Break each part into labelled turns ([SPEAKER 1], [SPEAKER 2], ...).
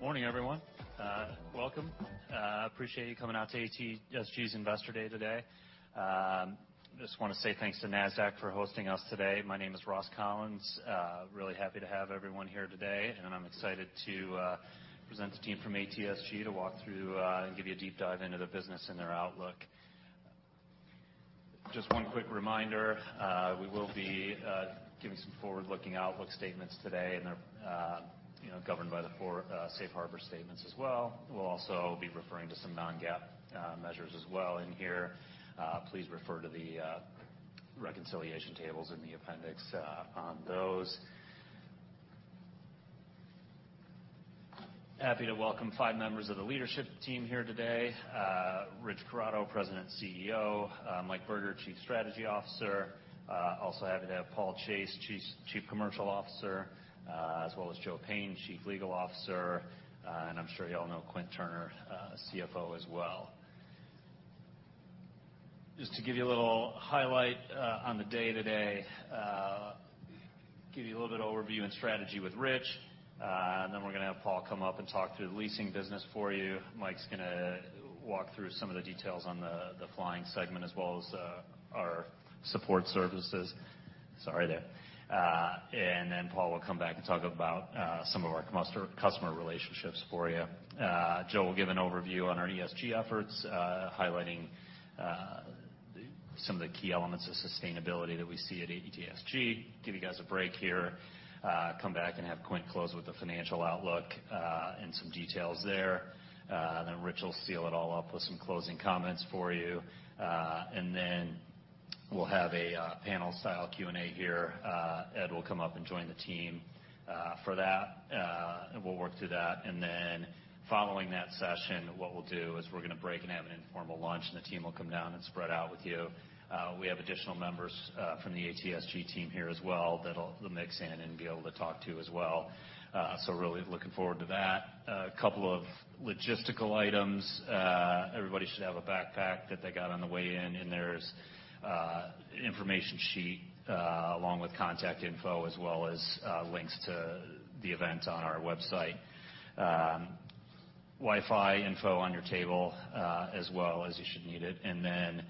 [SPEAKER 1] Morning, everyone. Welcome. Appreciate you coming out to ATSG's Investor Day today. Just want to say thanks to Nasdaq for hosting us today. My name is Ross Collins. Really happy to have everyone here today, and I'm excited to present the team from ATSG to walk through and give you a deep dive into their business and their outlook. Just one quick reminder, we will be giving some forward-looking outlook statements today, and they're, you know, governed by the four Safe Harbor Statements as well. We'll also be referring to some non-GAAP measures as well in here. Please refer to the reconciliation tables in the appendix on those. Happy to welcome five members of the leadership team here today. Rich Corrado, President, CEO, Mike Berger, Chief Strategy Officer. Also happy to have Paul Chase, Chief Commercial Officer, as well as Joe Payne, Chief Legal Officer, and I'm sure you all know Quint Turner, CFO as well. Just to give you a little highlight on the day today, give you a little bit of overview and strategy with Rich. And then we're going to have Paul come up and talk through the leasing business for you. Mike's gonna walk through some of the details on the flying segment, as well as our support services. And then Paul will come back and talk about some of our customer relationships for you. Joe will give an overview on our ESG efforts, highlighting some of the key elements of sustainability that we see at ATSG. Give you guys a break here, come back and have Quint close with the financial outlook, and some details there. Then Rich will seal it all up with some closing comments for you. And then we'll have a panel-style Q&A here. Ed will come up and join the team for that, and we'll work through that. And then following that session, what we'll do is we're going to break and have an informal lunch, and the team will come down and spread out with you. We have additional members from the ATSG team here as well that will mix in and be able to talk to you as well. So really looking forward to that. A couple of logistical items. Everybody should have a backpack that they got on the way in, and there's information sheet along with contact info, as well as links to the event on our website. Wi-Fi info on your table, as well, as you should need it. And then,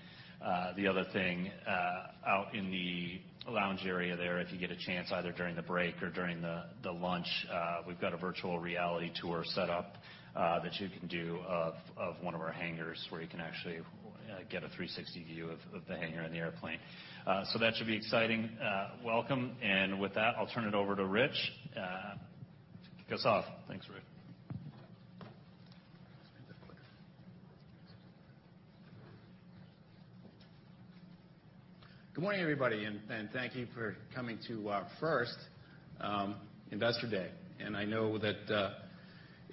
[SPEAKER 1] the other thing out in the lounge area there, if you get a chance, either during the break or during the lunch, we've got a virtual reality tour set up that you can do of one of our hangars, where you can actually get a 360 view of the hangar and the airplane. So that should be exciting. Welcome. And with that, I'll turn it over to Rich to kick us off. Thanks, Rich.
[SPEAKER 2] Good morning, everybody, and thank you for coming to our first Investor Day. And I know that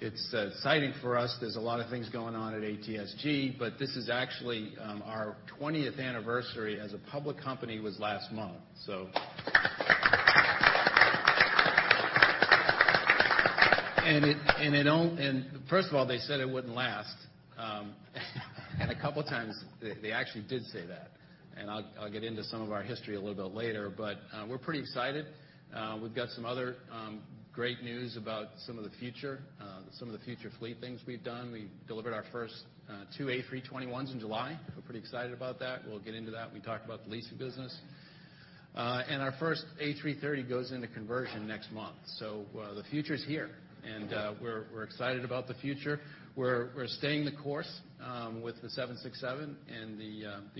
[SPEAKER 2] it's exciting for us. There's a lot of things going on at ATSG, but this is actually our 20th anniversary as a public company was last month, so. And first of all, they said it wouldn't last. And a couple times, they actually did say that, and I'll get into some of our history a little bit later, but we're pretty excited. We've got some other great news about some of the future fleet things we've done. We delivered our first 2 A321s in July. We're pretty excited about that. We'll get into that when we talk about the leasing business. And our first A330 goes into conversion next month, so the future's here, and we're, we're excited about the future. We're, we're staying the course with the 767 and the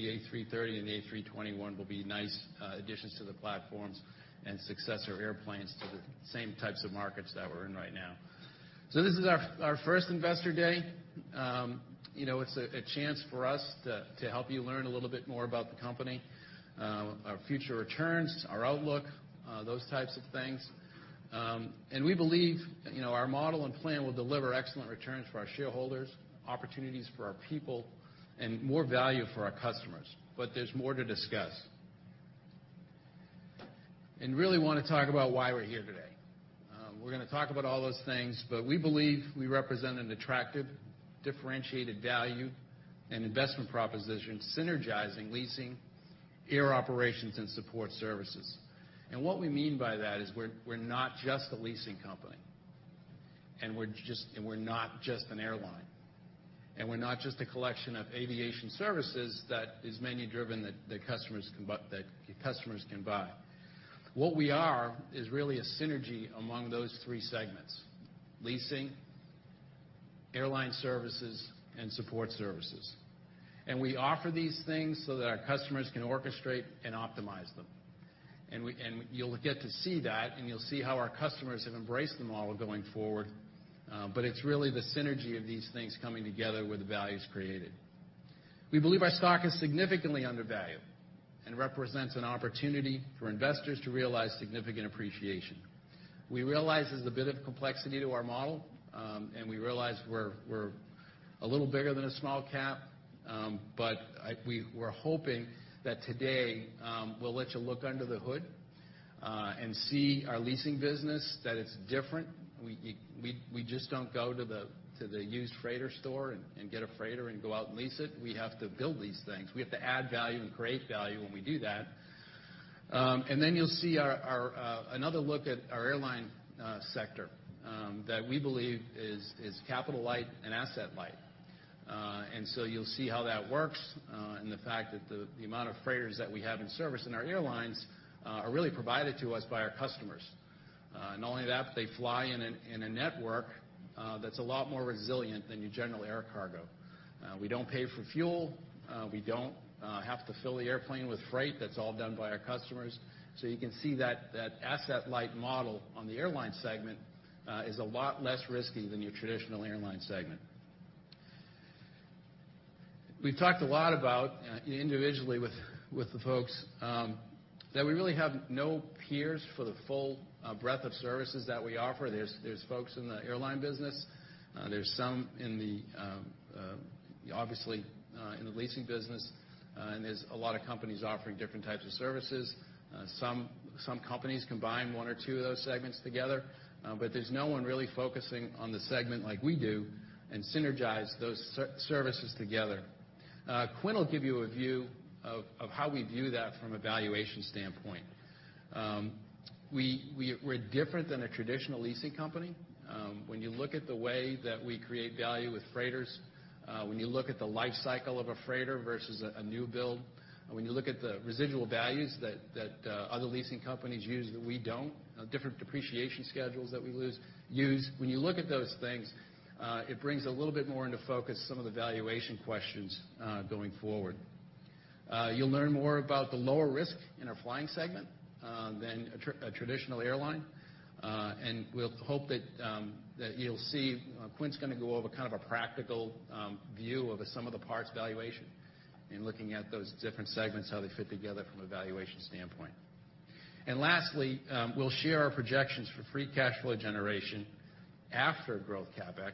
[SPEAKER 2] A330 and the A321 will be nice additions to the platforms and successor airplanes to the same types of markets that we're in right now. So this is our, our first Investor Day. You know, it's a, a chance for us to, to help you learn a little bit more about the company, our future returns, our outlook, those types of things. And we believe, you know, our model and plan will deliver excellent returns for our shareholders, opportunities for our people, and more value for our customers, but there's more to discuss. And really want to talk about why we're here today. We're going to talk about all those things, but we believe we represent an attractive, differentiated value and investment proposition, synergizing leasing, air operations, and support services. And what we mean by that is we're not just a leasing company, and we're not just an airline, and we're not just a collection of aviation services that is menu-driven, that customers can buy. What we are is really a synergy among those three segments: leasing, airline services, and support services. And we offer these things so that our customers can orchestrate and optimize them. And you'll get to see that, and you'll see how our customers have embraced the model going forward, but it's really the synergy of these things coming together where the value is created. We believe our stock is significantly undervalued and represents an opportunity for investors to realize significant appreciation. We realize there's a bit of complexity to our model, and we realize we're a little bigger than a small cap, but we're hoping that today we'll let you look under the hood and see our leasing business, that it's different. We just don't go to the used freighter store and get a freighter and go out and lease it. We have to build these things. We have to add value and create value when we do that. And then you'll see our another look at our airline sector that we believe is capital-light and asset-light. And so you'll see how that works, and the fact that the amount of freighters that we have in service in our airlines are really provided to us by our customers. Not only that, but they fly in a network that's a lot more resilient than your general air cargo. We don't pay for fuel, we don't have to fill the airplane with freight. That's all done by our customers. So you can see that asset-light model on the airline segment is a lot less risky than your traditional airline segment. We've talked a lot about individually with the folks that we really have no peers for the full breadth of services that we offer. There's folks in the airline business, there's some in the obviously in the leasing business, and there's a lot of companies offering different types of services. Some companies combine one or two of those segments together, but there's no one really focusing on the segment like we do and synergize those services together. Quint will give you a view of how we view that from a valuation standpoint. We're different than a traditional leasing company. When you look at the way that we create value with freighters, when you look at the life cycle of a freighter versus a new build, and when you look at the residual values that other leasing companies use that we don't, different depreciation schedules that we use. When you look at those things, it brings a little bit more into focus some of the valuation questions, going forward. You'll learn more about the lower risk in our flying segment than a traditional airline. And we'll hope that you'll see... Quint's going to go over kind of a practical view of a sum-of-the-parts valuation in looking at those different segments, how they fit together from a valuation standpoint. And lastly, we'll share our projections for free cash flow generation after growth CapEx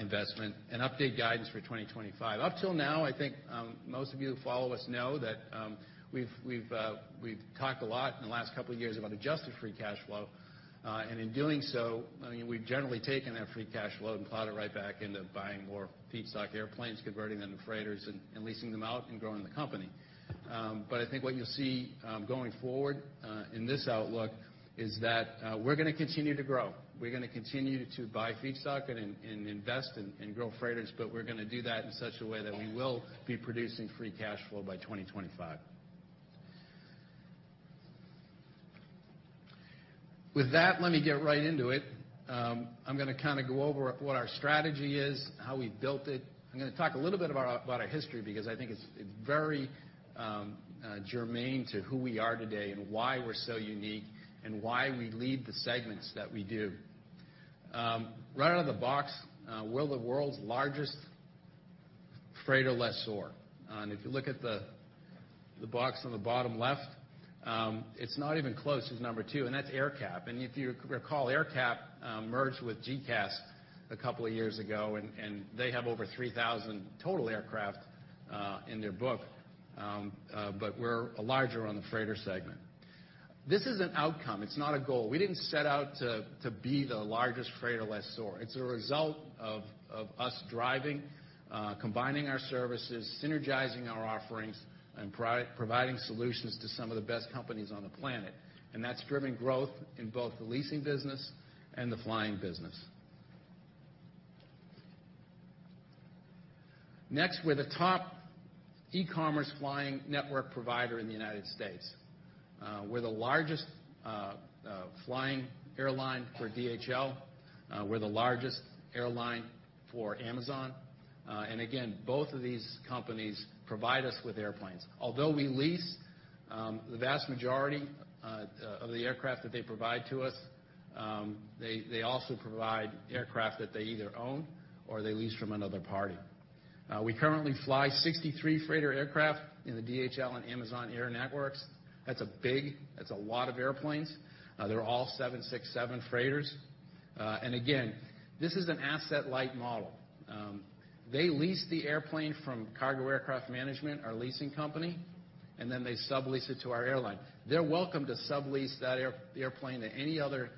[SPEAKER 2] investment, and update guidance for 2025. Up till now, I think, most of you who follow us know that, we've talked a lot in the last couple of years about adjusted free cash flow, and in doing so, I mean, we've generally taken that free cash flow and plowed it right back into buying more feedstock airplanes, converting them to freighters and leasing them out and growing the company. But I think what you'll see, going forward, in this outlook is that, we're going to continue to grow. We're going to continue to buy feedstock and invest in growth freighters, but we're going to do that in such a way that we will be producing free cash flow by 2025. With that, let me get right into it. I'm going to kind of go over what our strategy is, how we built it. I'm going to talk a little bit about our, about our history because I think it's, it's very, germane to who we are today and why we're so unique, and why we lead the segments that we do. Right out of the box, we're the world's largest freighter lessor. And if you look at the, the box on the bottom left, it's not even close. It's number two, and that's AerCap. And if you recall, AerCap, merged with GECAS a couple of years ago, and, and they have over 3,000 total aircraft, in their book, but we're larger on the freighter segment. This is an outcome. It's not a goal. We didn't set out to, to be the largest freighter lessor. It's a result of us driving, combining our services, synergizing our offerings, and providing solutions to some of the best companies on the planet, and that's driven growth in both the leasing business and the flying business. Next, we're the top e-commerce flying network provider in the United States. We're the largest flying airline for DHL. We're the largest airline for Amazon. And again, both of these companies provide us with airplanes. Although we lease the vast majority of the aircraft that they provide to us, they also provide aircraft that they either own or they lease from another party. We currently fly 63 freighter aircraft in the DHL and Amazon Air networks. That's a big... That's a lot of airplanes. They're all 767 freighters. And again, this is an asset-light model. They lease the airplane from Cargo Aircraft Management, our leasing company, and then they sublease it to our airline. They're welcome to sublease that airplane to any other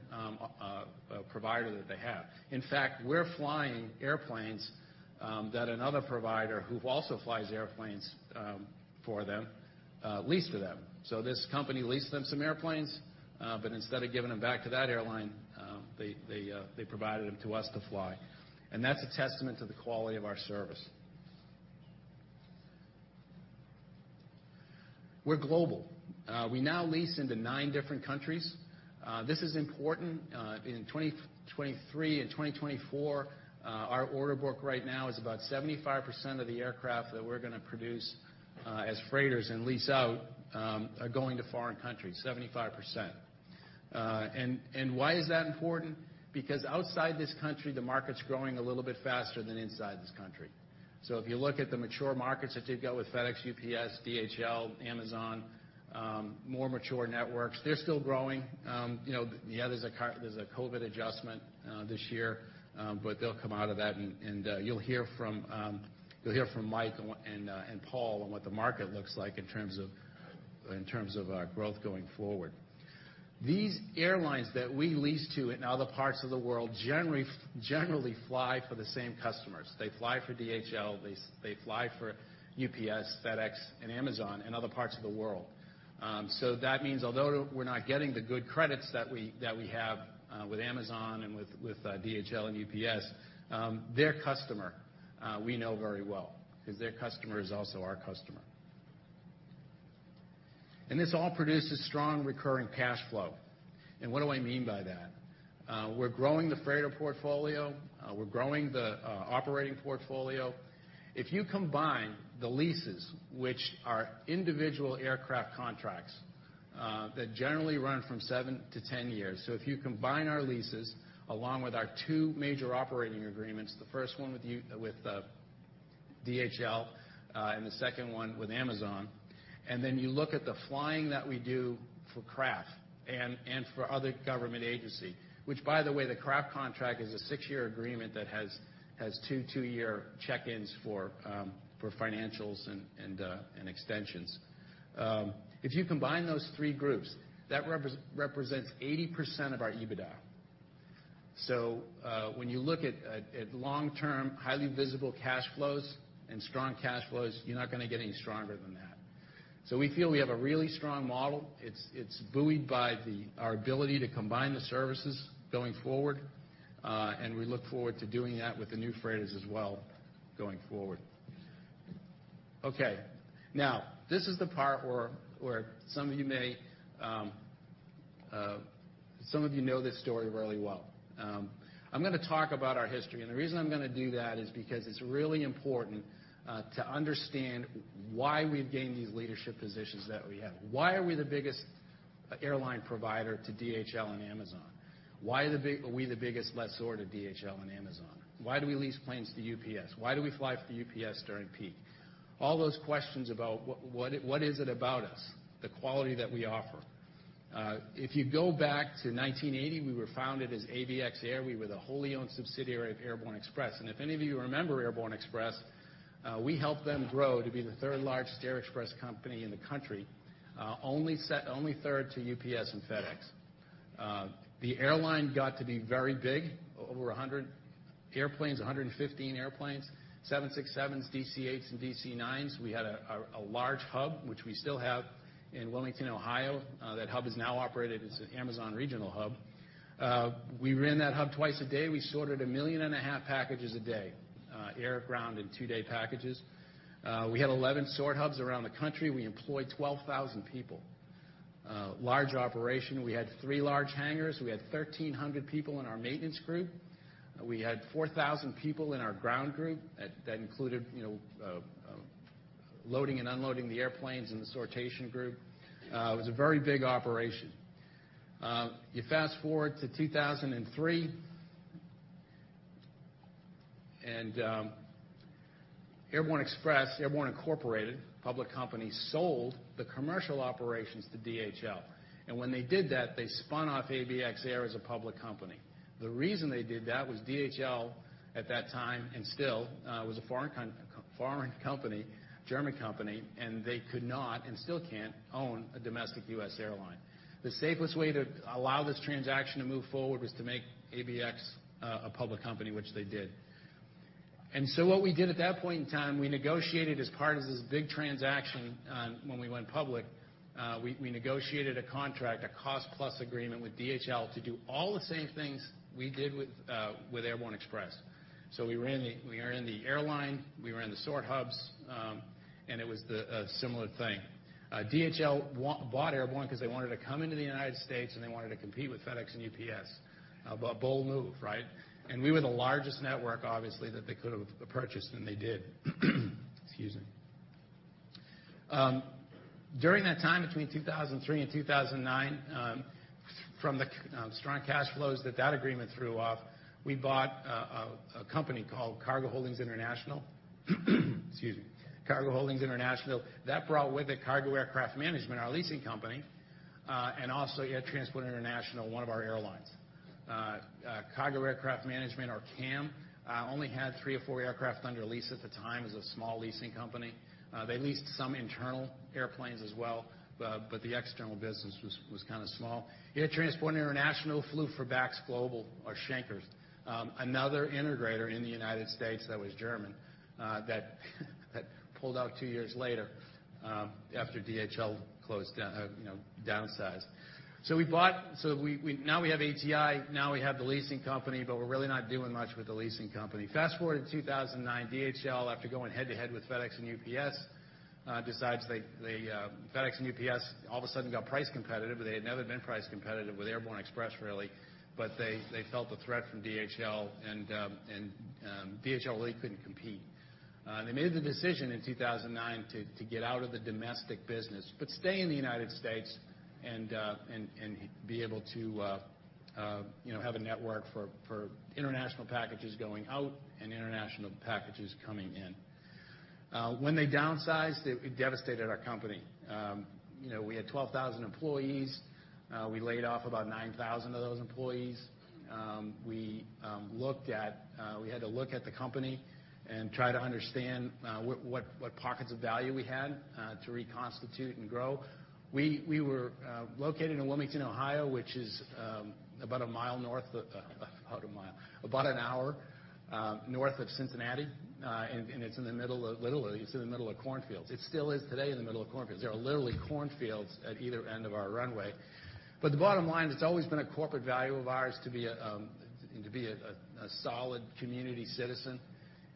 [SPEAKER 2] provider that they have. In fact, we're flying airplanes that another provider, who also flies airplanes for them, leased to them. So this company leased them some airplanes, but instead of giving them back to that airline, they provided them to us to fly. That's a testament to the quality of our service. We're global. We now lease into nine different countries. This is important, in 2023 and 2024, our order book right now is about 75% of the aircraft that we're going to produce as freighters and lease out are going to foreign countries, 75%. And why is that important? Because outside this country, the market's growing a little bit faster than inside this country. So if you look at the mature markets that you've got with FedEx, UPS, DHL, Amazon, more mature networks, they're still growing. You know, yeah, there's a COVID adjustment this year, but they'll come out of that, and you'll hear from Mike and Paul on what the market looks like in terms of growth going forward. These airlines that we lease to in other parts of the world generally fly for the same customers. They fly for DHL, they fly for UPS, FedEx, and Amazon in other parts of the world. So that means although we're not getting the good credits that we, that we have with Amazon and with, with DHL and UPS, their customer we know very well, because their customer is also our customer. And this all produces strong, recurring cash flow. And what do I mean by that? We're growing the freighter portfolio, we're growing the operating portfolio. If you combine the leases, which are individual aircraft contracts, that generally run from 7-10 years. So if you combine our leases, along with our two major operating agreements, the first one with DHL, and the second one with Amazon, and then you look at the flying that we do for CRAF and for other government agency, which, by the way, the CRAF contract is a six-year agreement that has two two-year check-ins for financials and extensions. If you combine those three groups, that represents 80% of our EBITDA. So when you look at long-term, highly visible cash flows and strong cash flows, you're not gonna get any stronger than that. So we feel we have a really strong model. It's buoyed by our ability to combine the services going forward, and we look forward to doing that with the new freighters as well, going forward. Okay, now, this is the part where some of you may know this story really well. I'm gonna talk about our history, and the reason I'm gonna do that is because it's really important to understand why we've gained these leadership positions that we have. Why are we the biggest airline provider to DHL and Amazon? Why are we the biggest lessor to DHL and Amazon? Why do we lease planes to UPS? Why do we fly for UPS during peak? All those questions about what is it about us, the quality that we offer. If you go back to 1980, we were founded as ABX Air. We were the wholly owned subsidiary of Airborne Express. And if any of you remember Airborne Express, we helped them grow to be the third largest air express company in the country, only third to UPS and FedEx. The airline got to be very big, over 100 airplanes, 115 airplanes, 767s, DC-8s, and DC-9s. We had a large hub, which we still have in Wilmington, Ohio. That hub is now operated as an Amazon regional hub. We ran that hub twice a day. We sorted 1.5 million packages a day, air, ground, and two-day packages. We had 11 sort hubs around the country. We employed 12,000 people. Large operation. We had three large hangars. We had 1,300 people in our maintenance group. We had 4,000 people in our ground group. That, that included, you know, loading and unloading the airplanes and the sortation group. It was a very big operation. You fast-forward to 2003, and, Airborne Express, Airborne Incorporated, public company, sold the commercial operations to DHL. And when they did that, they spun off ABX Air as a public company. The reason they did that was DHL, at that time, and still, was a foreign coun- foreign company, German company, and they could not, and still can't, own a domestic US airline. The safest way to allow this transaction to move forward was to make ABX, a public company, which they did. So what we did at that point in time, we negotiated as part of this big transaction, when we went public, we negotiated a contract, a cost-plus agreement with DHL to do all the same things we did with Airborne Express. So we ran the airline, we ran the sort hubs, and it was a similar thing. DHL bought Airborne because they wanted to come into the United States, and they wanted to compete with FedEx and UPS. A bold move, right? And we were the largest network, obviously, that they could have purchased, and they did. Excuse me. During that time, between 2003 and 2009, from the strong cash flows that that agreement threw off, we bought a company called Cargo Holdings International. Excuse me. Cargo Holdings International. That brought with it Cargo Aircraft Management, our leasing company, and also Air Transport International, one of our airlines. Cargo Aircraft Management, or CAM, only had three or four aircraft under lease at the time. It was a small leasing company. They leased some internal airplanes as well, but the external business was kind of small. Air Transport International flew for Bax Global or Schenker, another integrator in the United States that was German, that pulled out two years later, after DHL closed down, you know, downsized. So we bought—So we, we—now we have ATI, now we have the leasing company, but we're really not doing much with the leasing company. Fast-forward to 2009, DHL, after going head-to-head with FedEx and UPS, decides they FedEx and UPS all of a sudden got price competitive, but they had never been price competitive with Airborne Express, really. But they felt a threat from DHL, and DHL really couldn't compete. They made the decision in 2009 to get out of the domestic business, but stay in the United States and be able to, you know, have a network for international packages going out and international packages coming in. When they downsized, it devastated our company. You know, we had 12,000 employees. We laid off about 9,000 of those employees. We looked at, we had to look at the company and try to understand what pockets of value we had to reconstitute and grow. We were located in Wilmington, Ohio, which is about a mile north of, about a mile, about an hour north of Cincinnati. And it's in the middle of literally, it's in the middle of cornfields. It still is today in the middle of cornfields. There are literally cornfields at either end of our runway. But the bottom line, it's always been a corporate value of ours to be a solid community citizen.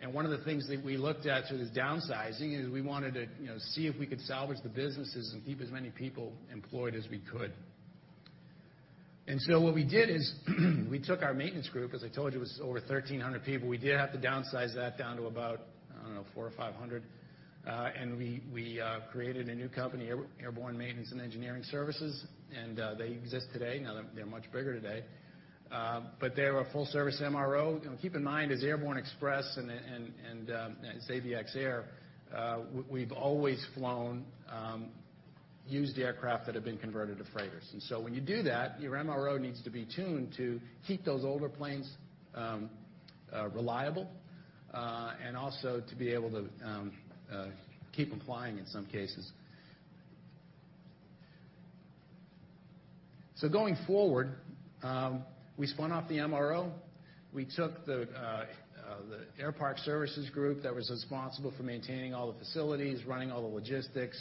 [SPEAKER 2] And one of the things that we looked at through this downsizing is we wanted to, you know, see if we could salvage the businesses and keep as many people employed as we could. What we did is, we took our maintenance group, as I told you, it was over 1,300 people. We did have to downsize that down to about, I don't know, 400 or 500. And we created a new company, Airborne Maintenance and Engineering Services, and they exist today. Now they're much bigger today. But they're a full-service MRO. You know, keep in mind, as Airborne Express and as ABX Air, we've always flown used aircraft that have been converted to freighters. When you do that, your MRO needs to be tuned to keep those older planes reliable and also to be able to keep them flying in some cases. So going forward, we spun off the MRO. We took the air park services group that was responsible for maintaining all the facilities, running all the logistics.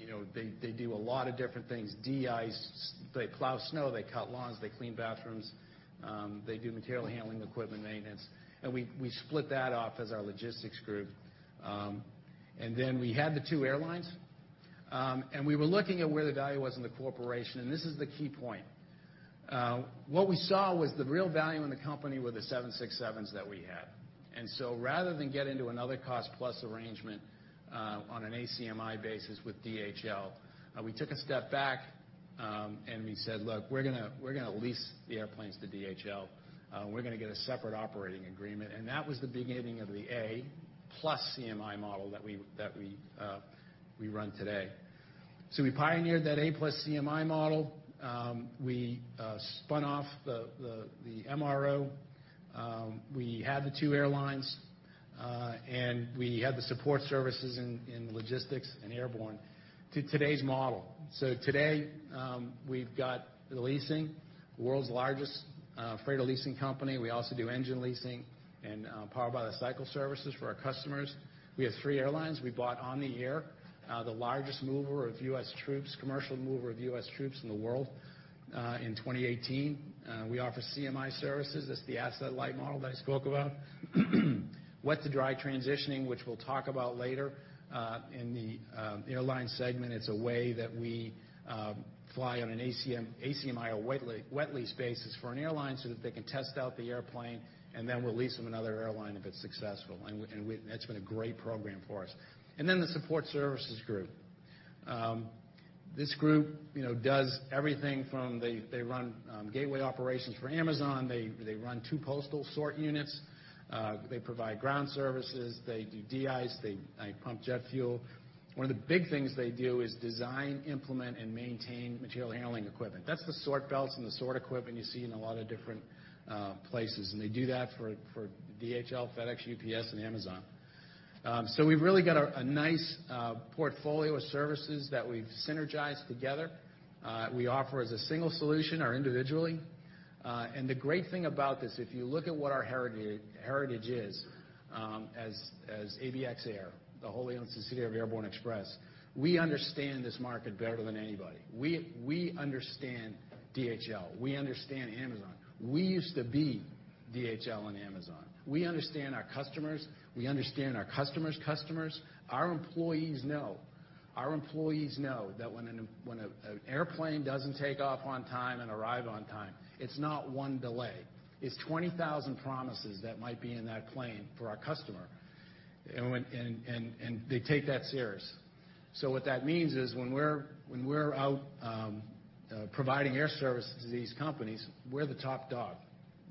[SPEAKER 2] You know, they do a lot of different things, de-ice, they plow snow, they cut lawns, they clean bathrooms, they do material handling, equipment maintenance, and we split that off as our logistics group. And then we had the two airlines, and we were looking at where the value was in the corporation, and this is the key point. What we saw was the real value in the company were the 767s that we had. And so rather than get into another cost-plus arrangement on an ACMI basis with DHL, we took a step back, and we said: Look, we're going to lease the airplanes to DHL. We're going to get a separate operating agreement. And that was the beginning of the A+CMI model that we run today. So we pioneered that A+CMI model. We spun off the MRO. We had the two airlines, and we had the support services in the logistics and Airborne to today's model. So today, we've got the leasing, the world's largest freighter leasing company. We also do engine leasing and power-by-the-cycle services for our customers. We have three airlines. We bought Omni Air, the largest mover of US troops, commercial mover of US troops in the world, in 2018. We offer CMI services. That's the asset-light model that I spoke about. Wet-to-dry transitioning, which we'll talk about later, in the airline segment. It's a way that we fly on an ACMI or wet lease basis for an airline so that they can test out the airplane, and then we'll lease them another airline if it's successful. And we-- that's been a great program for us. And then the support services group. This group, you know, does everything from they run gateway operations for Amazon, they run two postal sort units, they provide ground services, they do de-ice, they pump jet fuel. One of the big things they do is design, implement, and maintain material handling equipment. That's the sort belts and the sort equipment you see in a lot of different places, and they do that for DHL, FedEx, UPS, and Amazon. So we've really got a nice portfolio of services that we've synergized together. We offer as a single solution or individually. And the great thing about this, if you look at what our heritage is, as ABX Air, the wholly owned subsidiary of Airborne Express, we understand this market better than anybody. We understand DHL, we understand Amazon. We used to be DHL and Amazon. We understand our customers, we understand our customers' customers. Our employees know, our employees know that when an airplane doesn't take off on time and arrive on time, it's not one delay. It's 20,000 promises that might be in that plane for our customer, and they take that serious. So what that means is when we're out providing air services to these companies, we're the top dog.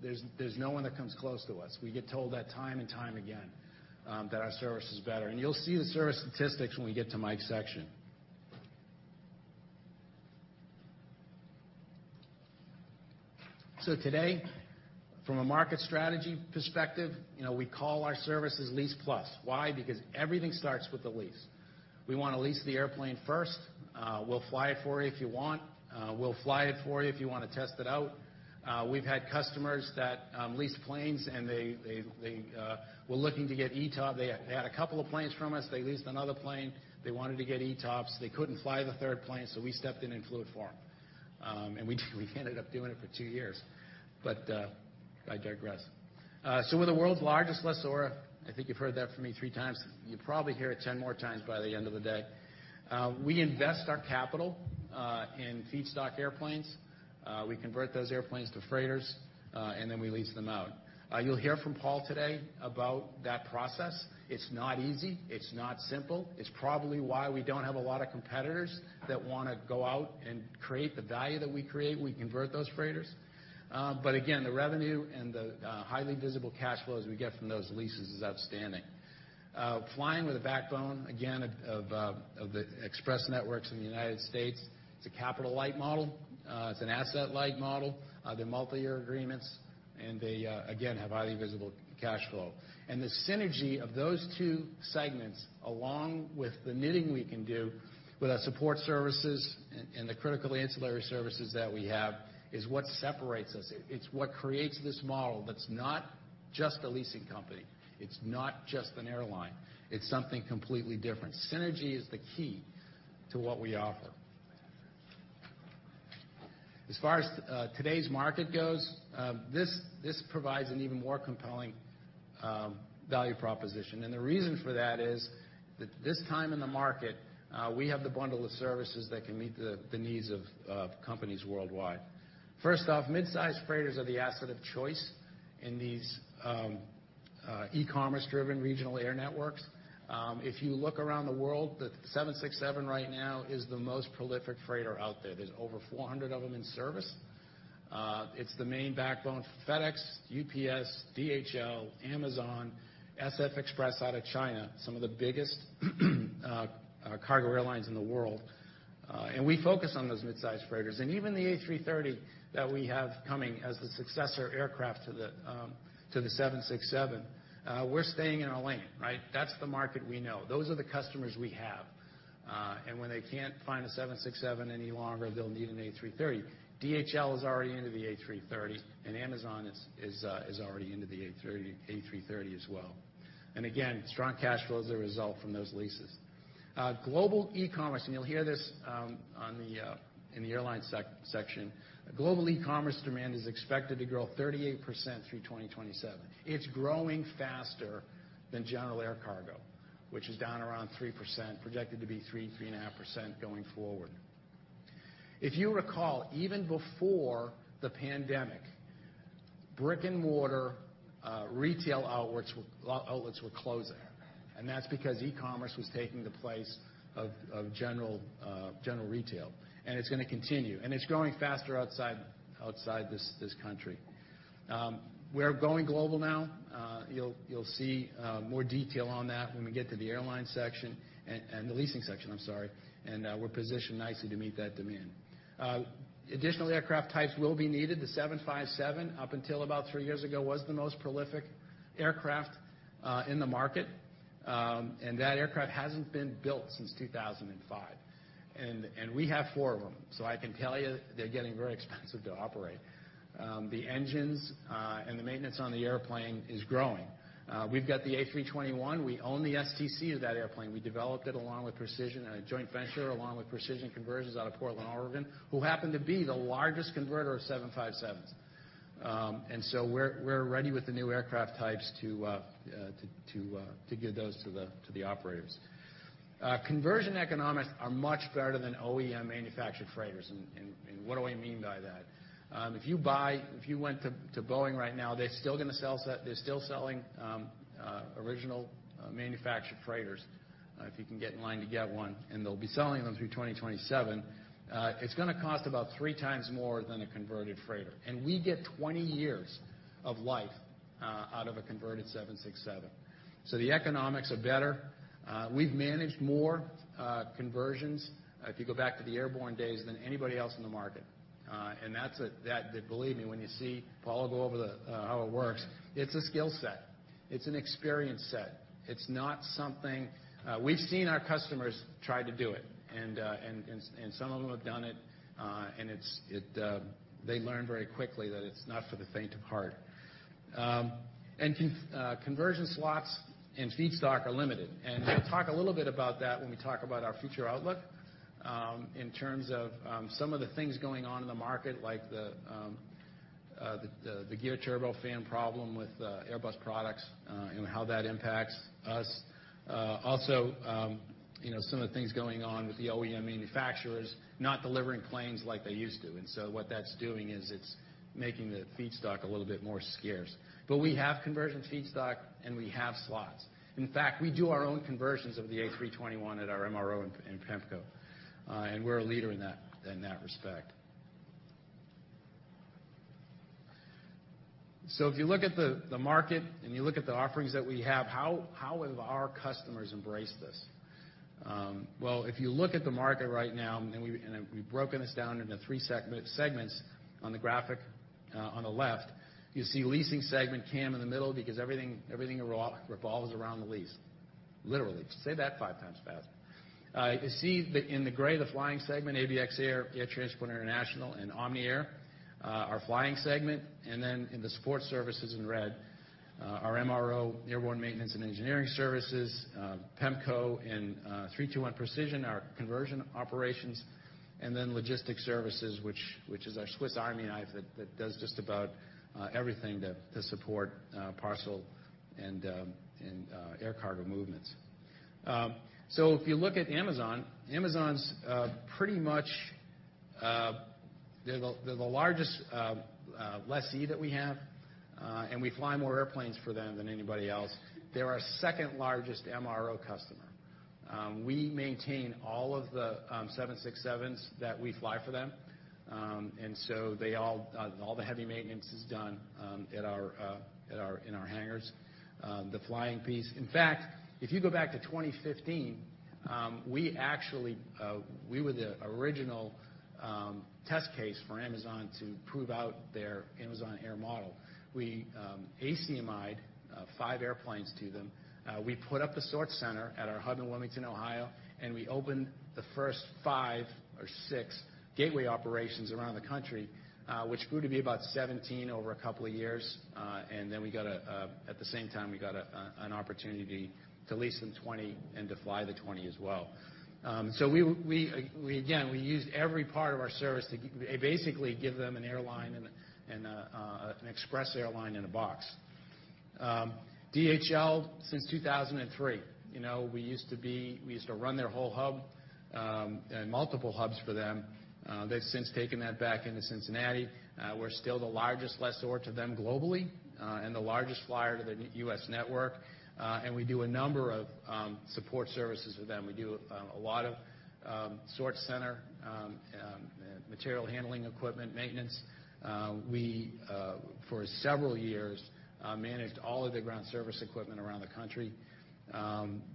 [SPEAKER 2] There's no one that comes close to us. We get told that time and time again, that our service is better, and you'll see the service statistics when we get to Mike's section. So today, from a market strategy perspective, you know, we call our services Lease+Plus. Why? Because everything starts with a lease. We want to lease the airplane first. We'll fly it for you if you want. We'll fly it for you if you want to test it out. We've had customers that lease planes, and they were looking to get ETOPS. They had a couple of planes from us. They leased another plane. They wanted to get ETOPS. They couldn't fly the third plane, so we stepped in and flew it for them. And we ended up doing it for two years, but I digress. So we're the world's largest lessor. I think you've heard that from me three times. You'll probably hear it 10 more times by the end of the day. We invest our capital in feedstock airplanes. We convert those airplanes to freighters, and then we lease them out. You'll hear from Paul today about that process. It's not easy. It's not simple. It's probably why we don't have a lot of competitors that want to go out and create the value that we create, we convert those freighters. But again, the revenue and the highly visible cash flows we get from those leases is outstanding. Flying with a backbone, again, of the express networks in the United States. It's a capital-light model, it's an asset-light model, they're multiyear agreements, and they again have highly visible cash flow. The synergy of those two segments, along with the knitting we can do with our support services and the critical ancillary services that we have, is what separates us. It's what creates this model that's not just a leasing company, it's not just an airline, it's something completely different. Synergy is the key to what we offer. As far as today's market goes, this provides an even more compelling value proposition. The reason for that is that this time in the market, we have the bundle of services that can meet the needs of companies worldwide. First off, midsize freighters are the asset of choice in these e-commerce driven regional air networks. If you look around the world, the 767 right now is the most prolific freighter out there. There's over 400 of them in service. It's the main backbone for FedEx, UPS, DHL, Amazon, SF Express out of China, some of the biggest cargo airlines in the world, and we focus on those midsize freighters. Even the A330 that we have coming as the successor aircraft to the, to the 767, we're staying in our lane, right? That's the market we know. Those are the customers we have. And when they can't find a 767 any longer, they'll need an A330. DHL is already into the A330, and Amazon is already into the A330 as well. And again, strong cash flow is a result from those leases. Global e-commerce, and you'll hear this, on the, in the airline section. Global e-commerce demand is expected to grow 38% through 2027. It's growing faster than general air cargo, which is down around 3%, projected to be 3%-3.5% going forward. If you recall, even before the pandemic, brick-and-mortar retail outlets were closing, and that's because e-commerce was taking the place of general retail, and it's gonna continue, and it's growing faster outside this country. We're going global now. You'll see more detail on that when we get to the airline section, and the leasing section, I'm sorry, and we're positioned nicely to meet that demand. Additional aircraft types will be needed. The 757, up until about three years ago, was the most prolific aircraft in the market. And that aircraft hasn't been built since 2005, and we have 4 of them. So I can tell you, they're getting very expensive to operate. The engines, and the maintenance on the airplane is growing. We've got the A321. We own the STC of that airplane. We developed it along with Precision, and a joint venture along with Precision Conversions out of Portland, Oregon, who happen to be the largest converter of 757s. And so we're ready with the new aircraft types to give those to the operators. Conversion economics are much better than OEM-manufactured freighters. And what do I mean by that? If you went to Boeing right now, they're still gonna sell. They're still selling original manufactured freighters, if you can get in line to get one, and they'll be selling them through 2027. It's gonna cost about 3x more than a converted freighter, and we get 20 years of life out of a converted 767. So the economics are better. We've managed more conversions, if you go back to the Airborne days, than anybody else in the market. And that's. Believe me, when you see Paulo go over the how it works, it's a skill set. It's an experience set. It's not something... We've seen our customers try to do it, and some of them have done it, and they learn very quickly that it's not for the faint of heart. Conversion slots and feedstock are limited, and we'll talk a little bit about that when we talk about our future outlook, in terms of some of the things going on in the market, like the Geared Turbofan problem with Airbus products, and how that impacts us. You know, some of the things going on with the OEM manufacturers not delivering planes like they used to. And so what that's doing is it's making the feedstock a little bit more scarce. But we have conversion feedstock, and we have slots. In fact, we do our own conversions of the A321 at our MRO in Pemco, and we're a leader in that respect. So if you look at the market and you look at the offerings that we have, how have our customers embraced this? Well, if you look at the market right now, and we've broken this down into three segments on the graphic. On the left, you see leasing segment came in the middle because everything revolves around the lease, literally. Say that 5 times fast. You see the, in the gray, the flying segment, ABX Air, Air Transport International, and Omni Air, our flying segment, and then in the support services in red, our MRO, Airborne Maintenance and Engineering Services, Pemco, and, 321 Precision, our conversion operations, and then Logistics Services, which is our Swiss Army knife that does just about everything to support parcel and air cargo movements. So if you look at Amazon, Amazon's pretty much they're the largest lessee that we have, and we fly more airplanes for them than anybody else. They're our second largest MRO customer. We maintain all of the 767s that we fly for them. And so they all, all the heavy maintenance is done at our in our hangars. The flying piece, in fact, if you go back to 2015, we actually were the original test case for Amazon to prove out their Amazon Air model. We ACMI'd 5 airplanes to them. We put up a sort center at our hub in Wilmington, Ohio, and we opened the first 5 or 6 gateway operations around the country, which grew to be about 17 over a couple of years. And then, at the same time, we got an opportunity to lease them 20 and to fly the 20 as well. So we again used every part of our service to basically give them an airline and a and a an express airline in a box. DHL, since 2003, you know, we used to be, we used to run their whole hub and multiple hubs for them. They've since taken that back into Cincinnati. We're still the largest lessor to them globally and the largest flyer to their US network. And we do a number of support services with them. We do a lot of sort center material handling equipment maintenance. We for several years managed all of the ground service equipment around the country.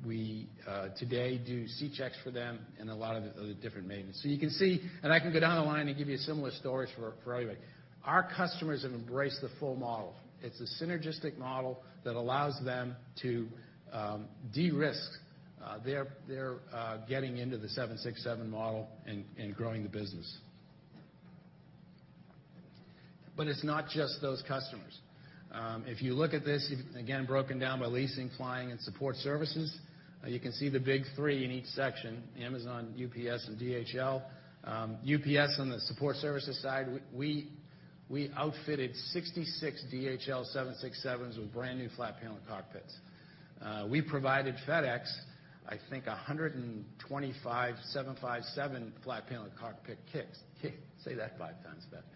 [SPEAKER 2] We today do C checks for them and a lot of the different maintenance. So you can see, and I can go down the line and give you similar stories for everybody. Our customers have embraced the full model. It's a synergistic model that allows them to de-risk their getting into the 767 model and growing the business. But it's not just those customers. If you look at this, again, broken down by leasing, flying, and support services, you can see the big three in each section, Amazon, UPS, and DHL. UPS, on the support services side, we outfitted 66 DHL 767s with brand-new flat panel cockpits. We provided FedEx, I think, 125 757 flat panel cockpit kits. Say that 5 times fast.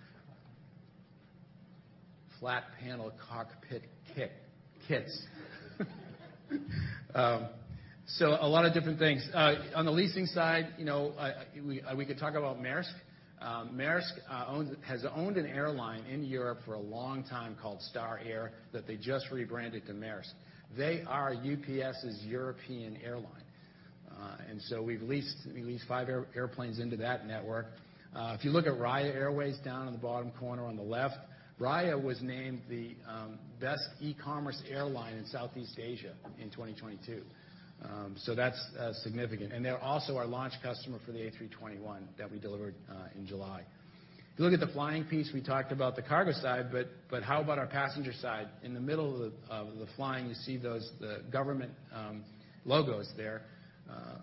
[SPEAKER 2] Flat panel cockpit kits. So a lot of different things. On the leasing side, you know, we could talk about Maersk. Maersk owns, has owned an airline in Europe for a long time called Star Air, that they just rebranded to Maersk. They are UPS's European airline, and so we've leased five airplanes into that network. If you look at Raya Airways down in the bottom corner on the left, Raya was named the best e-commerce airline in Southeast Asia in 2022. So that's significant, and they're also our launch customer for the A321 that we delivered in July. If you look at the flying piece, we talked about the cargo side, but how about our passenger side? In the middle of the flying, you see those, the government logos there.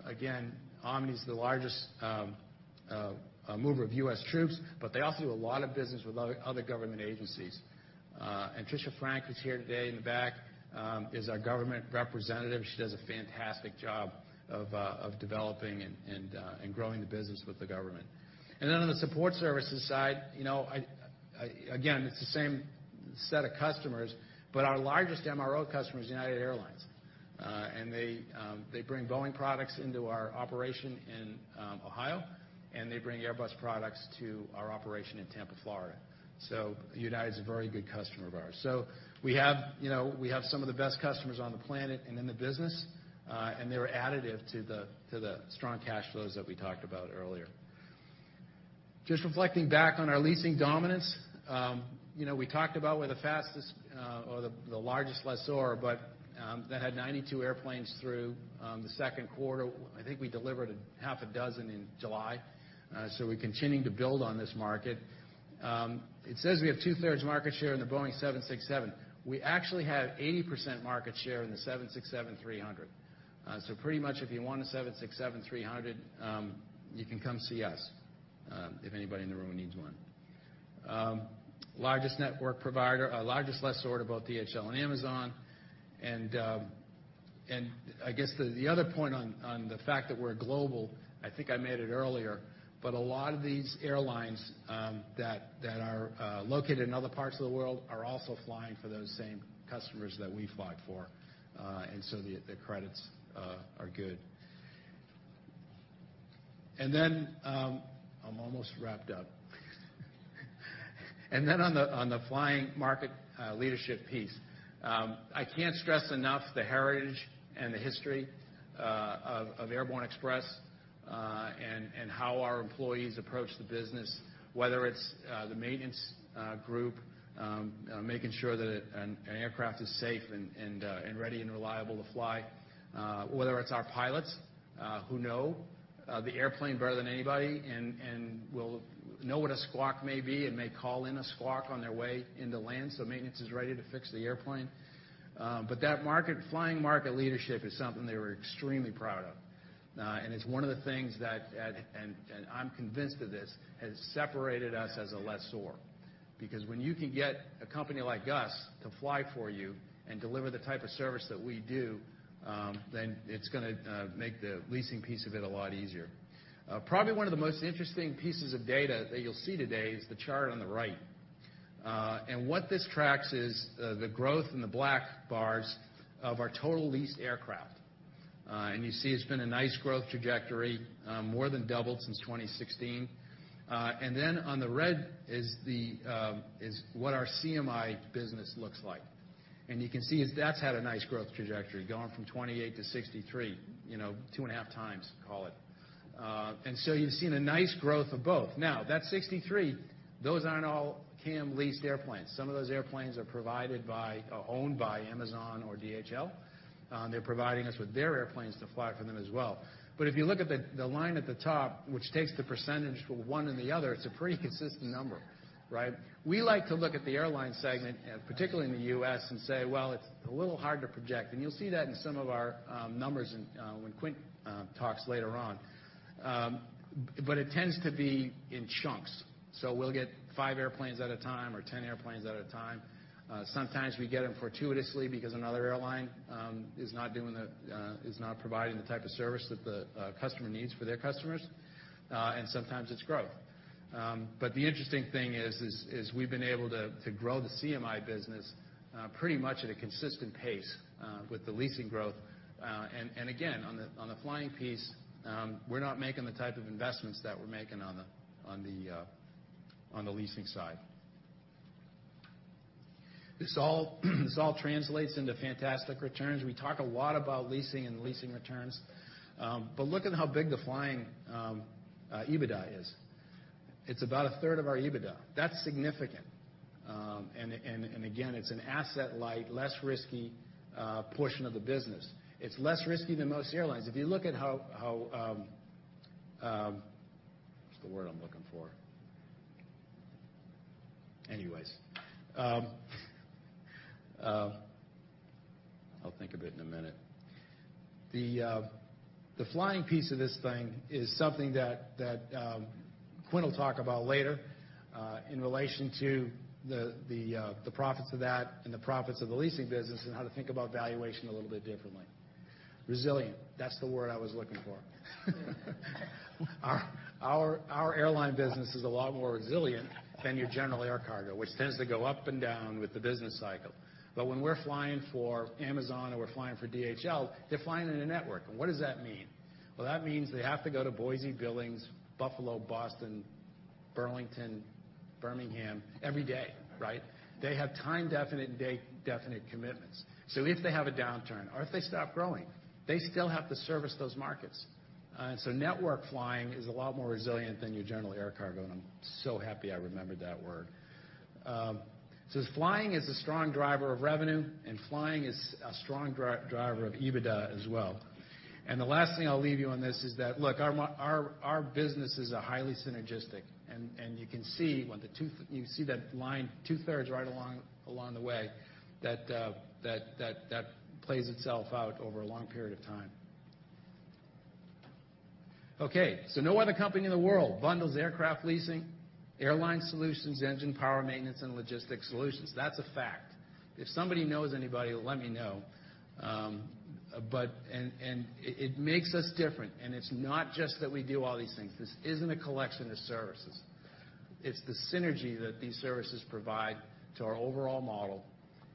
[SPEAKER 2] Again, Omni is the largest mover of US troops, but they also do a lot of business with other government agencies. And Trisha Frank, who's here today in the back, is our government representative. She does a fantastic job of developing and growing the business with the government. And then on the support services side, you know, again, it's the same set of customers, but our largest MRO customer is United Airlines. And they bring Boeing products into our operation in Ohio, and they bring Airbus products to our operation in Tampa, Florida. So United is a very good customer of ours. So we have, you know, we have some of the best customers on the planet and in the business, and they were additive to the, to the strong cash flows that we talked about earlier. Just reflecting back on our leasing dominance, you know, we talked about we're the fastest, or the largest lessor, but that had 92 airplanes through the second quarter. I think we delivered 6 in July, so we're continuing to build on this market. It says we have two-thirds market share in the Boeing 767. We actually have 80% market share in the 767-300. So pretty much, if you want a 767-300, you can come see us, if anybody in the room needs one. Largest network provider, largest lessor to both DHL and Amazon, and I guess the other point on the fact that we're global, I think I made it earlier, but a lot of these airlines that are located in other parts of the world are also flying for those same customers that we fly for, and so the credits are good. And then, I'm almost wrapped up. And then on the flying market, leadership piece, I can't stress enough the heritage and the history of Airborne Express, and how our employees approach the business, whether it's the maintenance group making sure that an aircraft is safe and ready and reliable to fly, whether it's our pilots who know the airplane better than anybody and will know what a squawk may be and may call in a squawk on their way into land, so maintenance is ready to fix the airplane. But that market, flying market leadership is something they were extremely proud of. And it's one of the things that I'm convinced of this, has separated us as a lessor. Because when you can get a company like us to fly for you and deliver the type of service that we do, then it's gonna make the leasing piece of it a lot easier. Probably one of the most interesting pieces of data that you'll see today is the chart on the right. And what this tracks is the growth in the black bars of our total leased aircraft. And you see it's been a nice growth trajectory, more than doubled since 2016. And then on the red is what our CMI business looks like. And you can see that's had a nice growth trajectory, going from 28 to 63, you know, 2.5x, call it. And so you've seen a nice growth of both. Now, that 63, those aren't all CAM-leased airplanes. Some of those airplanes are provided by, or owned by Amazon or DHL. They're providing us with their airplanes to fly for them as well. But if you look at the line at the top, which takes the percentage for one and the other, it's a pretty consistent number, right? We like to look at the airline segment, and particularly in the U.S., and say, "Well, it's a little hard to project." You'll see that in some of our numbers when Quint talks later on. But it tends to be in chunks, so we'll get five airplanes at a time or 10 airplanes at a time. Sometimes we get them fortuitously because another airline is not providing the type of service that the customer needs for their customers, and sometimes it's growth. But the interesting thing is we've been able to grow the CMI business pretty much at a consistent pace with the leasing growth. And again, on the flying piece, we're not making the type of investments that we're making on the leasing side. This all translates into fantastic returns. We talk a lot about leasing and leasing returns, but look at how big the flying EBITDA is. It's about a third of our EBITDA. That's significant. And again, it's an asset-light, less risky portion of the business. It's less risky than most airlines. If you look at how... What's the word I'm looking for? Anyways, I'll think of it in a minute. The flying piece of this thing is something that Quint will talk about later in relation to the profits of that and the profits of the leasing business and how to think about valuation a little bit differently. Resilient, that's the word I was looking for. Our airline business is a lot more resilient than your general air cargo, which tends to go up and down with the business cycle. But when we're flying for Amazon or we're flying for DHL, they're flying in a network. And what does that mean? Well, that means they have to go to Boise, Billings, Buffalo, Boston, Burlington, Birmingham, every day, right? They have time-definite and day-definite commitments, so if they have a downturn or if they stop growing, they still have to service those markets. So network flying is a lot more resilient than your general air cargo, and I'm so happy I remembered that word. So flying is a strong driver of revenue, and flying is a strong driver of EBITDA as well. The last thing I'll leave you on this is that, look, our business is a highly synergistic, and you can see when the two—you see that line two-thirds right along the way, that that plays itself out over a long period of time. Okay, so no other company in the world bundles aircraft leasing, airline solutions, engine power, maintenance, and logistics solutions. That's a fact. If somebody knows anybody, let me know. But it makes us different, and it's not just that we do all these things. This isn't a collection of services. It's the synergy that these services provide to our overall model,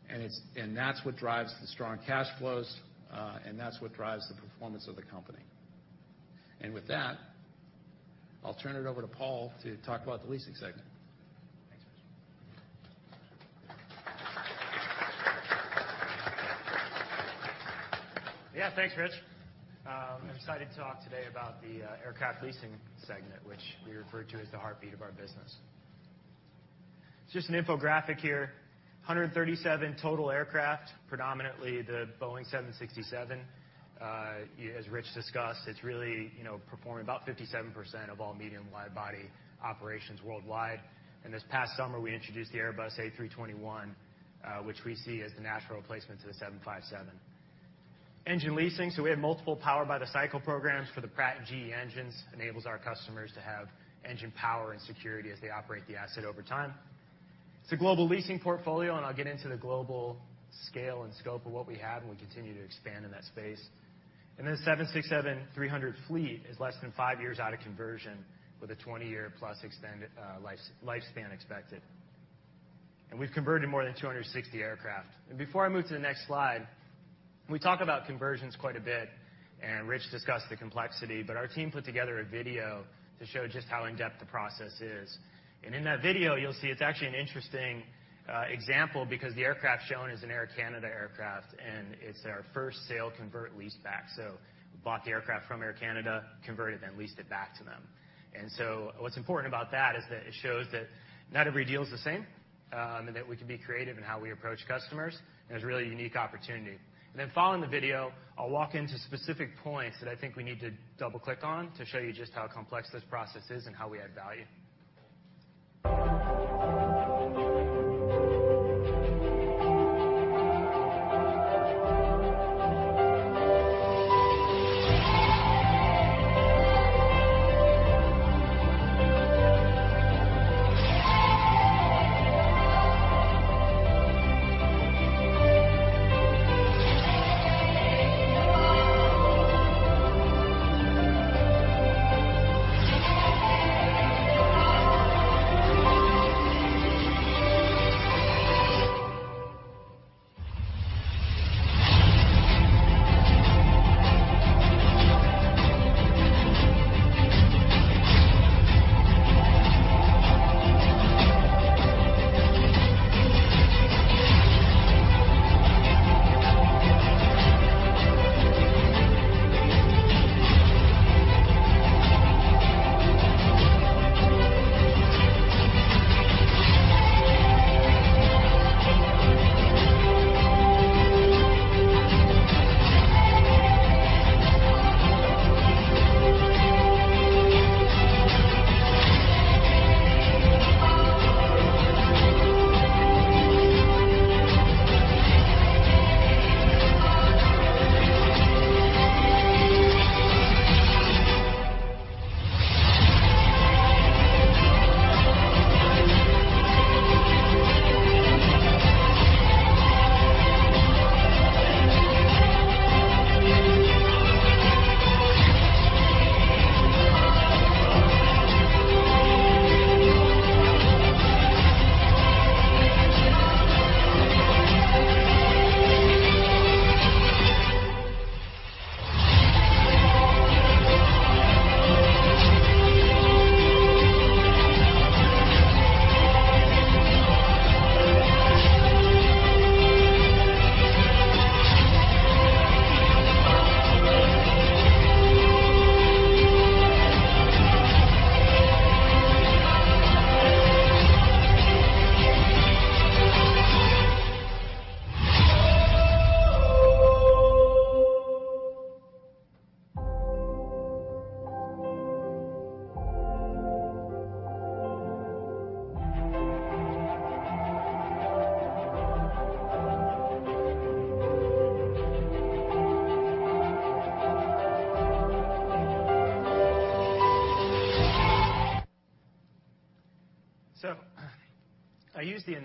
[SPEAKER 2] and that's what drives the strong cash flows, and that's what drives the performance of the company. With that, I'll turn it over to Paul to talk about the leasing segment.
[SPEAKER 3] Thanks, Rich. Yeah, thanks, Rich. I'm excited to talk today about the aircraft leasing segment, which we refer to as the heartbeat of our business. Just an infographic here, 137 total aircraft, predominantly the Boeing 767. As Rich discussed, it's really, you know, performing about 57% of all medium-wide body operations worldwide. And this past summer, we introduced the Airbus A321, which we see as the natural replacement to the 757. Engine leasing, so we have multiple power-by-the-cycle programs for the Pratt & GE engines, enables our customers to have engine power and security as they operate the asset over time. It's a global leasing portfolio, and I'll get into the global scale and scope of what we have, and we continue to expand in that space. Then the 767-300 fleet is less than five years out of conversion, with a 20-year+ extended life, lifespan expected. And we've converted more than 260 aircraft. And before I move to the next slide, we talk about conversions quite a bit, and Rich discussed the complexity, but our team put together a video to show just how in-depth the process is. And in that video, you'll see it's actually an interesting example, because the aircraft shown is an Air Canada aircraft, and it's our first sale-convert-leaseback. So we bought the aircraft from Air Canada, converted, then leased it back to them. And so what's important about that is that it shows that not every deal is the same, and that we can be creative in how we approach customers, and it's a really unique opportunity. Then following the video, I'll walk into specific points that I think we need to double-click on to show you just how complex this process is and how we add value.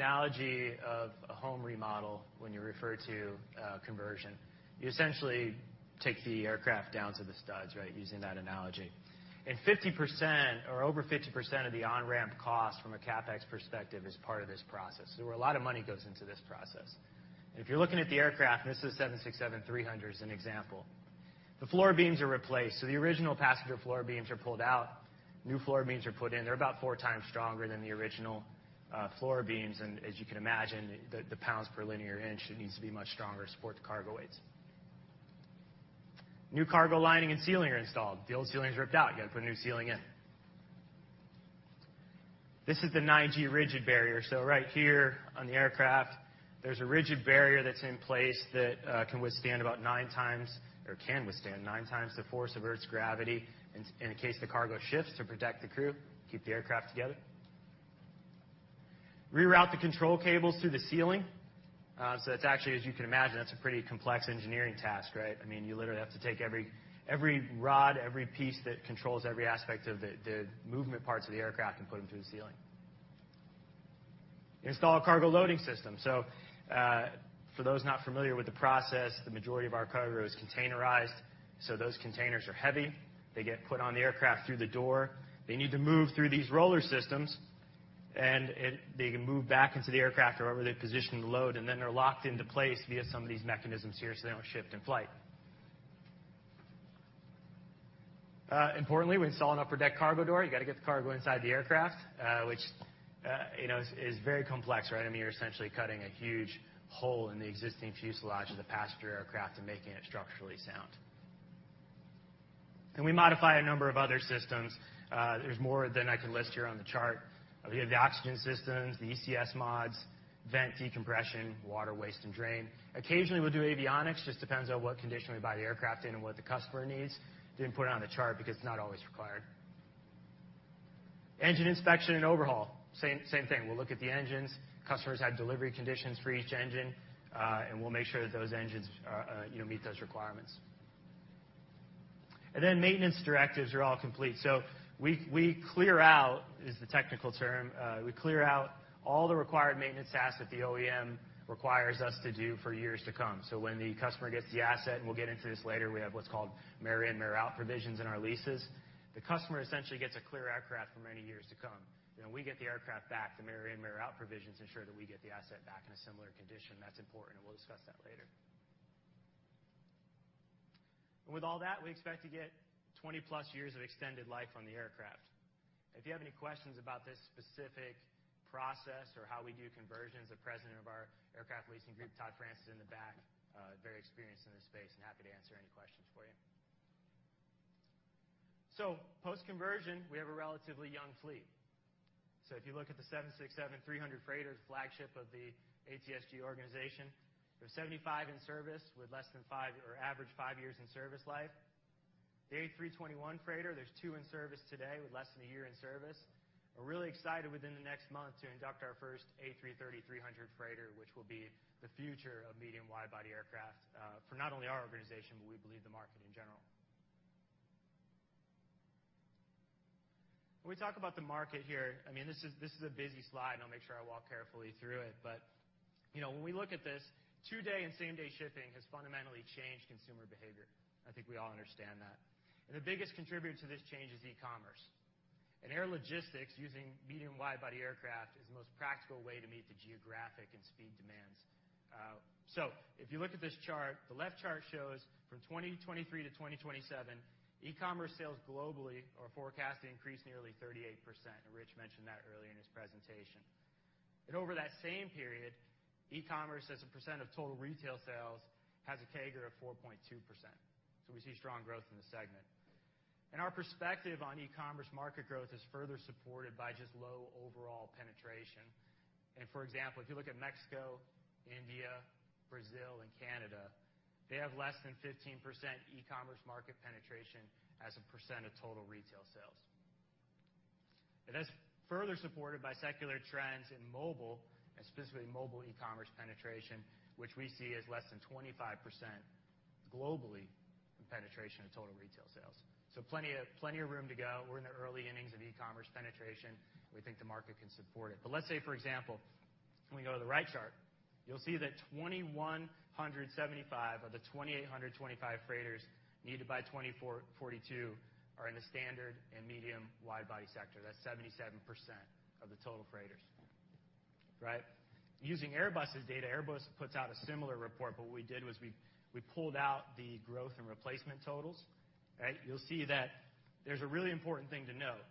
[SPEAKER 3] I use the analogy of a home remodel when you refer to conversion. You essentially take the aircraft down to the studs, right? Using that analogy. 50% or over 50% of the on-ramp cost from a CapEx perspective is part of this process, so a lot of money goes into this process. If you're looking at the aircraft, and this is 767-300 as an example, the floor beams are replaced, so the original passenger floor beams are pulled out, new floor beams are put in. They're about 4 times stronger than the original floor beams, and as you can imagine, the pounds per linear inch, it needs to be much stronger to support the cargo weights. New cargo lining and ceiling are installed. The old ceiling is ripped out. You got to put a new ceiling in. This is the 9G rigid barrier. So right here on the aircraft, there's a rigid barrier that's in place that can withstand about 9 times or can withstand 9 times the force of Earth's gravity in case the cargo shifts, to protect the crew, keep the aircraft together. Reroute the control cables through the ceiling. So that's actually, as you can imagine, that's a pretty complex engineering task, right? I mean, you literally have to take every, every rod, every piece that controls every aspect of the, the movement parts of the aircraft and put them through the ceiling. Install a cargo loading system. So, for those not familiar with the process, the majority of our cargo is containerized, so those containers are heavy. They get put on the aircraft through the door. They need to move through these roller systems, and they can move back into the aircraft or wherever they position the load, and then they're locked into place via some of these mechanisms here, so they don't shift in flight. Importantly, we install an upper deck cargo door. You got to get the cargo inside the aircraft, which, you know, is very complex, right? I mean, you're essentially cutting a huge hole in the existing fuselage of the passenger aircraft and making it structurally sound. Then we modify a number of other systems. There's more than I can list here on the chart. We have the oxygen systems, the ECS mods, vent decompression, water, waste, and drain. Occasionally, we'll do avionics, just depends on what condition we buy the aircraft in and what the customer needs. Didn't put it on the chart because it's not always required. Engine inspection and overhaul, same, same thing. We'll look at the engines. Customers have delivery conditions for each engine, and we'll make sure that those engines, you know, meet those requirements. And then maintenance directives are all complete. So we clear out, is the technical term, we clear out all the required maintenance tasks that the OEM requires us to do for years to come. So when the customer gets the asset, and we'll get into this later, we have what's called mirror-in, mirror-out provisions in our leases. The customer essentially gets a clear aircraft for many years to come. Then when we get the aircraft back, the mirror-in, mirror-out provisions ensure that we get the asset back in a similar condition. That's important, and we'll discuss that later. And with all that, we expect to get 20+ years of extended life on the aircraft. If you have any questions about this specific process or how we do conversions, the President of our aircraft leasing group, Todd France, in the back, very experienced in this space and happy to answer any questions for you. So post-conversion, we have a relatively young fleet. So if you look at the 767-300 freighter, the flagship of the ATSG organization, there are 75 in service with less than 5 or average 5 years in service life. The A321 freighter, there's 2 in service today with less than a year in service. We're really excited within the next month to induct our first A330-300 freighter, which will be the future of medium widebody aircraft, for not only our organization, but we believe the market in general. When we talk about the market here, I mean, this is, this is a busy slide, and I'll make sure I walk carefully through it. But, you know, when we look at this, two-day and same-day shipping has fundamentally changed consumer behavior. I think we all understand that. The biggest contributor to this change is e-commerce. Air logistics, using medium and wide-body aircraft, is the most practical way to meet the geographic and speed demands. So if you look at this chart, the left chart shows from 2023 to 2027, e-commerce sales globally are forecasted to increase nearly 38%, and Rich mentioned that earlier in his presentation. Over that same period, e-commerce, as a percent of total retail sales, has a CAGR of 4.2%. So we see strong growth in the segment. Our perspective on e-commerce market growth is further supported by just low overall penetration. For example, if you look at Mexico, India, Brazil, and Canada, they have less than 15% e-commerce market penetration as a percent of total retail sales. It is further supported by secular trends in mobile, and specifically mobile e-commerce penetration, which we see as less than 25% globally, in penetration of total retail sales. So plenty of, plenty of room to go. We're in the early innings of e-commerce penetration. We think the market can support it. But let's say, for example, when we go to the right chart, you'll see that 2,175 of the 2,825 freighters needed by 2042 are in the standard and medium wide-body sector. That's 77% of the total freighters, right? Using Airbus's data, Airbus puts out a similar report, but what we did was we, we pulled out the growth and replacement totals, right? You'll see that there's a really important thing to note,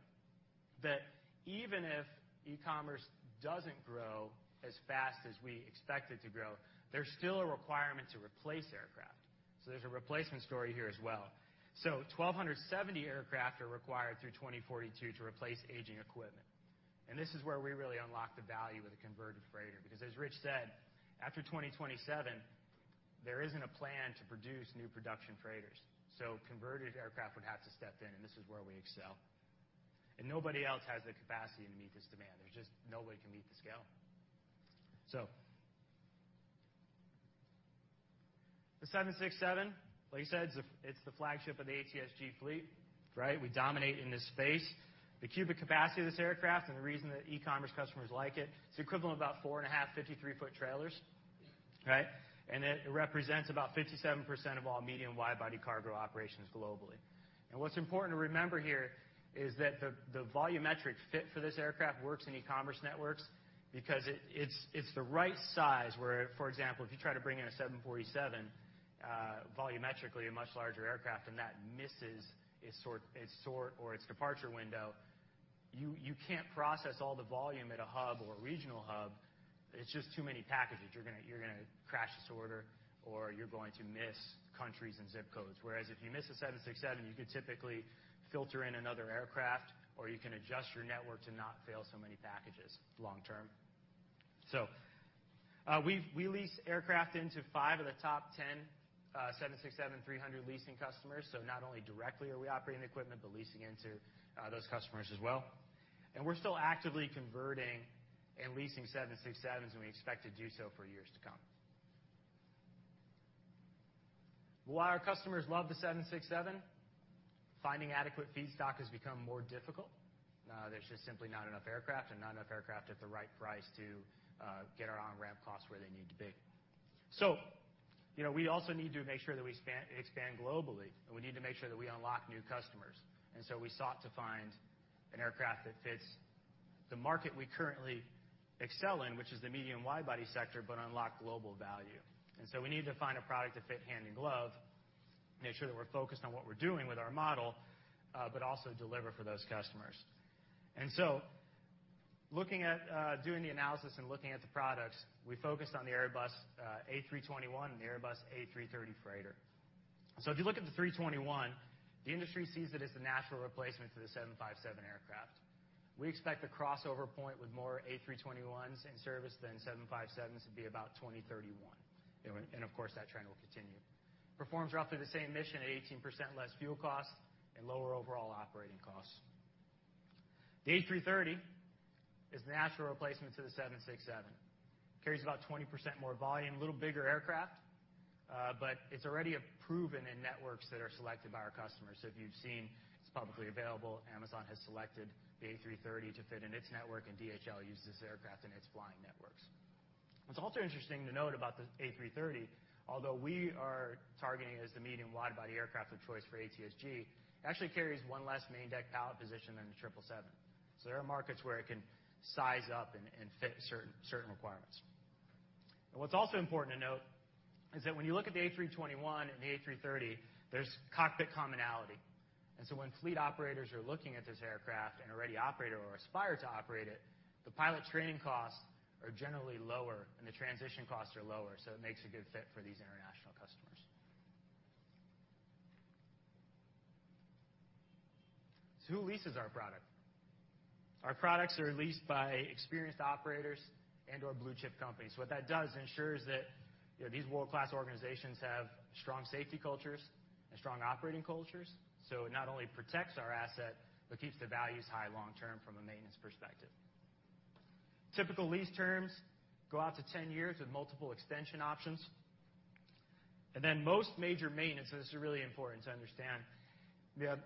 [SPEAKER 3] that even if e-commerce doesn't grow as fast as we expect it to grow, there's still a requirement to replace aircraft. So there's a replacement story here as well. So 1,270 aircraft are required through 2042 to replace aging equipment, and this is where we really unlock the value of the converted freighter, because as Rich said, after 2027, there isn't a plan to produce new production freighters. So converted aircraft would have to step in, and this is where we excel. And nobody else has the capacity to meet this demand. There's just nobody can meet the scale. So the 767, like you said, it's the flagship of the ATSG fleet, right? We dominate in this space. The cubic capacity of this aircraft and the reason that e-commerce customers like it, it's equivalent to about 4.5 53-foot trailers, right? And it represents about 57% of all medium and wide-body cargo operations globally. And what's important to remember here is that the volumetric fit for this aircraft works in e-commerce networks because it's the right size, where, for example, if you try to bring in a 747, volumetrically, a much larger aircraft, and that misses its sort or its departure window, you can't process all the volume at a hub or a regional hub. It's just too many packages. You're gonna crash the sorter, or you're going to miss countries and zip codes, whereas if you miss a 767, you could typically filter in another aircraft, or you can adjust your network to not fail so many packages long term. So, we lease aircraft into 5 of the top 10 767-300 leasing customers. So not only directly are we operating the equipment, but leasing into those customers as well. And we're still actively converting and leasing 767s, and we expect to do so for years to come. While our customers love the 767, finding adequate feedstock has become more difficult. There's just simply not enough aircraft and not enough aircraft at the right price to get our on-ramp costs where they need to be. So you know, we also need to make sure that we span—expand globally, and we need to make sure that we unlock new customers. And so we sought to find an aircraft that fits the market we currently excel in, which is the medium wide-body sector, but unlock global value. And so we need to find a product that fit hand in glove, make sure that we're focused on what we're doing with our model, but also deliver for those customers. And so, looking at, doing the analysis and looking at the products, we focused on the Airbus A321 and the Airbus A330 freighter. So if you look at the A321, the industry sees it as the natural replacement to the 757 aircraft. We expect the crossover point with more A321s in service than 757s to be about 2031. And of course, that trend will continue. Performs roughly the same mission at 18% less fuel costs and lower overall operating costs. The A330 is the natural replacement to the 767. Carries about 20% more volume, a little bigger aircraft, but it's already proven in networks that are selected by our customers. So if you've seen, it's publicly available. Amazon has selected the A330 to fit in its network, and DHL uses this aircraft in its flying networks. What's also interesting to note about the A330, although we are targeting as the medium wide-body aircraft of choice for ATSG, it actually carries one less main deck pallet position than the 777. So there are markets where it can size up and fit certain requirements. What's also important to note is that when you look at the A321 and the A330, there's cockpit commonality. So when fleet operators are looking at this aircraft and already operate or aspire to operate it, the pilot training costs are generally lower, and the transition costs are lower, so it makes a good fit for these international customers. So who leases our product? Our products are leased by experienced operators and/or blue-chip companies. What that does, it ensures that, you know, these world-class organizations have strong safety cultures and strong operating cultures, so it not only protects our asset, but keeps the values high long term from a maintenance perspective. Typical lease terms go out to 10 years with multiple extension options. And then most major maintenance, and this is really important to understand, well,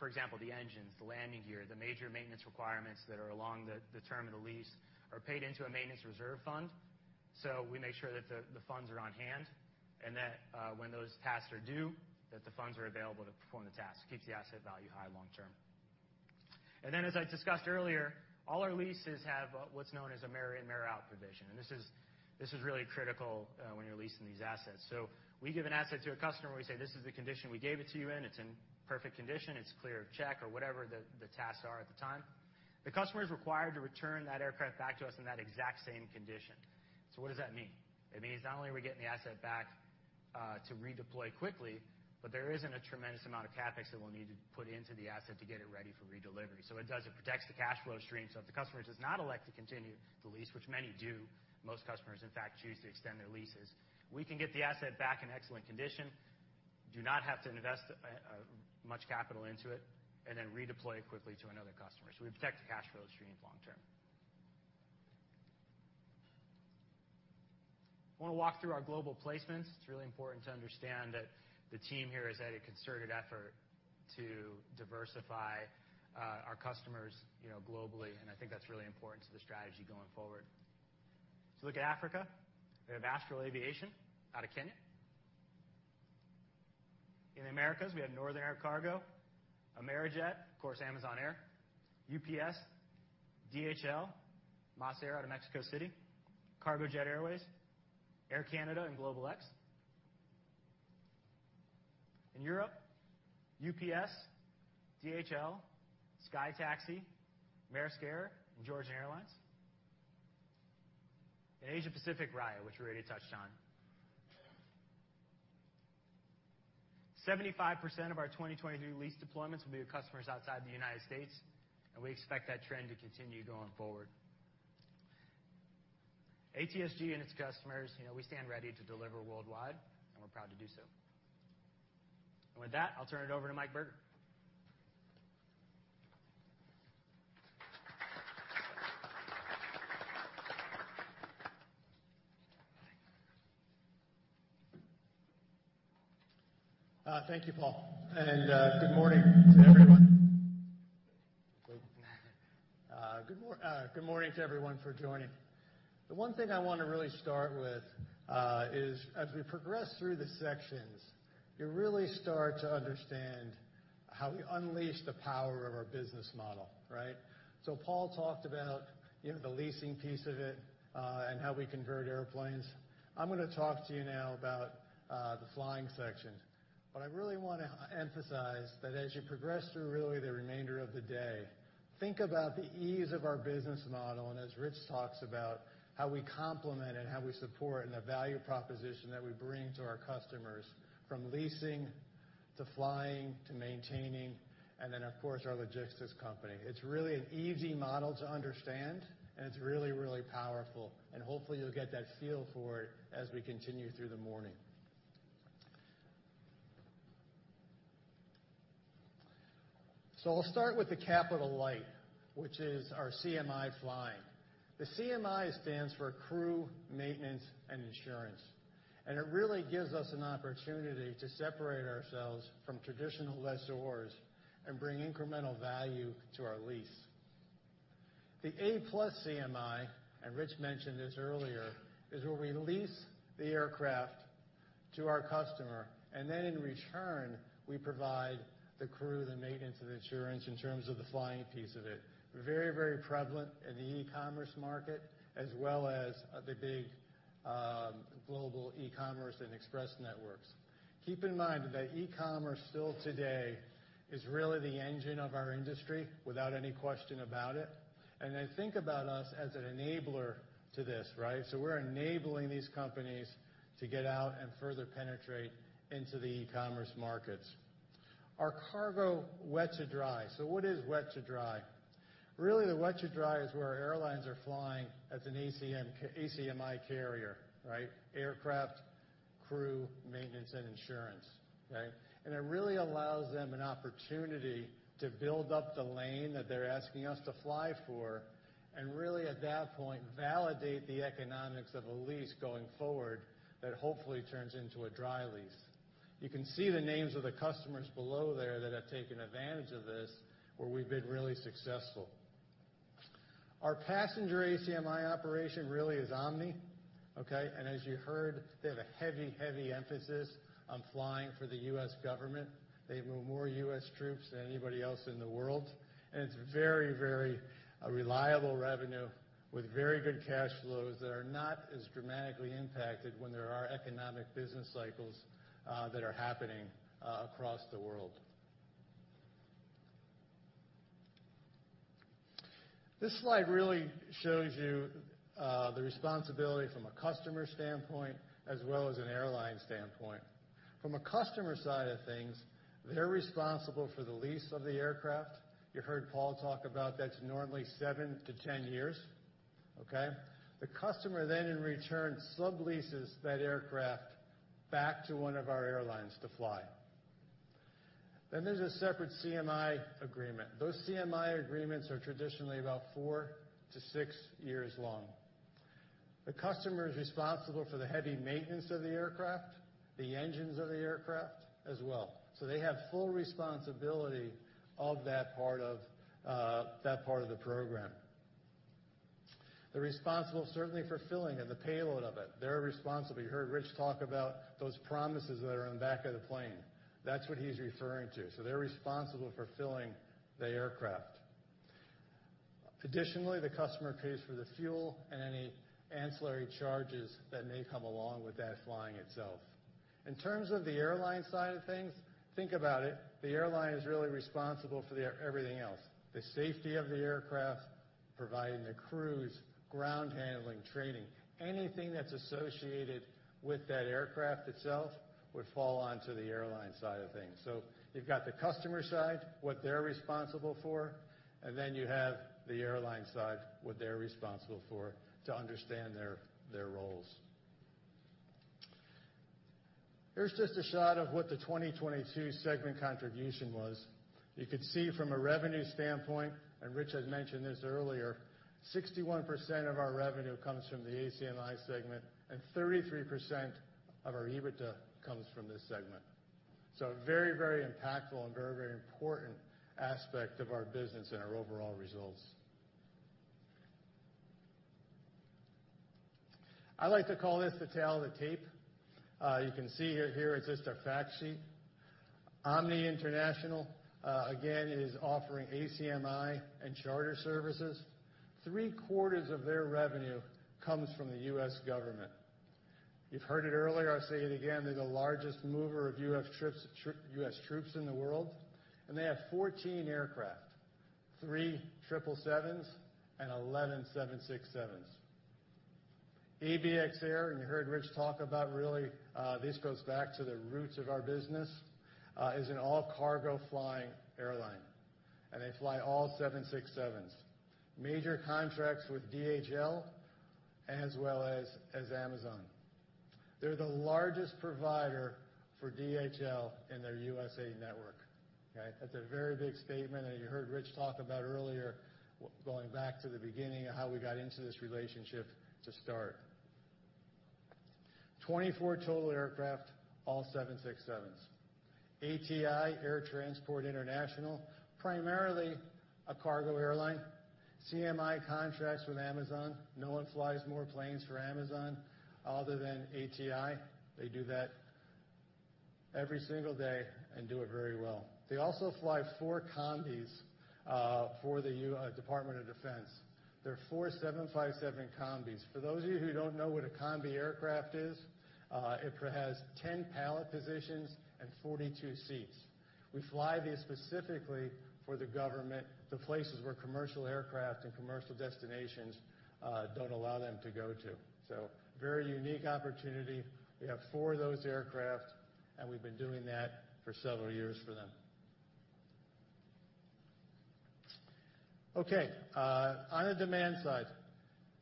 [SPEAKER 3] for example, the engines, the landing gear, the major maintenance requirements that are along the term of the lease are paid into a maintenance reserve fund. So we make sure that the funds are on hand, and that when those tasks are due, that the funds are available to perform the task. Keeps the asset value high long term. And then, as I discussed earlier, all our leases have what's known as a Mirror-in, Mirror-out provision, and this is really critical when you're leasing these assets. So we give an asset to a customer, we say, "This is the condition we gave it to you in. It's in perfect condition. It's clear of check," or whatever the tasks are at the time. The customer is required to return that aircraft back to us in that exact same condition. So what does that mean? It means not only are we getting the asset back to redeploy quickly, but there isn't a tremendous amount of CapEx that we'll need to put into the asset to get it ready for redelivery. So it does protect the cash flow stream. So if the customer does not elect to continue the lease, which many do, most customers, in fact, choose to extend their leases, we can get the asset back in excellent condition, do not have to invest much capital into it, and then redeploy it quickly to another customer. So we protect the cash flow stream long term. I want to walk through our global placements. It's really important to understand that the team here has had a concerted effort to diversify, our customers, you know, globally, and I think that's really important to the strategy going forward. If you look at Africa, we have Astral Aviation out of Kenya. In the Americas, we have Northern Air Cargo, Amerijet, of course, Amazon Air, UPS, DHL, MasAir out of Mexico City, Cargojet Airways, Air Canada, and GlobalX. In Europe, UPS, DHL, SkyTaxi, Maersk Air, and Georgian Airlines. In Asia Pacific, Raya, which we already touched on. 75% of our 2023 lease deployments will be with customers outside the United States, and we expect that trend to continue going forward. ATSG and its customers, you know, we stand ready to deliver worldwide, and we're proud to do so. And with that, I'll turn it over to Mike Berger.
[SPEAKER 4] Thank you, Paul, and good morning to everyone. Good morning to everyone for joining. The one thing I want to really start with is as we progress through the sections, you really start to understand how we unleash the power of our business model, right? So Paul talked about, you know, the leasing piece of it, and how we convert airplanes. I'm going to talk to you now about the flying section. What I really want to emphasize that as you progress through really the remainder of the day, think about the ease of our business model, and as Rich talks about, how we complement and how we support and the value proposition that we bring to our customers, from leasing, to flying, to maintaining, and then, of course, our logistics company. It's really an easy model to understand, and it's really, really powerful, and hopefully, you'll get that feel for it as we continue through the morning. So I'll start with the capital light, which is our CMI flying. The CMI stands for Crew, Maintenance, and Insurance, and it really gives us an opportunity to separate ourselves from traditional lessors and bring incremental value to our lease. The A+CMI and Rich mentioned this earlier, is where we lease the aircraft to our customer, and then in return, we provide the crew, the maintenance, and insurance in terms of the flying piece of it. Very, very prevalent in the e-commerce market, as well as the big, global e-commerce and express networks. Keep in mind that e-commerce still today is really the engine of our industry, without any question about it, and they think about us as an enabler to this, right? So we're enabling these companies to get out and further penetrate into the e-commerce markets. Our cargo, wet to dry. So what is wet to dry? Really, the wet to dry is where airlines are flying as an ACMI carrier, right? Aircraft, crew, maintenance, and insurance, right? And it really allows them an opportunity to build up the lane that they're asking us to fly for, and really, at that point, validate the economics of a lease going forward that hopefully turns into a dry lease. You can see the names of the customers below there that have taken advantage of this, where we've been really successful. Our passenger ACMI operation really is Omni, okay? As you heard, they have a heavy, heavy emphasis on flying for the US government. They move more US troops than anybody else in the world, and it's very, very a reliable revenue with very good cash flows that are not as dramatically impacted when there are economic business cycles that are happening across the world. This slide really shows you the responsibility from a customer standpoint as well as an airline standpoint. From a customer side of things, they're responsible for the lease of the aircraft. You heard Paul talk about that's normally 7-10 years, okay? The customer then in return, subleases that aircraft back to one of our airlines to fly. Then there's a separate CMI agreement. Those CMI agreements are traditionally about 4-6 years long. The customer is responsible for the heavy maintenance of the aircraft, the engines of the aircraft as well. So they have full responsibility of that part of, that part of the program. They're responsible, certainly, for filling in the payload of it. They're responsible. You heard Rich talk about those promises that are on the back of the plane. That's what he's referring to. So they're responsible for filling the aircraft. Additionally, the customer pays for the fuel and any ancillary charges that may come along with that flying itself. In terms of the airline side of things, think about it, the airline is really responsible for everything else, the safety of the aircraft, providing the crews, ground handling, training. Anything that's associated with that aircraft itself would fall onto the airline side of things. So you've got the customer side, what they're responsible for, and then you have the airline side, what they're responsible for, to understand their, their roles. Here's just a shot of what the 2022 segment contribution was. You could see from a revenue standpoint, and Rich had mentioned this earlier, 61% of our revenue comes from the ACMI segment, and 33% of our EBITDA comes from this segment. So a very, very impactful and very, very important aspect of our business and our overall results. I like to call this the tale of the tape. You can see here, here, it's just our fact sheet. Omni Air International, again, is offering ACMI and charter services. Three-quarters of their revenue comes from the US government. You've heard it earlier, I'll say it again, they're the largest mover of US troops in the world, and they have 14 aircraft, three 777 and 11 767. ABX Air, and you heard Rich talk about really, this goes back to the roots of our business, is an all-cargo flying airline, and they fly all 767. Major contracts with DHL as well as, as Amazon. They're the largest provider for DHL in their USA network, okay? That's a very big statement, and you heard Rich talk about earlier, going back to the beginning of how we got into this relationship to start. 24 total aircraft, all 767. ATI, Air Transport International, primarily a cargo airline. CMI contracts with Amazon. No one flies more planes for Amazon other than ATI. They do that every single day and do it very well. They also fly four combis for the Department of Defense. There are four 757 combis. For those of you who don't know what a combi aircraft is, it has 10 pallet positions and 42 seats. We fly these specifically for the government, the places where commercial aircraft and commercial destinations don't allow them to go to. So very unique opportunity. We have four of those aircraft, and we've been doing that for several years for them. Okay, on the demand side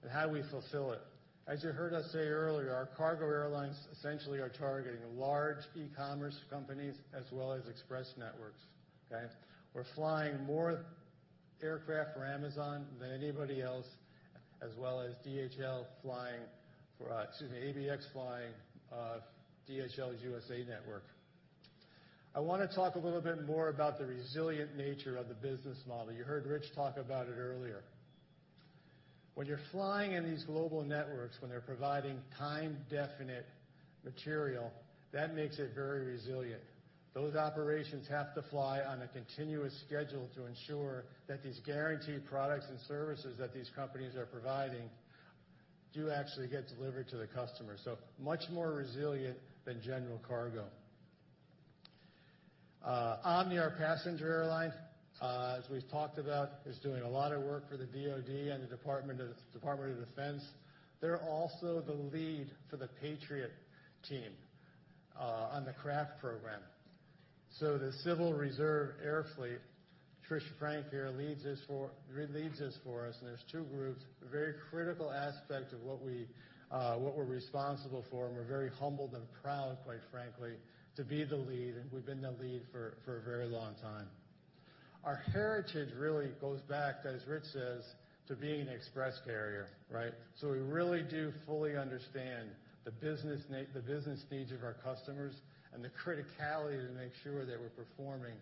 [SPEAKER 4] and how we fulfill it. As you heard us say earlier, our cargo airlines essentially are targeting large e-commerce companies as well as express networks, okay? We're flying more aircraft for Amazon than anybody else, as well as DHL flying for... Excuse me, ABX flying, DHL's USA network. I want to talk a little bit more about the resilient nature of the business model. You heard Rich talk about it earlier. When you're flying in these global networks, when they're providing time-definite material, that makes it very resilient. Those operations have to fly on a continuous schedule to ensure that these guaranteed products and services that these companies are providing do actually get delivered to the customer, so much more resilient than general cargo. Omni, our passenger airline, as we've talked about, is doing a lot of work for the DoD and the Department of Defense. They're also the lead for the Patriot Team on the CRAF program. So the Civil Reserve Air Fleet, Trisha Frank here, leads this for us, and there's two groups. A very critical aspect of what we, what we're responsible for, and we're very humbled and proud, quite frankly, to be the lead, and we've been the lead for, for a very long time. Our heritage really goes back, as Rich says, to being an express carrier, right? So we really do fully understand the business needs of our customers and the criticality to make sure that we're performing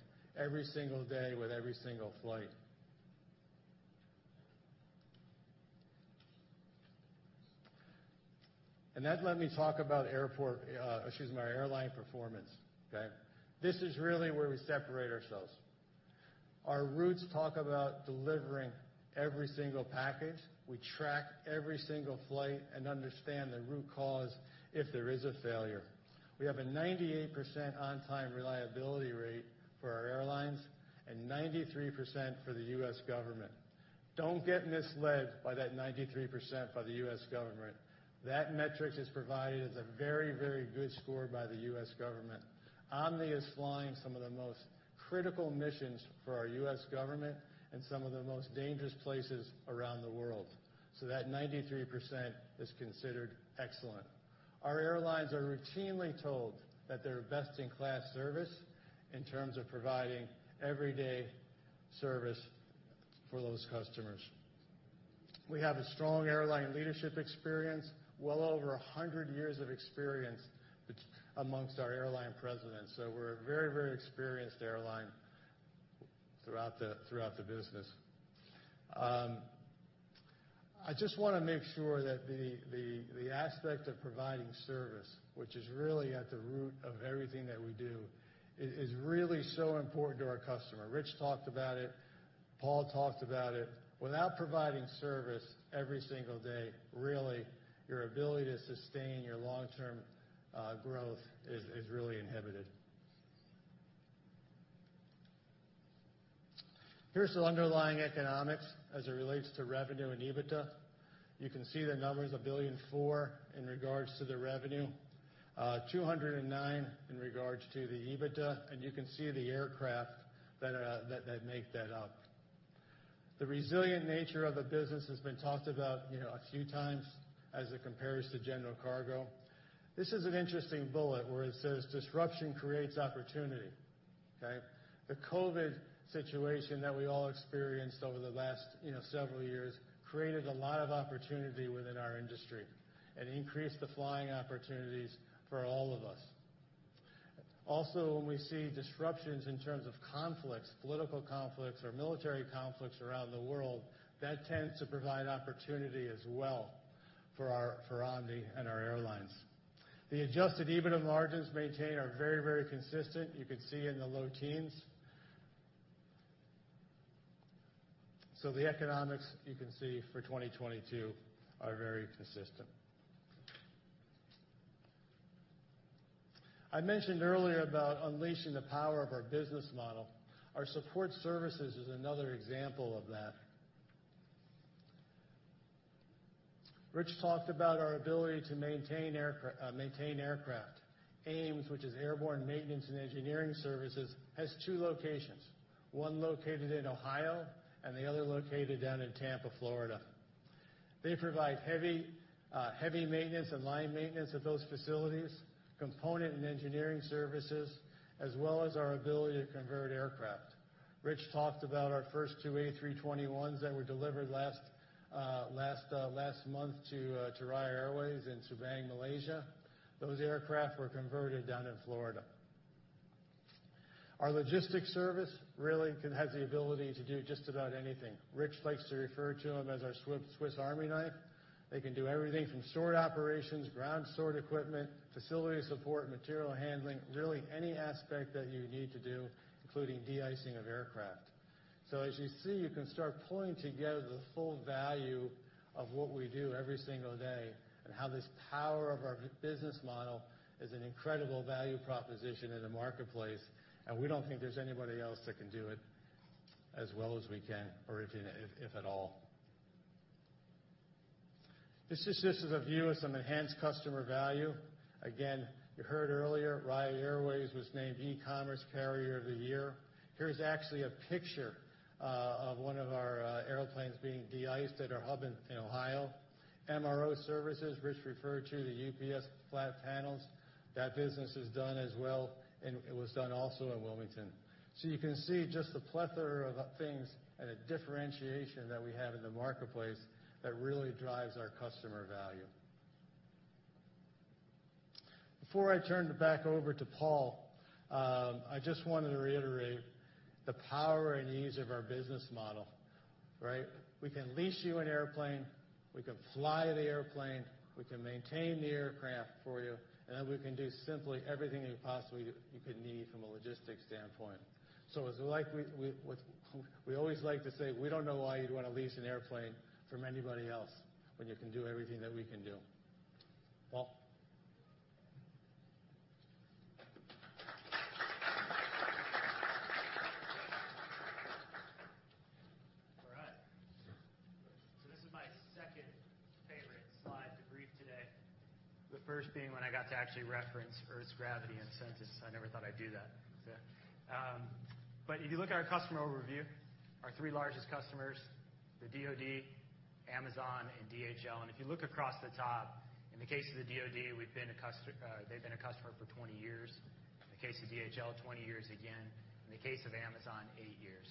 [SPEAKER 4] every single day with every single flight. And that, let me talk about airport, excuse me, our airline performance, okay? This is really where we separate ourselves. Our roots talk about delivering every single package. We track every single flight and understand the root cause if there is a failure. We have a 98% on-time reliability rate for our airlines and 93% for the US government. Don't get misled by that 93% by the US government. That metric is provided as a very, very good score by the US government. Omni is flying some of the most critical missions for our US government in some of the most dangerous places around the world. So that 93% is considered excellent. Our airlines are routinely told that they're best-in-class service in terms of providing everyday service for those customers. We have a strong airline leadership experience, well over 100 years of experience amongst our airline presidents. So we're a very, very experienced airline throughout the business. I just wanna make sure that the aspect of providing service, which is really at the root of everything that we do, is really so important to our customer. Rich talked about it, Paul talked about it. Without providing service every single day, really, your ability to sustain your long-term growth is really inhibited. Here's the underlying economics as it relates to revenue and EBITDA. You can see the numbers, $1.004 billion in regards to the revenue, $209 million in regards to the EBITDA, and you can see the aircraft that make that up. The resilient nature of the business has been talked about, you know, a few times as it compares to general cargo. This is an interesting bullet, where it says, "Disruption creates opportunity." Okay? The COVID situation that we all experienced over the last, you know, several years, created a lot of opportunity within our industry and increased the flying opportunities for all of us. Also, when we see disruptions in terms of conflicts, political conflicts, or military conflicts around the world, that tends to provide opportunity as well for our for Omni and our airlines. The Adjusted EBITDA margins maintained are very, very consistent. You can see in the low teens. So the economics, you can see for 2022 are very consistent. I mentioned earlier about unleashing the power of our business model. Our support services is another example of that. Rich talked about our ability to maintain aircraft, maintain aircraft. AMES, which is Airborne Maintenance and Engineering Services, has two locations, one located in Ohio and the other located down in Tampa, Florida. They provide heavy, heavy maintenance and line maintenance at those facilities, component and engineering services, as well as our ability to convert aircraft. Rich talked about our first two A321s that were delivered last month to Raya Airways in Subang, Malaysia. Those aircraft were converted down in Florida. Our logistics service really has the ability to do just about anything. Rich likes to refer to them as our Swiss Army knife. They can do everything from sort operations, ground sort equipment, facility support, material handling, really any aspect that you need to do, including de-icing of aircraft. So as you see, you can start pulling together the full value of what we do every single day, and how this power of our business model is an incredible value proposition in the marketplace, and we don't think there's anybody else that can do it as well as we can or if at all. This is just a view of some enhanced customer value. Again, you heard earlier, Raya Airways was named E-commerce Carrier of the Year. Here's actually a picture of one of our airplanes being de-iced at our hub in Ohio. MRO Services, Rich referred to the UPS flat panels. That business is done as well, and it was done also in Wilmington. So you can see just the plethora of things and the differentiation that we have in the marketplace that really drives our customer value. Before I turn it back over to Paul, I just wanted to reiterate the power and ease of our business model, right? We can lease you an airplane, we can fly the airplane, we can maintain the aircraft for you, and then we can do simply everything that you possibly could need from a logistics standpoint. So as we like, we... We always like to say, "We don't know why you'd want to lease an airplane from anybody else when you can do everything that we can do." Paul?
[SPEAKER 3] All right. So this is my second favorite slide to brief today. The first being when I got to actually reference Earth's gravity in sentence. I never thought I'd do that. So, but if you look at our customer overview, our three largest customers, the DoD, Amazon, and DHL. And if you look across the top, in the case of the DoD, we've been a customer, they've been a customer for 20 years. In the case of DHL, 20 years again. In the case of Amazon, 8 years.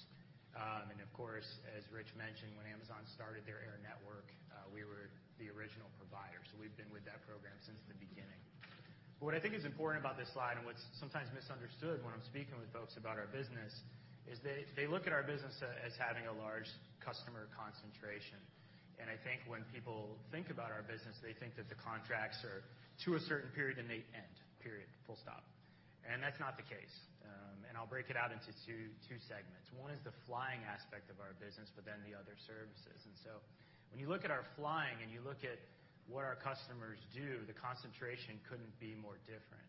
[SPEAKER 3] And of course, as Rich mentioned, when Amazon started their air network, we were the original provider. So we've been with that program since the beginning. But what I think is important about this slide, and what's sometimes misunderstood when I'm speaking with folks about our business, is they look at our business as having a large customer concentration. I think when people think about our business, they think that the contracts are to a certain period, and they end. Period, full stop. That's not the case, and I'll break it out into two segments. One is the flying aspect of our business, but then the other, services. When you look at our flying and you look at what our customers do, the concentration couldn't be more different.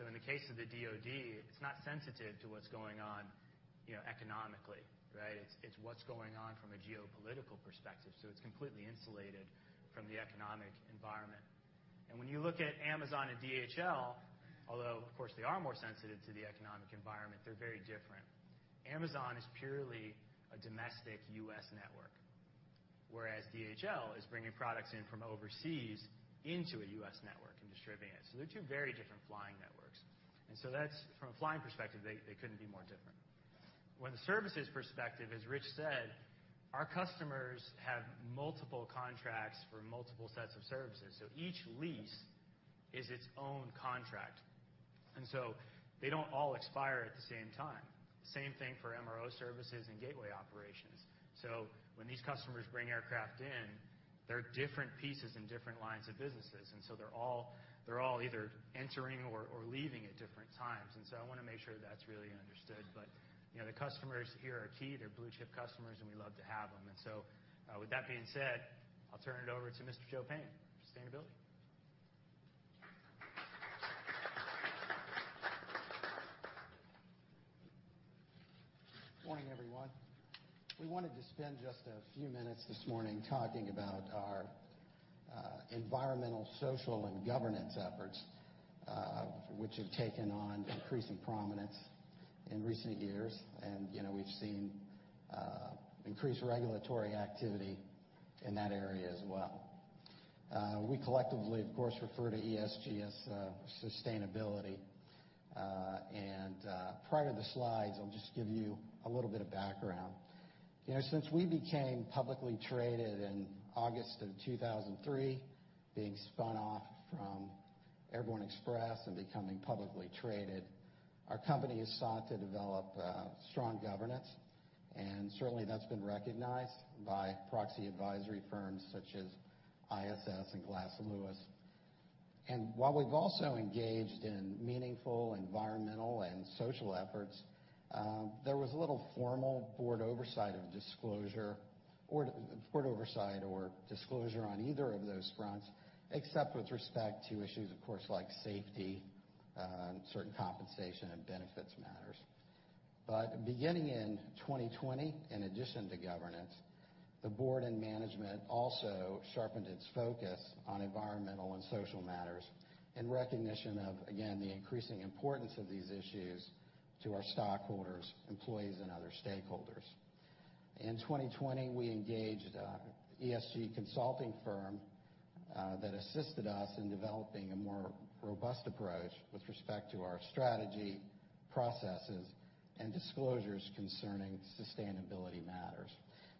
[SPEAKER 3] In the case of the DoD, it's not sensitive to what's going on, you know, economically, right? It's what's going on from a geopolitical perspective, so it's completely insulated from the economic environment. And when you look at Amazon and DHL, although, of course, they are more sensitive to the economic environment, they're very different. Amazon is purely a domestic US network.... whereas DHL is bringing products in from overseas into a US network and distributing it. So they're two very different flying networks, and so that's, from a flying perspective, they, they couldn't be more different. From the services perspective, as Rich said, our customers have multiple contracts for multiple sets of services, so each lease is its own contract, and so they don't all expire at the same time. Same thing for MRO Services and gateway operations. So when these customers bring aircraft in, there are different pieces and different lines of businesses, and so they're all, they're all either entering or, or leaving at different times, and so I wanna make sure that's really understood. But, you know, the customers here are key. They're blue-chip customers, and we love to have them. And so, with that being said, I'll turn it over to Mr. Joe Payne, sustainability.
[SPEAKER 5] Morning, everyone. We wanted to spend just a few minutes this morning talking about our environmental, social, and governance efforts, which have taken on increasing prominence in recent years. You know, we've seen increased regulatory activity in that area as well. We collectively, of course, refer to ESG as sustainability. And prior to the slides, I'll just give you a little bit of background. You know, since we became publicly traded in August of 2003, being spun off from Airborne Express and becoming publicly traded, our company has sought to develop strong governance, and certainly, that's been recognized by proxy advisory firms such as ISS and Glass Lewis. And while we've also engaged in meaningful environmental and social efforts, there was little formal board oversight or disclosure on either of those fronts, except with respect to issues, of course, like safety, certain compensation and benefits matters. But beginning in 2020, in addition to governance, the board and management also sharpened its focus on environmental and social matters in recognition of, again, the increasing importance of these issues to our stockholders, employees, and other stakeholders. In 2020, we engaged a ESG consulting firm that assisted us in developing a more robust approach with respect to our strategy, processes, and disclosures concerning sustainability matters.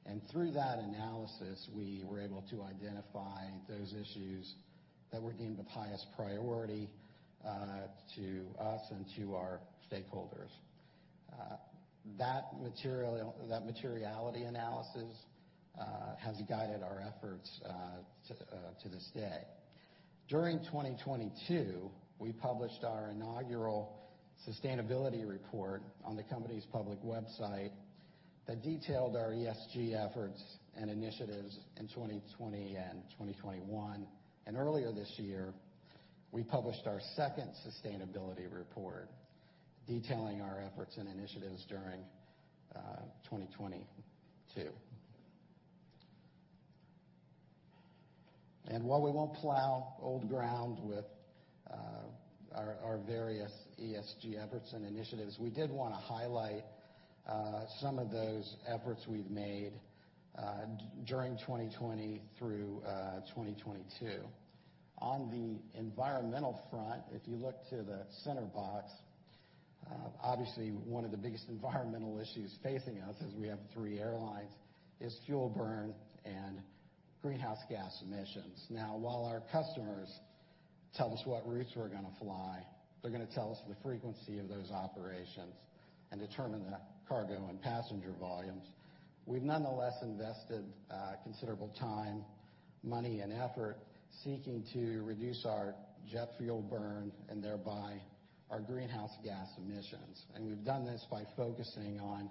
[SPEAKER 5] And through that analysis, we were able to identify those issues that were deemed of highest priority to us and to our stakeholders. That materiality analysis has guided our efforts to this day. During 2022, we published our inaugural sustainability report on the company's public website that detailed our ESG efforts and initiatives in 2020 and 2021. Earlier this year, we published our second sustainability report, detailing our efforts and initiatives during 2022. While we won't plow old ground with our, our various ESG efforts and initiatives, we did wanna highlight some of those efforts we've made during 2020 through 2022. On the environmental front, if you look to the center box, obviously, one of the biggest environmental issues facing us, as we have three airlines, is fuel burn and greenhouse gas emissions. Now, while our customers tell us what routes we're gonna fly, they're gonna tell us the frequency of those operations and determine the cargo and passenger volumes. We've nonetheless invested considerable time, money, and effort seeking to reduce our jet fuel burn and thereby our greenhouse gas emissions, and we've done this by focusing on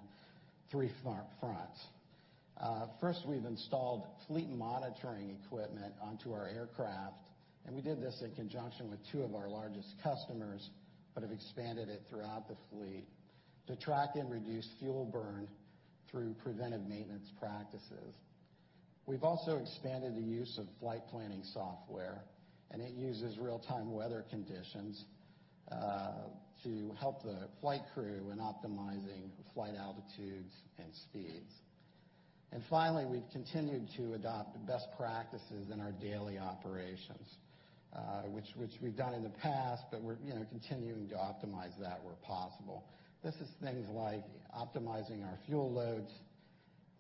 [SPEAKER 5] three fronts. First, we've installed fleet monitoring equipment onto our aircraft, and we did this in conjunction with two of our largest customers, but have expanded it throughout the fleet to track and reduce fuel burn through preventive maintenance practices. We've also expanded the use of flight planning software, and it uses real-time weather conditions to help the flight crew in optimizing flight altitudes and speeds. Finally, we've continued to adopt best practices in our daily operations, which we've done in the past, but we're, you know, continuing to optimize that where possible. This is things like optimizing our fuel loads,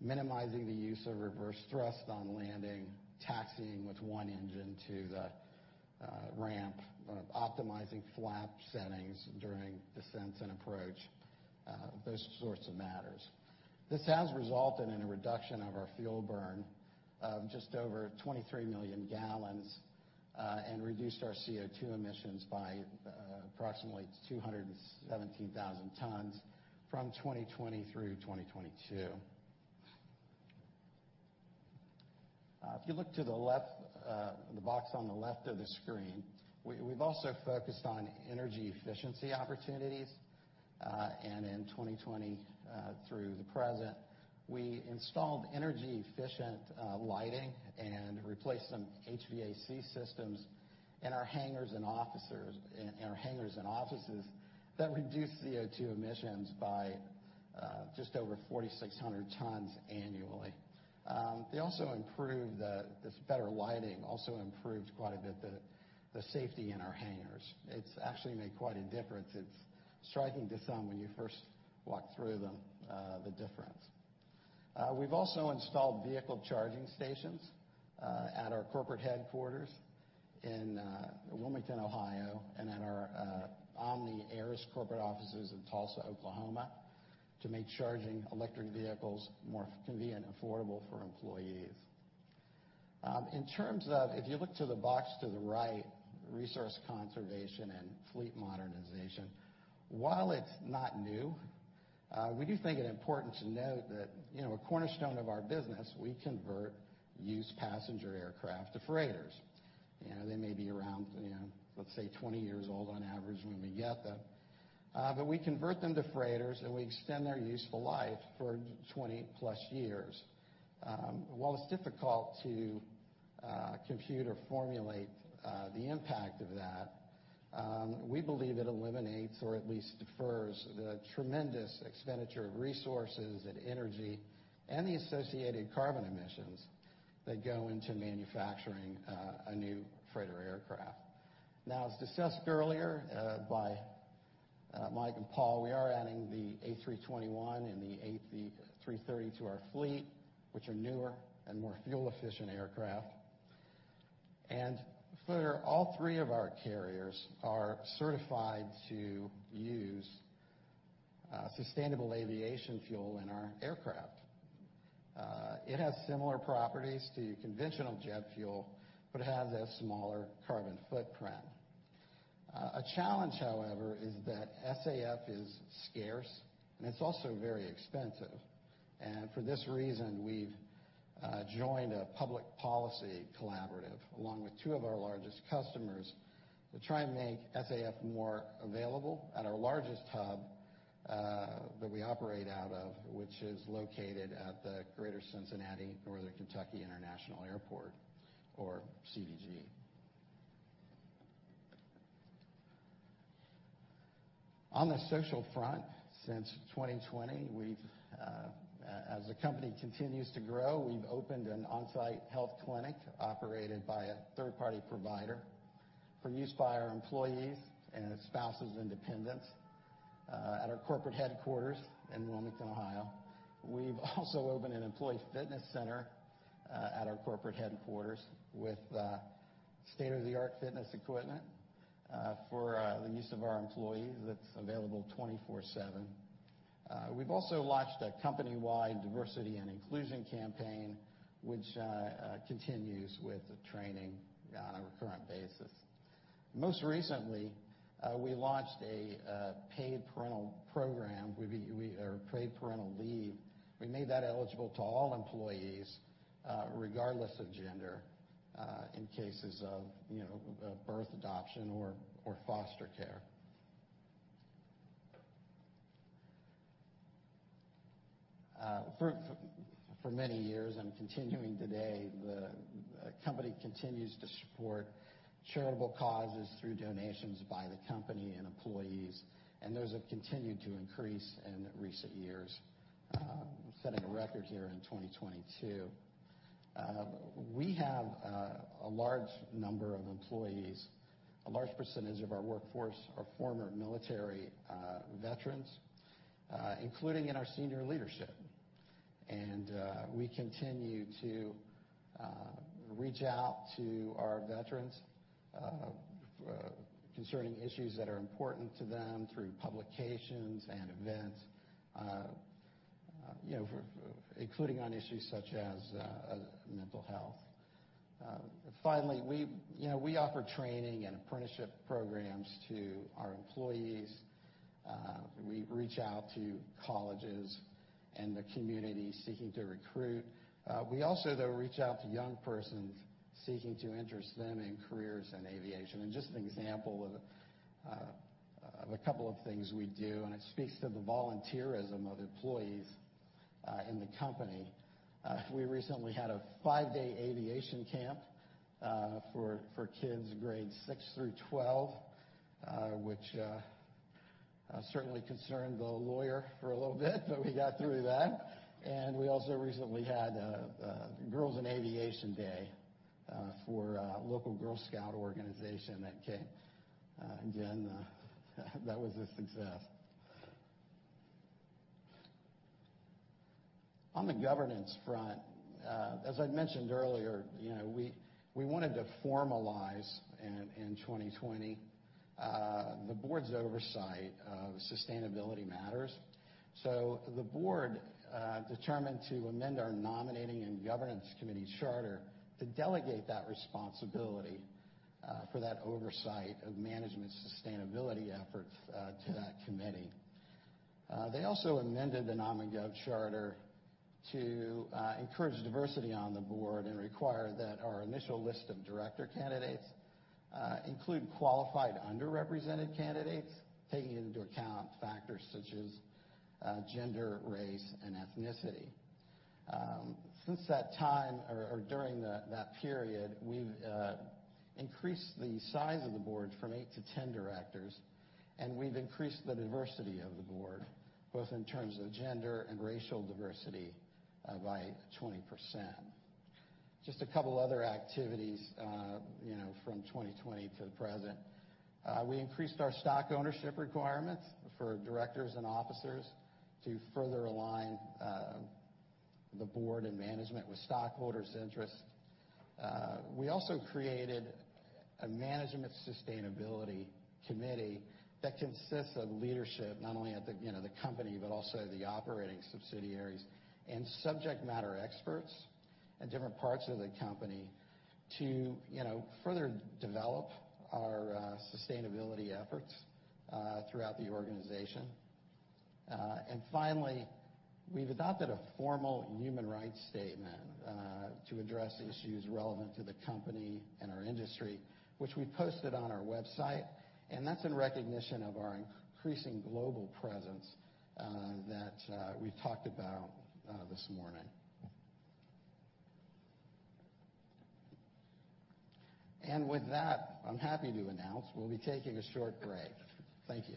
[SPEAKER 5] minimizing the use of reverse thrust on landing, taxiing with one engine to the ramp, optimizing flap settings during descents and approach, those sorts of matters. This has resulted in a reduction of our fuel burn of just over 23 million gallons, and reduced our CO2 emissions by approximately 217,000 tons from 2020 through 2022. If you look to the left, the box on the left of the screen, we've also focused on energy efficiency opportunities. In 2020 through the present, we installed energy-efficient lighting and replaced some HVAC systems in our hangars and offices. In our hangars and offices that reduced CO2 emissions by just over 4,600 tons annually. This better lighting also improved quite a bit the safety in our hangars. It's actually made quite a difference. It's striking to some when you first walk through them, the difference. We've also installed vehicle charging stations at our corporate headquarters in Wilmington, Ohio, and at our Omni Air's corporate offices in Tulsa, Oklahoma, to make charging electric vehicles more convenient and affordable for employees. In terms of, if you look to the box to the right, resource conservation and fleet modernization, while it's not new, we do think it important to note that, you know, a cornerstone of our business, we convert used passenger aircraft to freighters. You know, they may be around, you know, let's say, 20 years old on average when we get them. But we convert them to freighters, and we extend their useful life for 20+ years. While it's difficult to compute or formulate the impact of that, we believe it eliminates, or at least defers, the tremendous expenditure of resources and energy and the associated carbon emissions that go into manufacturing a new freighter aircraft. Now, as discussed earlier, by Mike and Paul, we are adding the A321 and the A330 to our fleet, which are newer and more fuel-efficient aircraft. And further, all three of our carriers are certified to use sustainable aviation fuel in our aircraft. It has similar properties to conventional jet fuel, but it has a smaller carbon footprint. A challenge, however, is that SAF is scarce, and it's also very expensive. And for this reason, we've joined a public policy collaborative, along with two of our largest customers, to try and make SAF more available at our largest hub, that we operate out of, which is located at the Greater Cincinnati Northern Kentucky International Airport, or CVG. On the social front, since 2020, we've, as the company continues to grow, we've opened an on-site health clinic operated by a third-party provider for use by our employees and spouses and dependents, at our corporate headquarters in Wilmington, Ohio. We've also opened an employee fitness center, at our corporate headquarters with, state-of-the-art fitness equipment, for, the use of our employees that's available 24/7. We've also launched a company-wide diversity and inclusion campaign, which continues with the training on a recurrent basis. Most recently, we launched a paid parental leave. We made that eligible to all employees, regardless of gender, in cases of, you know, birth, adoption, or foster care. For many years, and continuing today, the company continues to support charitable causes through donations by the company and employees, and those have continued to increase in recent years, setting a record here in 2022. We have a large number of employees. A large percentage of our workforce are former military veterans, including in our senior leadership. We continue to reach out to our veterans concerning issues that are important to them through publications and events, you know, including on issues such as mental health. Finally, we, you know, we offer training and apprenticeship programs to our employees. We reach out to colleges and the community seeking to recruit. We also, though, reach out to young persons seeking to interest them in careers in aviation. And just an example of a couple of things we do, and it speaks to the volunteerism of employees in the company. We recently had a five-day aviation camp for kids grades six through twelve, which certainly concerned the lawyer for a little bit, but we got through that. We also recently had Girls in Aviation Day for a local Girl Scout organization that came. Again, that was a success. On the governance front, as I mentioned earlier, you know, we wanted to formalize in 2020 the board's oversight of sustainability matters. The board determined to amend our Nominating and Governance Committee charter to delegate that responsibility for that oversight of management sustainability efforts to that committee. They also amended the Nom and Gov charter to encourage diversity on the board and require that our initial list of director candidates include qualified, underrepresented candidates, taking into account factors such as gender, race, and ethnicity... Since that time or during that period, we've increased the size of the board from 8 to 10 directors, and we've increased the diversity of the board, both in terms of gender and racial diversity, by 20%. Just a couple other activities, you know, from 2020 to the present. We increased our stock ownership requirements for directors and officers to further align the board and management with stockholders' interests. We also created a management sustainability committee that consists of leadership, not only at the, you know, the company, but also the operating subsidiaries and subject matter experts in different parts of the company to, you know, further develop our sustainability efforts throughout the organization. And finally, we've adopted a formal human rights statement to address issues relevant to the company and our industry, which we posted on our website, and that's in recognition of our increasing global presence that we've talked about this morning. And with that, I'm happy to announce we'll be taking a short break. Thank you.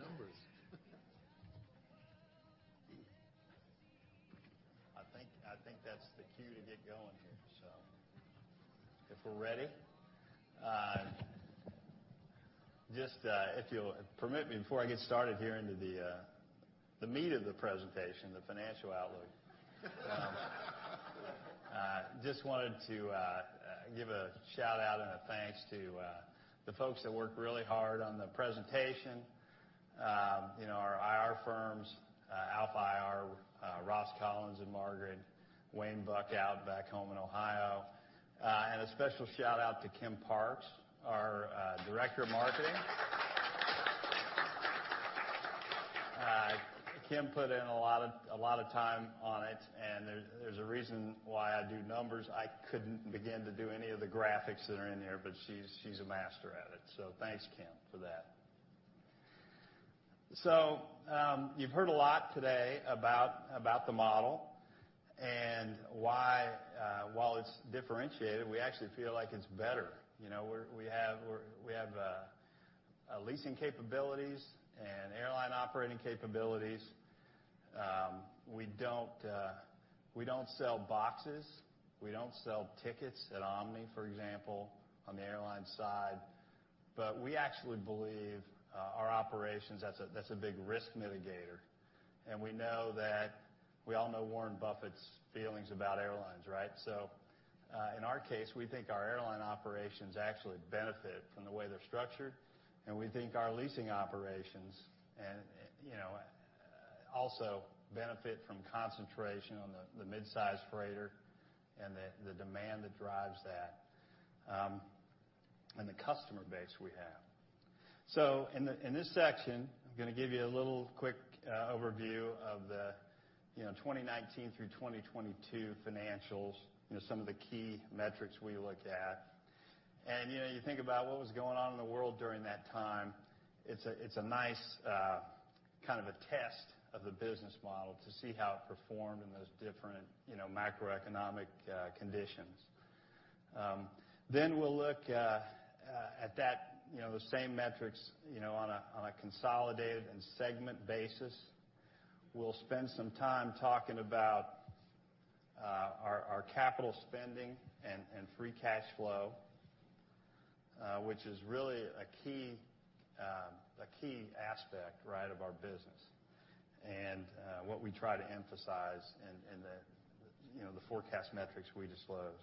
[SPEAKER 2] What you've all been waiting for, some numbers.
[SPEAKER 6] I think, I think that's the cue to get going here. So if we're ready, just if you'll permit me, before I get started here into the, the meat of the presentation, the financial outlook. Just wanted to give a shout out and a thanks to the folks that worked really hard on the presentation. You know, our IR firms, Alpha IR, Ross Collins, and Margaret, Wayne Buck out back home in Ohio. And a special shout out to Kim Parks, our Director of Marketing. Kim put in a lot of, a lot of time on it, and there's, there's a reason why I do numbers. I couldn't begin to do any of the graphics that are in there, but she's, she's a master at it. So thanks, Kim, for that. So, you've heard a lot today about the model and why, while it's differentiated, we actually feel like it's better. You know, we have leasing capabilities and airline operating capabilities. We don't sell boxes. We don't sell tickets at Omni, for example, on the airline side, but we actually believe our operations; that's a big risk mitigator. And we know that... We all know Warren Buffett's feelings about airlines, right? So, in our case, we think our airline operations actually benefit from the way they're structured, and we think our leasing operations and, you know, also benefit from concentration on the mid-size freighter and the demand that drives that, and the customer base we have. So in this section, I'm gonna give you a little quick overview of the, you know, 2019 through 2022 financials, you know, some of the key metrics we looked at. You know, you think about what was going on in the world during that time, it's a, it's a nice kind of a test of the business model to see how it performed in those different, you know, macroeconomic conditions. Then we'll look at that, you know, the same metrics, you know, on a consolidated and segment basis. We'll spend some time talking about our capital spending and free cash flow, which is really a key aspect, right, of our business and what we try to emphasize in the forecast metrics we disclose.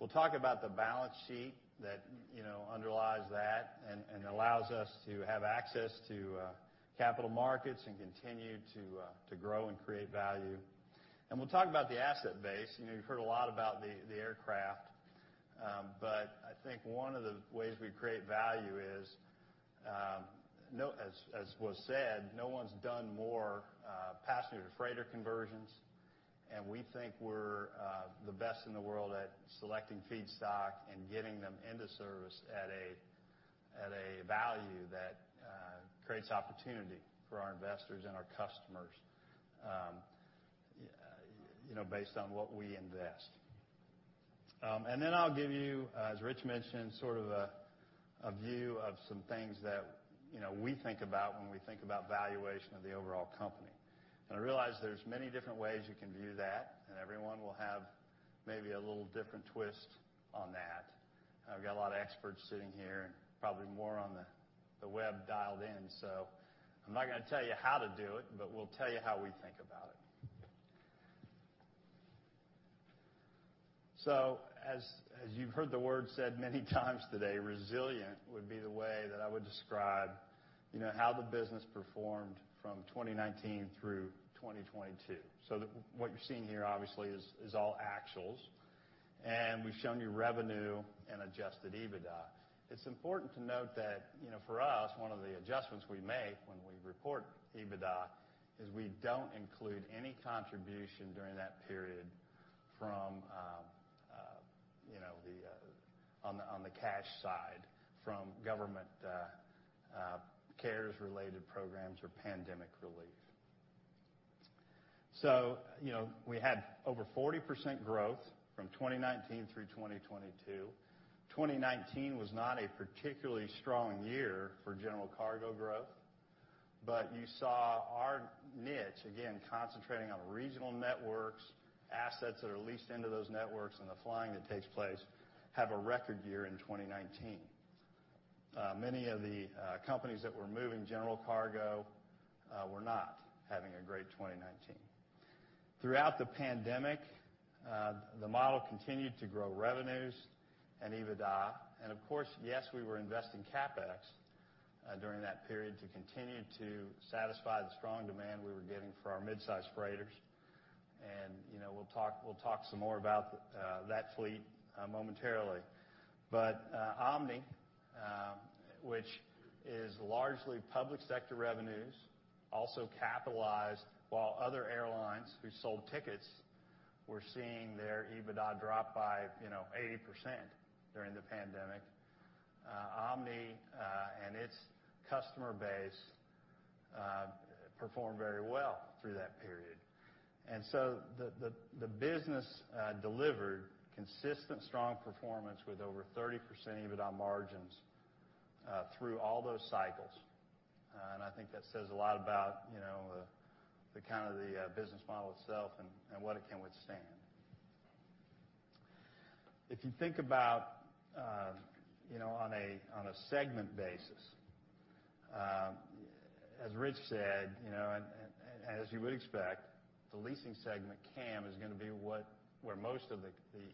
[SPEAKER 6] We'll talk about the balance sheet that, you know, underlies that and allows us to have access to capital markets and continue to grow and create value. And we'll talk about the asset base. You know, you've heard a lot about the aircraft, but I think one of the ways we create value is, as was said, no one's done more passenger-to-freighter conversions, and we think we're the best in the world at selecting feedstock and getting them into service at a value that creates opportunity for our investors and our customers, you know, based on what we invest. And then I'll give you, as Rich mentioned, sort of a view of some things that, you know, we think about when we think about valuation of the overall company. I realize there's many different ways you can view that, and everyone will have maybe a little different twist on that. I've got a lot of experts sitting here, and probably more on the web dialed in, so I'm not gonna tell you how to do it, but we'll tell you how we think about it. As you've heard the word said many times today, resilient would be the way that I would describe, you know, how the business performed from 2019 through 2022. What you're seeing here, obviously, is all actuals, and we've shown you revenue and Adjusted EBITDA. It's important to note that, you know, for us, one of the adjustments we make when we report EBITDA is we don't include any contribution during that period from, you know, on the cash side from government CARES-related programs or pandemic relief. So, you know, we had over 40% growth from 2019 through 2022. 2019 was not a particularly strong year for general cargo growth, but you saw our niche, again, concentrating on regional networks, assets that are leased into those networks, and the flying that takes place, have a record year in 2019. Many of the companies that were moving general cargo were not having a great 2019. Throughout the pandemic, the model continued to grow revenues and EBITDA. Of course, yes, we were investing CapEx during that period, to continue to satisfy the strong demand we were getting for our midsize freighters. And, you know, we'll talk, we'll talk some more about that fleet momentarily. But Omni, which is largely public sector revenues, also capitalized, while other airlines who sold tickets were seeing their EBITDA drop by, you know, 80% during the pandemic. Omni and its customer base performed very well through that period. And so the business delivered consistent, strong performance with over 30% EBITDA margins through all those cycles. And I think that says a lot about, you know, the kind of business model itself and what it can withstand. If you think about, you know, on a segment basis, as Rich said, you know, and as you would expect, the leasing segment, CAM, is gonna be what-- where most of the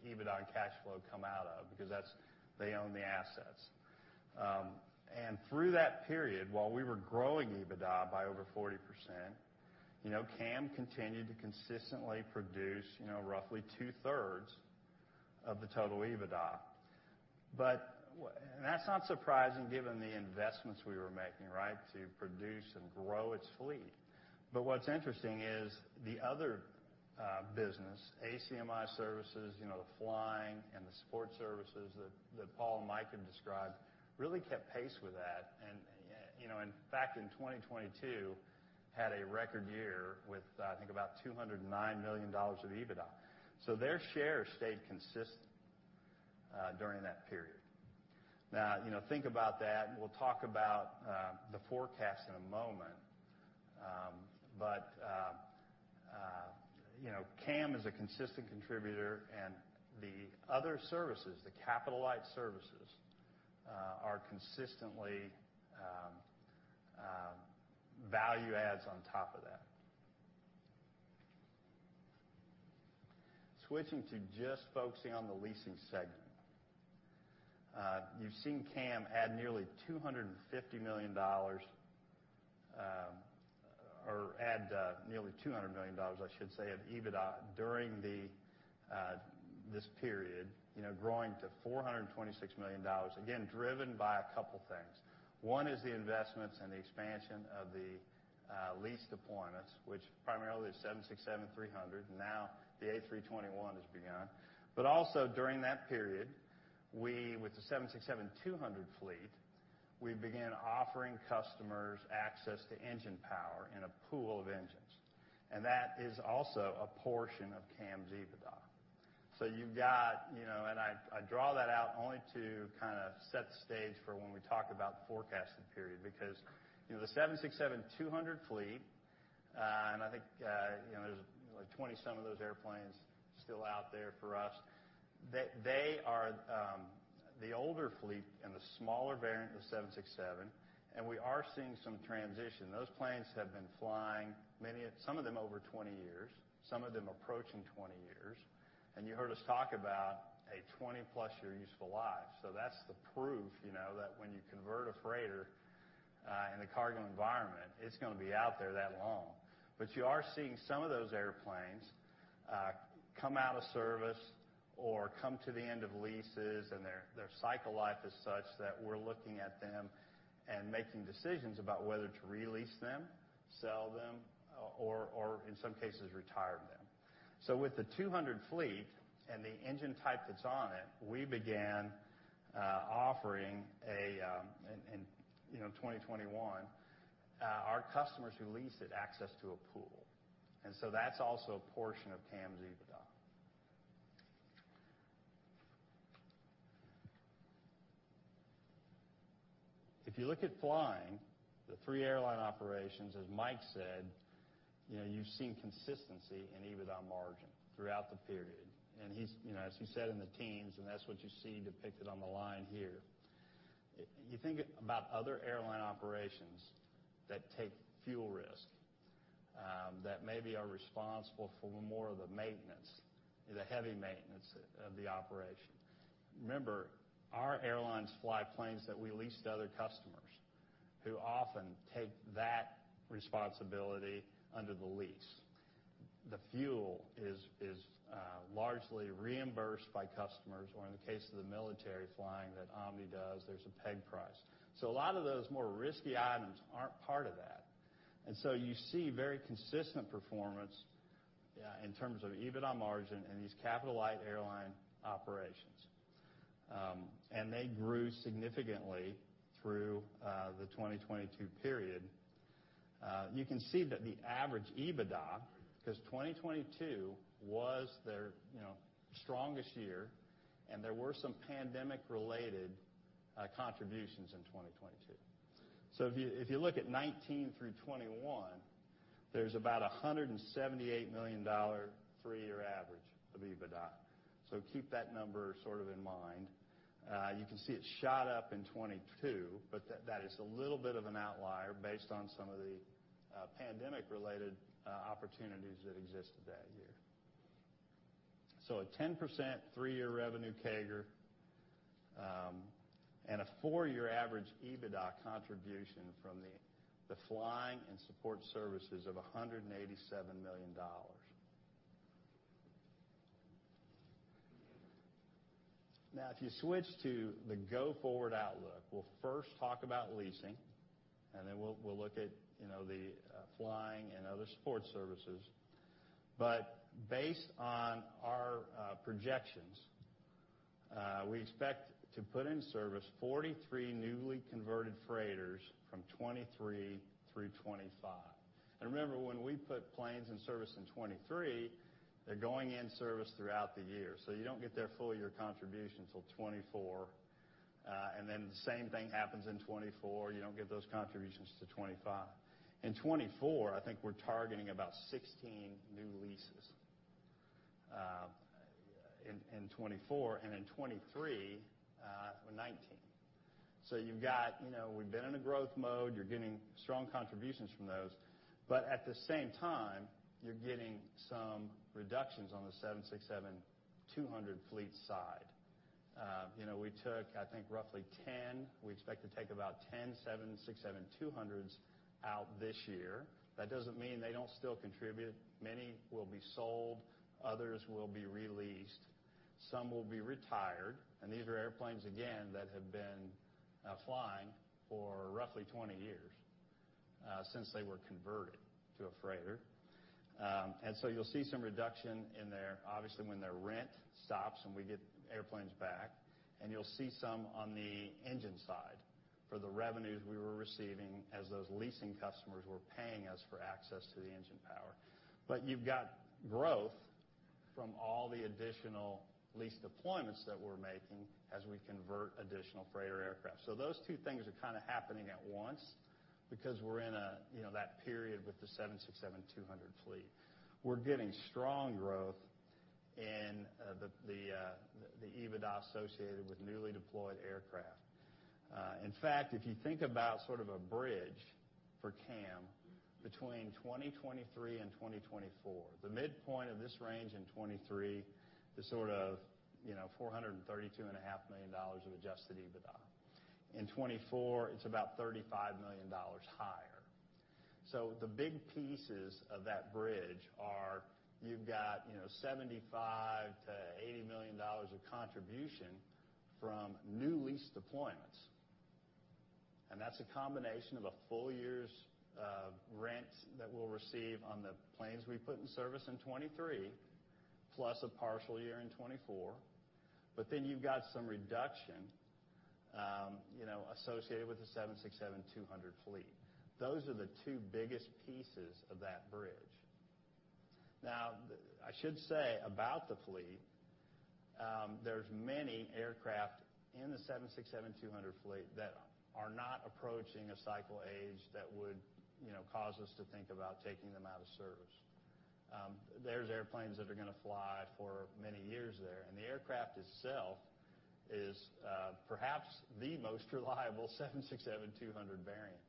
[SPEAKER 6] EBITDA and cash flow come out of, because that's... They own the assets. And through that period, while we were growing EBITDA by over 40%, you know, CAM continued to consistently produce, you know, roughly two-thirds of the total EBITDA. But and that's not surprising given the investments we were making, right, to produce and grow its fleet. But what's interesting is the other business, ACMI Services, you know, the flying and the support services that Paul and Mike have described, really kept pace with that. You know, in fact, in 2022, had a record year with, I think about $209 million of EBITDA. So their share stayed consistent during that period. Now, you know, think about that, and we'll talk about the forecast in a moment. But you know, CAM is a consistent contributor, and the other services, the capital light services, are consistently value adds on top of that. Switching to just focusing on the leasing segment. You've seen CAM add nearly $250 million, or add nearly $200 million, I should say, of EBITDA during this period, you know, growing to $426 million, again, driven by a couple things. One is the investments and the expansion of the lease deployments, which primarily is 767-300, now the A321 has begun. But also during that period, we, with the 767-200 fleet, we began offering customers access to engine power in a pool of engines, and that is also a portion of CAM's EBITDA. So you've got, you know. And I draw that out only to kind of set the stage for when we talk about the forecasted period, because, you know, the 767-200 fleet, and I think, you know, there's like 20-some of those airplanes still out there for us. They are the older fleet and the smaller variant of the 767, and we are seeing some transition. Those planes have been flying, many of some of them, over 20 years, some of them approaching 20 years. And you heard us talk about a 20+ year useful life. So that's the proof, you know, that when you convert a freighter, in the cargo environment, it's gonna be out there that long. But you are seeing some of those airplanes come out of service or come to the end of leases, and their cycle life is such that we're looking at them and making decisions about whether to re-lease them, sell them, or in some cases, retire them. So with the 200 fleet and the engine type that's on it, we began offering a, in you know, 2021, our customers who lease it, access to a pool. And so that's also a portion of CAM's EBITDA. If you look at flying, the three airline operations, as Mike said, you know, you've seen consistency in EBITDA margin throughout the period. And he's, you know, as you said, in the teams, and that's what you see depicted on the line here. You think about other airline operations that take fuel risk, that maybe are responsible for more of the maintenance, the heavy maintenance of the operation. Remember, our airlines fly planes that we lease to other customers, who often take that responsibility under the lease. The fuel is largely reimbursed by customers, or in the case of the military flying, that Omni does, there's a peg price. So a lot of those more risky items aren't part of that. And so you see very consistent performance in terms of EBITDA margin and these capital light airline operations. And they grew significantly through the 2022 period. You can see that the average EBITDA, because 2022 was their, you know, strongest year, and there were some pandemic-related contributions in 2022. So if you look at 2019 through 2021, there's about a $178 million three-year average of EBITDA. So keep that number sort of in mind. You can see it shot up in 2022, but that is a little bit of an outlier based on some of the pandemic-related opportunities that existed that year. So a 10% three-year revenue CAGR, and a four-year average EBITDA contribution from the flying and support services of a $187 million. Now, if you switch to the go-forward outlook, we'll first talk about leasing, and then we'll look at, you know, the flying and other support services. But based on our projections, we expect to put in service 43 newly converted freighters from 2023 through 2025. And remember, when we put planes in service in 2023, they're going in service throughout the year, so you don't get their full year contribution till 2024. And then the same thing happens in 2024, you don't get those contributions to 2025. In 2024, I think we're targeting about 16 new leases in 2024, and in 2023, 19. So you've got, you know, we've been in a growth mode, you're getting strong contributions from those, but at the same time, you're getting some reductions on the 767-200 fleet side. You know, we took, I think, roughly 10. We expect to take about 10 767-200s out this year. That doesn't mean they don't still contribute. Many will be sold, others will be re-leased, some will be retired, and these are airplanes, again, that have been flying for roughly 20 years since they were converted to a freighter. And so you'll see some reduction in their... Obviously, when their rent stops, and we get airplanes back, and you'll see some on the engine side for the revenues we were receiving as those leasing customers were paying us for access to the engine power. But you've got growth from all the additional lease deployments that we're making as we convert additional freighter aircraft. So those two things are kind of happening at once because we're in a, you know, that period with the 767-200 fleet. We're getting strong growth in the EBITDA associated with newly deployed aircraft. In fact, if you think about sort of a bridge for CAM between 2023 and 2024, the midpoint of this range in 2023, the sort of, you know, $432.5 million of Adjusted EBITDA. In 2024, it's about $35 million higher. So the big pieces of that bridge are you've got, you know, $75 million-$80 million of contribution from new lease deployments, and that's a combination of a full year's rent that we'll receive on the planes we put in service in 2023, plus a partial year in 2024. But then you've got some reduction, you know, associated with the 767-200 fleet. Those are the two biggest pieces of that bridge. Now, I should say, about the fleet, there's many aircraft in the 767-200 fleet that are not approaching a cycle age that would, you know, cause us to think about taking them out of service. There's airplanes that are gonna fly for many years there, and the aircraft itself is, perhaps the most reliable 767-200 variant.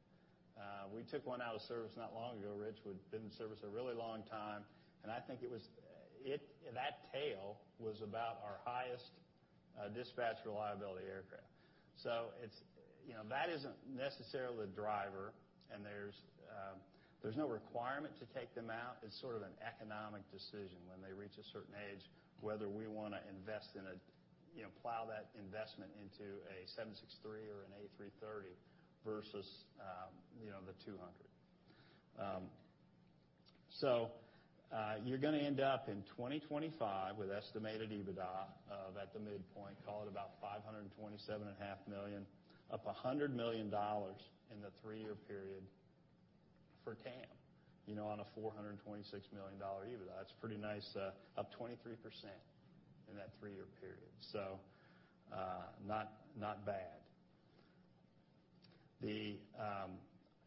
[SPEAKER 6] We took one out of service not long ago, Rich, we've been in service a really long time, and I think it was that tail was about our highest dispatch reliability aircraft. So it's, you know, that isn't necessarily the driver, and there's there's no requirement to take them out. It's sort of an economic decision when they reach a certain age, whether we wanna invest in a, you know, plow that investment into a 763 or an A330 versus, you know, the 200. So, you're gonna end up in 2025 with estimated EBITDA at the midpoint, call it about $527.5 million, up $100 million in the three-year period for CAM, you know, on a $426 million EBITDA. That's pretty nice, up 23% in that three-year period, so, not, not bad. The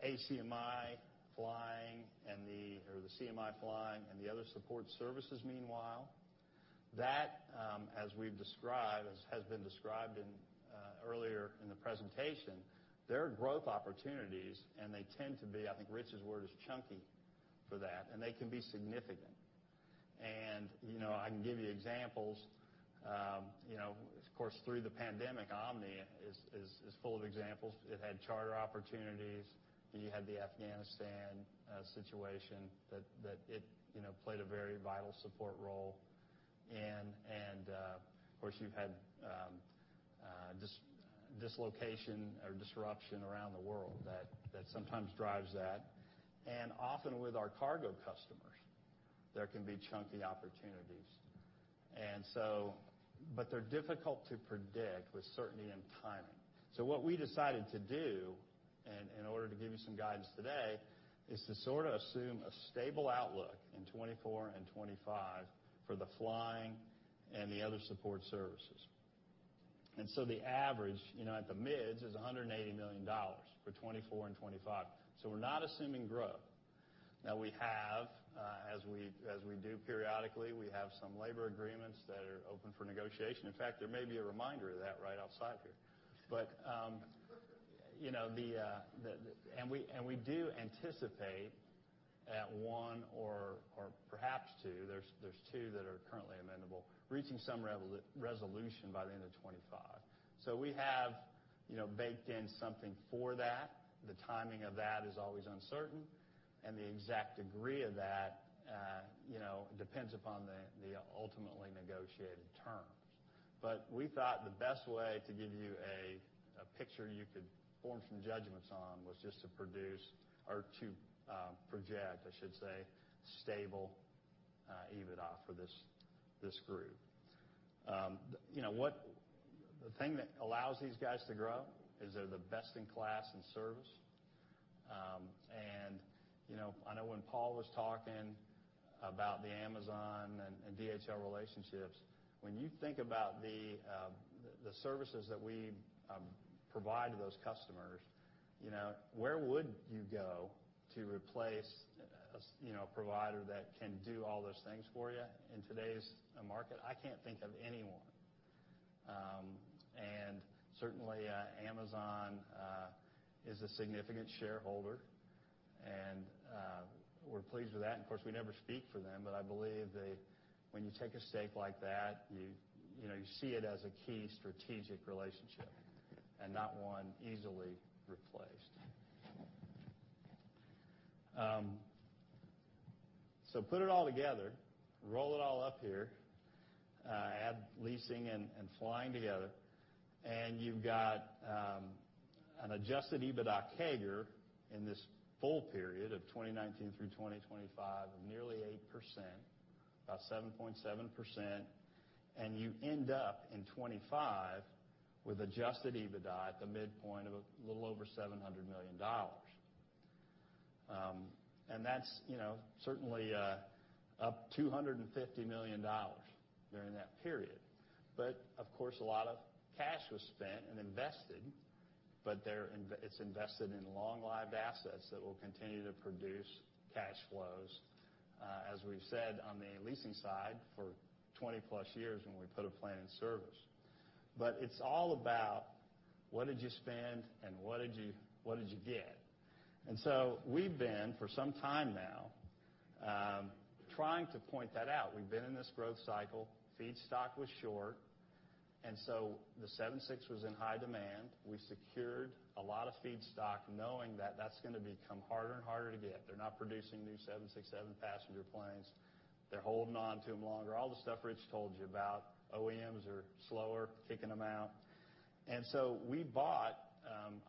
[SPEAKER 6] ACMI flying and the, or the CMI flying and the other support services, meanwhile, that, as we've described, as has been described in, earlier in the presentation, there are growth opportunities, and they tend to be, I think, Rich's word is chunky for that, and they can be significant. And, you know, I can give you examples. You know, of course, through the pandemic, Omni is full of examples. It had charter opportunities, you had the Afghanistan situation that it, you know, played a very vital support role. And, of course, you've had, dislocation or disruption around the world that sometimes drives that. And often with our cargo customers, there can be chunky opportunities. But they're difficult to predict with certainty and timing. So what we decided to do, and in order to give you some guidance today, is to sort of assume a stable outlook in 2024 and 2025 for the flying and the other support services. And so the average, you know, at the mids, is $180 million for 2024 and 2025. So we're not assuming growth. Now, we have, as we do periodically, we have some labor agreements that are open for negotiation. In fact, there may be a reminder of that right outside here. But, you know, the, and we do anticipate at one or perhaps two, there are two that are currently amendable, reaching some resolution by the end of 2025. So we have, you know, baked in something for that. The timing of that is always uncertain, and the exact degree of that, you know, depends upon the ultimately negotiated terms. But we thought the best way to give you a picture you could form some judgments on was just to produce or to project, I should say, stable EBITDA for this group. You know what? The thing that allows these guys to grow is they're the best-in-class in service. And, you know, I know when Paul was talking about the Amazon and DHL relationships, when you think about the services that we provide to those customers, you know, where would you go to replace, as you know, a provider that can do all those things for you in today's market? I can't think of anyone. And certainly, Amazon is a significant shareholder, and we're pleased with that. Of course, we never speak for them, but I believe they, when you take a stake like that, you, you know, you see it as a key strategic relationship and not one easily replaced. So put it all together, roll it all up here, add leasing and flying together, and you've got an Adjusted EBITDA CAGR in this full period of 2019 through 2025 of nearly 8%, about 7.7%, and you end up in 2025 with Adjusted EBITDA at the midpoint of a little over $700 million. And that's, you know, certainly up $250 million during that period. But of course, a lot of cash was spent and invested, but it's invested in long-lived assets that will continue to produce cash flows, as we've said, on the leasing side for 20+ years when we put a plane in service. But it's all about what did you spend and what did you, what did you get? And so we've been, for some time now, trying to point that out. We've been in this growth cycle. Feedstock was short, and so the 767 was in high demand. We secured a lot of feedstock knowing that that's gonna become harder and harder to get. They're not producing new 767 passenger planes. They're holding on to them longer. All the stuff Rich told you about, OEMs are slower kicking them out. And so we bought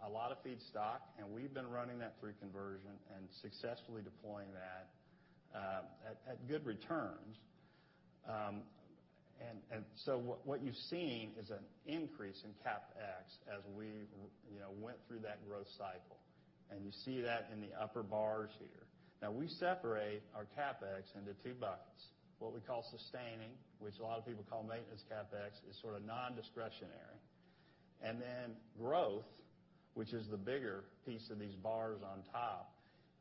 [SPEAKER 6] a lot of feedstock, and we've been running that through conversion and successfully deploying that at good returns. So what you've seen is an increase in CapEx as we, you know, went through that growth cycle, and you see that in the upper bars here. Now, we separate our CapEx into two buckets. What we call sustaining, which a lot of people call maintenance CapEx, is sort of non-discretionary. Then growth, which is the bigger piece of these bars on top,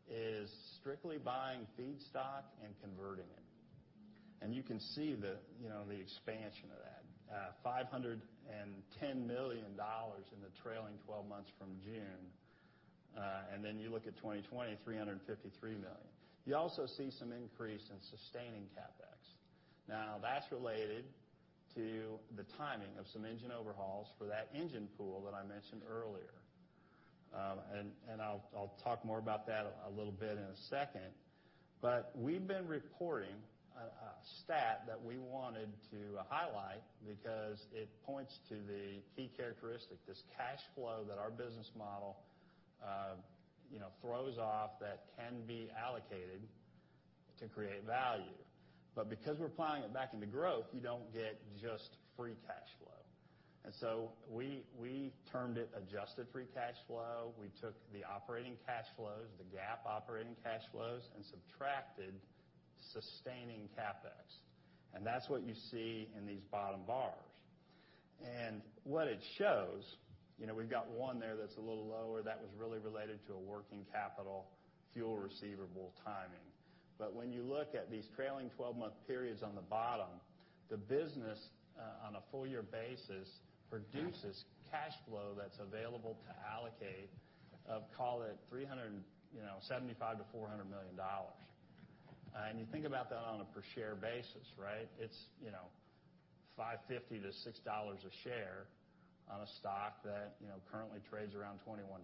[SPEAKER 6] is strictly buying feedstock and converting it. And you can see the, you know, the expansion of that. $510 million in the trailing 12 months from June, and then you look at 2020, $353 million. You also see some increase in sustaining CapEx. Now, that's related to the timing of some engine overhauls for that engine pool that I mentioned earlier. And I'll talk more about that a little bit in a second. But we've been reporting a stat that we wanted to highlight because it points to the key characteristic, this cash flow that our business model, you know, throws off that can be allocated to create value. But because we're plowing it back into growth, you don't get just free cash flow. And so we termed it adjusted free cash flow. We took the operating cash flows, the GAAP operating cash flows, and subtracted sustaining CapEx, and that's what you see in these bottom bars. And what it shows, you know, we've got one there that's a little lower, that was really related to a working capital fuel receivable timing. But when you look at these trailing 12-month periods on the bottom, the business, on a full year basis, produces cash flow that's available to allocate, call it $375 million-$400 million. And you think about that on a per share basis, right? It's, you know, $5.50-$6 a share on a stock that, you know, currently trades around $21.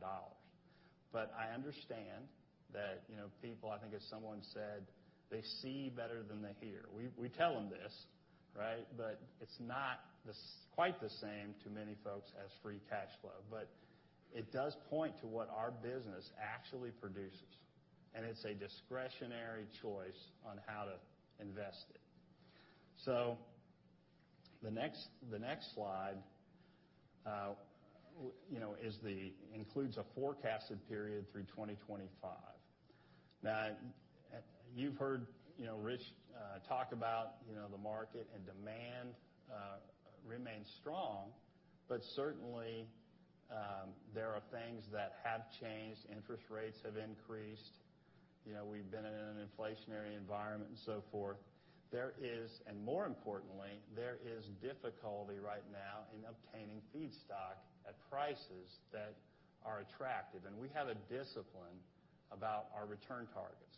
[SPEAKER 6] But I understand that, you know, people, I think as someone said, they see better than they hear. We, we tell them this, right? But it's not quite the same to many folks as free cash flow. But it does point to what our business actually produces, and it's a discretionary choice on how to invest it. So the next slide, you know, includes a forecasted period through 2025. Now, you've heard, you know, Rich, talk about, you know, the market and demand remain strong, but certainly, there are things that have changed. Interest rates have increased, you know, we've been in an inflationary environment, and so forth. There is, and more importantly, there is difficulty right now in obtaining feedstock at prices that are attractive, and we have a discipline about our return targets.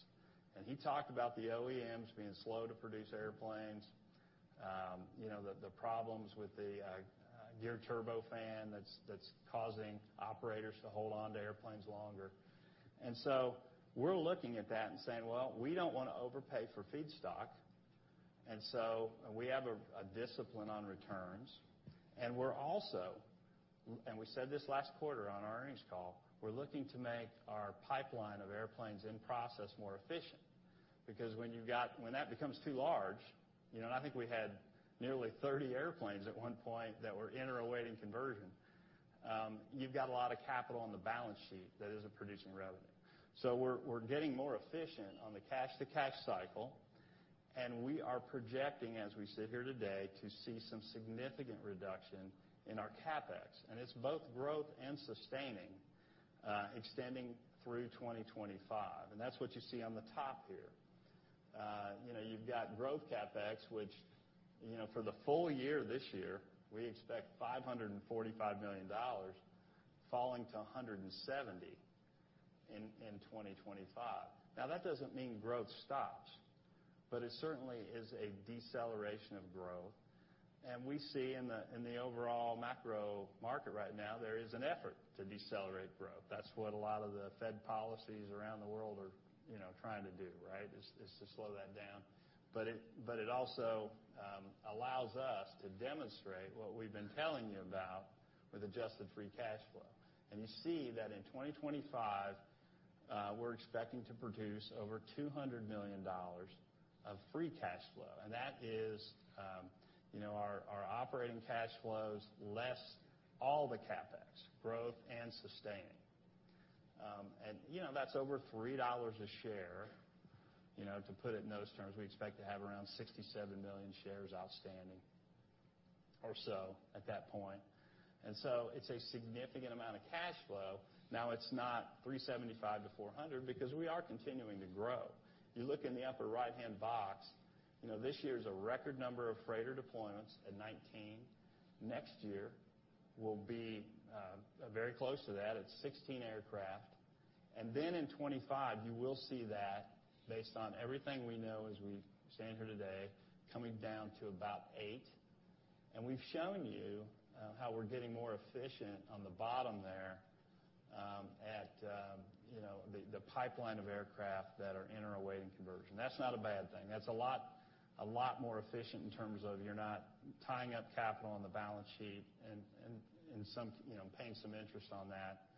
[SPEAKER 6] And he talked about the OEMs being slow to produce airplanes, you know, the problems with the geared turbofan that's causing operators to hold on to airplanes longer. And so we're looking at that and saying: Well, we don't want to overpay for feedstock, and so we have a discipline on returns. We're also, and we said this last quarter on our earnings call, we're looking to make our pipeline of airplanes in process more efficient, because when you've got when that becomes too large, you know, and I think we had nearly 30 airplanes at one point that were in or awaiting conversion, you've got a lot of capital on the balance sheet that isn't producing revenue. So we're getting more efficient on the cash-to-cash cycle, and we are projecting, as we sit here today, to see some significant reduction in our CapEx, and it's both growth and sustaining, extending through 2025. That's what you see on the top here. You know, you've got growth CapEx, which, you know, for the full year, this year, we expect $545 million, falling to $170 million in 2025. Now, that doesn't mean growth stops, but it certainly is a deceleration of growth. And we see in the overall macro market right now, there is an effort to decelerate growth. That's what a lot of the Fed policies around the world are, you know, trying to do, right? Is to slow that down. But it also allows us to demonstrate what we've been telling you about with adjusted free cash flow. And you see that in 2025, we're expecting to produce over $200 million of free cash flow, and that is, you know, our operating cash flows, less all the CapEx, growth and sustaining. And, you know, that's over $3 a share. You know, to put it in those terms, we expect to have around 67 million shares outstanding or so at that point, and so it's a significant amount of cash flow. Now, it's not $375 million-$400 million, because we are continuing to grow. You look in the upper right-hand box, you know, this year is a record number of freighter deployments at 19. Next year will be very close to that. It's 16 aircraft, and then in 2025, you will see that, based on everything we know as we stand here today, coming down to about 8. And we've shown you how we're getting more efficient on the bottom there, at you know, the pipeline of aircraft that are in or awaiting conversion. That's not a bad thing. That's a lot, a lot more efficient in terms of you're not tying up capital on the balance sheet and some, you know, paying some interest on that.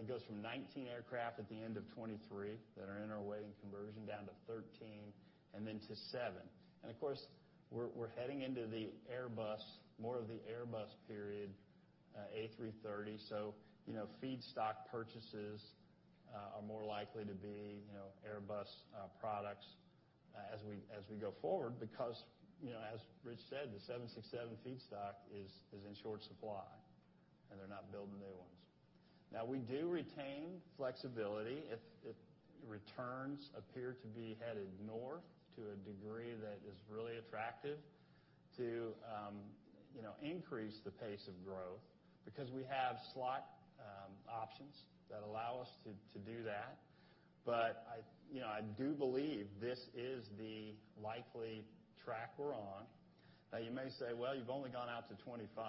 [SPEAKER 6] It goes from 19 aircraft at the end of 2023 that are in or awaiting conversion, down to 13, and then to 7. And of course, we're heading into the Airbus, more of the Airbus period, A330. So, you know, feedstock purchases are more likely to be, you know, Airbus products as we go forward, because, you know, as Rich said, the 767 feedstock is in short supply, and they're not building new ones. Now, we do retain flexibility if, if returns appear to be headed north to a degree that is really attractive to, you know, increase the pace of growth, because we have slot, options that allow us to, to do that. But I, you know, I do believe this is the likely track we're on. Now, you may say, "Well, you've only gone out to 2025.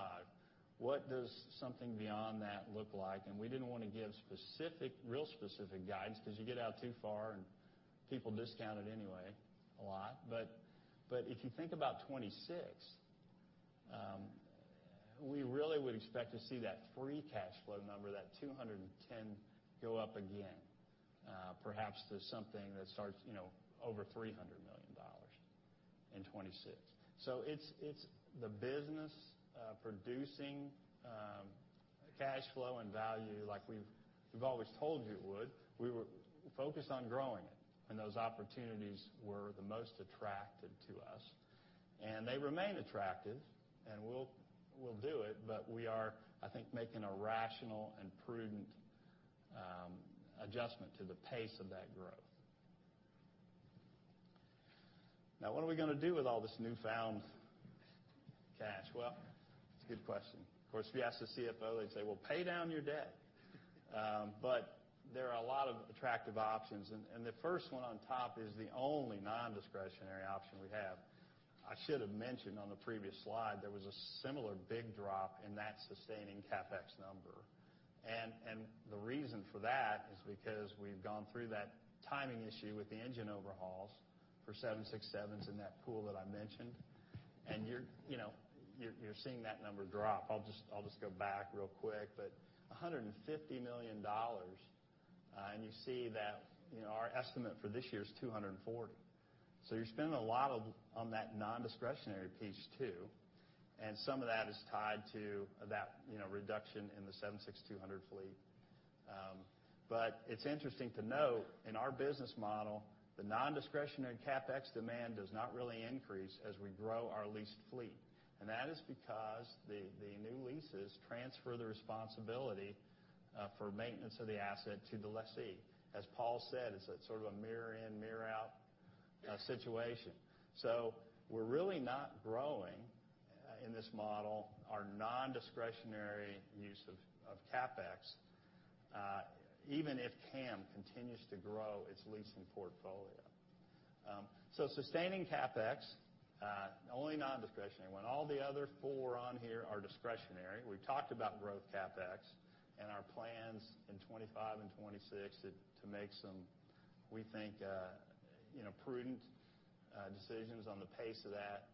[SPEAKER 6] What does something beyond that look like?" And we didn't want to give specific, real specific guidance, because you get out too far, and people discount it anyway, a lot. But, but if you think about 2026, we really would expect to see that free cash flow number, that $210 million, go up again, perhaps to something that starts, you know, over $300 million in 2026. So it's the business producing cash flow and value like we've always told you it would. We were focused on growing it, and those opportunities were the most attractive to us, and they remain attractive, and we'll do it, but we are, I think, making a rational and prudent adjustment to the pace of that growth. Now, what are we going to do with all this newfound cash? Well, it's a good question. Of course, if you ask the CFO, they'd say, "Well, pay down your debt." But there are a lot of attractive options, and the first one on top is the only non-discretionary option we have. I should have mentioned on the previous slide, there was a similar big drop in that sustaining CapEx number. And the reason for that is because we've gone through that timing issue with the engine overhauls for 767s in that pool that I mentioned, and you're, you know, seeing that number drop. I'll just go back real quick, but $150 million, and you see that, you know, our estimate for this year is $240 million. So you're spending a lot of on that non-discretionary piece, too, and some of that is tied to that, you know, reduction in the 767-200 fleet. But it's interesting to note, in our business model, the non-discretionary CapEx demand does not really increase as we grow our leased fleet. And that is because the new leases transfer the responsibility for maintenance of the asset to the lessee. As Paul said, it's a sort of a mirror-in, mirror-out situation. So we're really not growing, in this model, our non-discretionary use of CapEx, even if CAM continues to grow its leasing portfolio. So sustaining CapEx, the only non-discretionary one, all the other four on here are discretionary. We've talked about growth CapEx and our plans in 2025 and 2026 to make some, we think, you know, prudent decisions on the pace of that.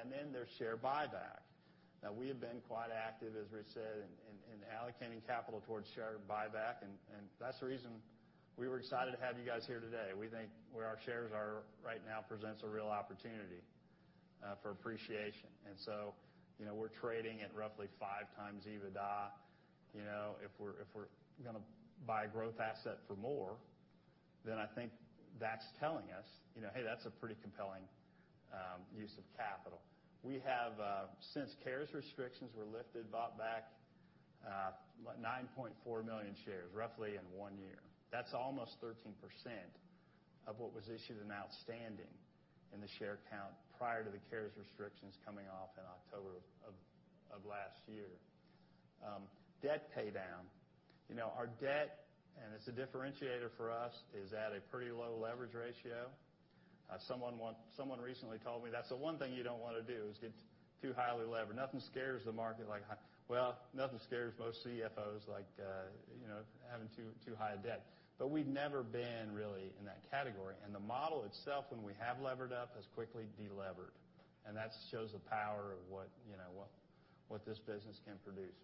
[SPEAKER 6] And then there's share buyback. Now, we have been quite active, as Rich said, in allocating capital towards share buyback, and that's the reason we were excited to have you guys here today. We think where our shares are right now presents a real opportunity, for appreciation. And so, you know, we're trading at roughly 5x EBITDA. You know, if we're, if we're going to buy a growth asset for more, then I think that's telling us, you know, "Hey, that's a pretty compelling, use of capital." We have, since CARES restrictions were lifted, bought back, 9.4 million shares, roughly in one year. That's almost 13% of what was issued and outstanding in the share count prior to the CARES restrictions coming off in October of last year. Debt paydown. You know, our debt, and it's a differentiator for us, is at a pretty low leverage ratio. Someone recently told me, "That's the one thing you don't want to do, is get too highly levered. Nothing scares the market like high..." Well, nothing scares most CFOs like, you know, having too, too high a debt. But we've never been really in that category, and the model itself, when we have levered up, has quickly delevered, and that shows the power of what, you know, this business can produce.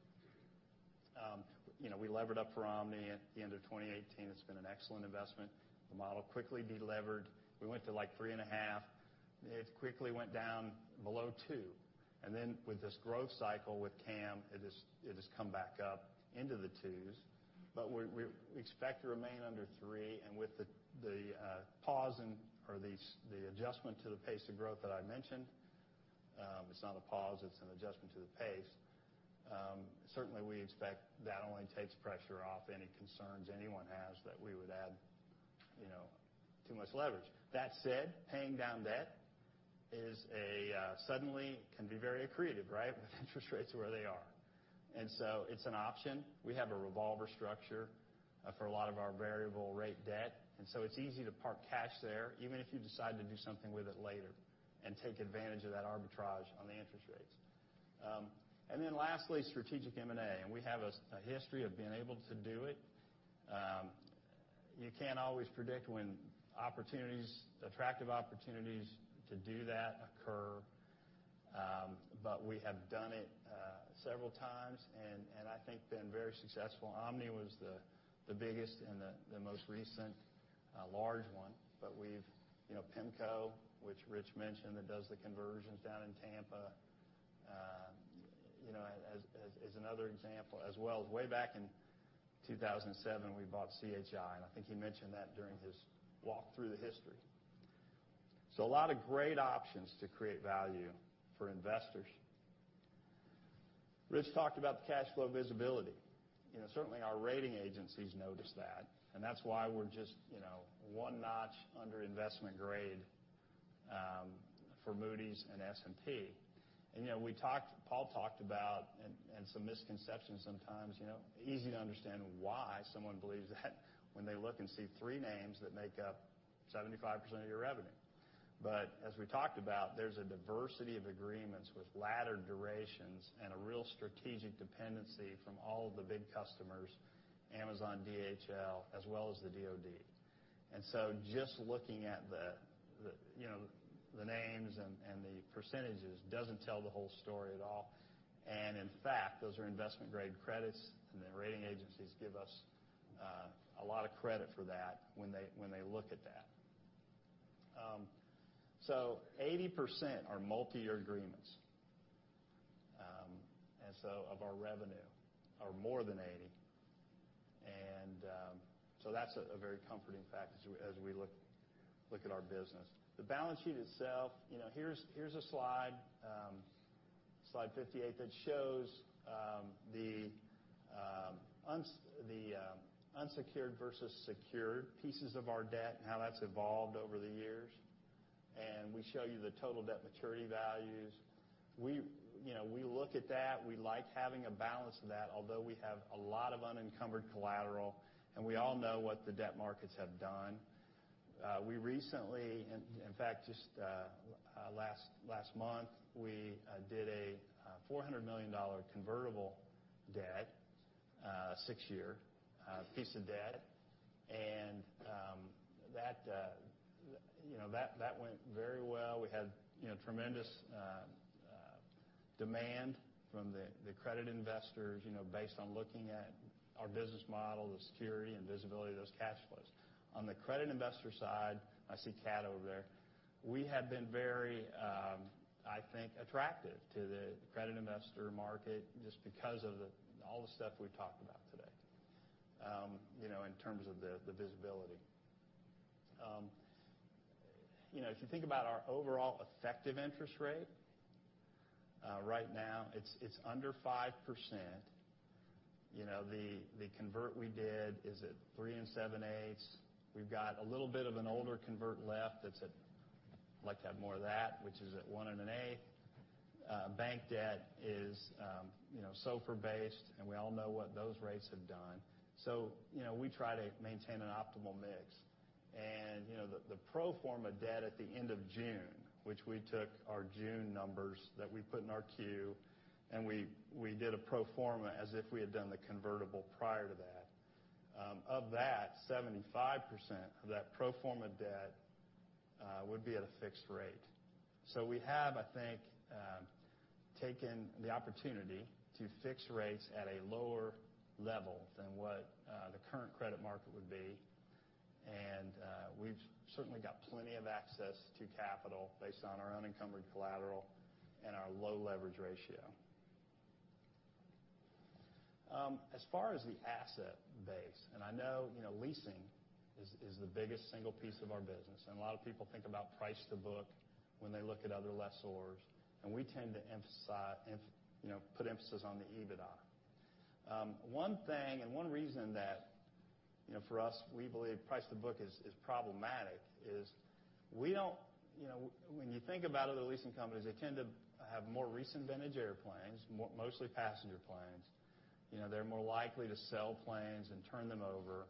[SPEAKER 6] You know, we levered up for Omni at the end of 2018. It's been an excellent investment. The model quickly delevered. We went to, like, 3.5. It quickly went down below 2, and then with this growth cycle with CAM, it has come back up into the 2s. But we expect to remain under three, and with the adjustment to the pace of growth that I mentioned, it's not a pause, it's an adjustment to the pace, certainly we expect that only takes pressure off any concerns anyone has that we would add, you know, too much leverage. That said, paying down debt suddenly can be very accretive, right? With interest rates where they are. And so it's an option. We have a revolver structure for a lot of our variable rate debt, and so it's easy to park cash there, even if you decide to do something with it later and take advantage of that arbitrage on the interest rates. And then lastly, strategic M&A, and we have a history of being able to do it. You can't always predict when opportunities, attractive opportunities to do that occur, but we have done it several times, and I think been very successful. Omni was the biggest and the most recent large one, but we've... You know, Pemco, which Rich mentioned, that does the conversions down in Tampa, you know, as another example, as well as way back in 2007, we bought CHI, and I think he mentioned that during his walk through the history. So a lot of great options to create value for investors. Rich talked about the cash flow visibility. You know, certainly our rating agencies notice that, and that's why we're just, you know, one notch under investment grade for Moody's and S&P. You know, we talked. Paul talked about, and some misconceptions sometimes, you know, easy to understand why someone believes that when they look and see three names that make up 75% of your revenue. But as we talked about, there's a diversity of agreements with laddered durations and a real strategic dependency from all of the big customers, Amazon, DHL, as well as the DoD. And so just looking at the, you know, the names and the percentages doesn't tell the whole story at all. And in fact, those are investment-grade credits, and the rating agencies give us a lot of credit for that when they look at that. So 80% are multiyear agreements, and so of our revenue, are more than 80. So that's a very comforting fact as we look at our business. The balance sheet itself, you know, here's a slide, slide 58, that shows the unsecured versus secured pieces of our debt and how that's evolved over the years. And we show you the total debt maturity values. We, you know, we look at that. We like having a balance of that, although we have a lot of unencumbered collateral, and we all know what the debt markets have done. We recently, in fact, just last month, we did a $400 million convertible debt, six-year piece of debt. And that, you know, that went very well. We had, you know, tremendous demand from the credit investors, you know, based on looking at our business model, the security, and visibility of those cash flows. On the credit investor side, I see Cat over there, we have been very, I think, attractive to the credit investor market just because of all the stuff we've talked about today, you know, in terms of the visibility. You know, if you think about our overall effective interest rate, right now, it's under 5%. You know, the convert we did is at 3 7/8%. We've got a little bit of an older convert left that's at like to have more of that, which is at 1 1/8%. Bank debt is, you know, SOFR-based, and we all know what those rates have done. So, you know, we try to maintain an optimal mix. And, you know, the pro forma debt at the end of June, which we took our June numbers that we put in our Q, and we did a pro forma as if we had done the convertible prior to that. Of that, 75% of that pro forma debt would be at a fixed rate. So we have, I think, taken the opportunity to fix rates at a lower level than what the current credit market would be, and we've certainly got plenty of access to capital based on our unencumbered collateral and our low leverage ratio. As far as the asset base, and I know, you know, leasing is the biggest single piece of our business, and a lot of people think about price to book when they look at other lessors, and we tend to emphasize, you know, put emphasis on the EBITDA. One thing and one reason that, you know, for us, we believe price to book is problematic, is we don't. You know, when you think about other leasing companies, they tend to have more recent vintage airplanes, mostly passenger planes. You know, they're more likely to sell planes and turn them over.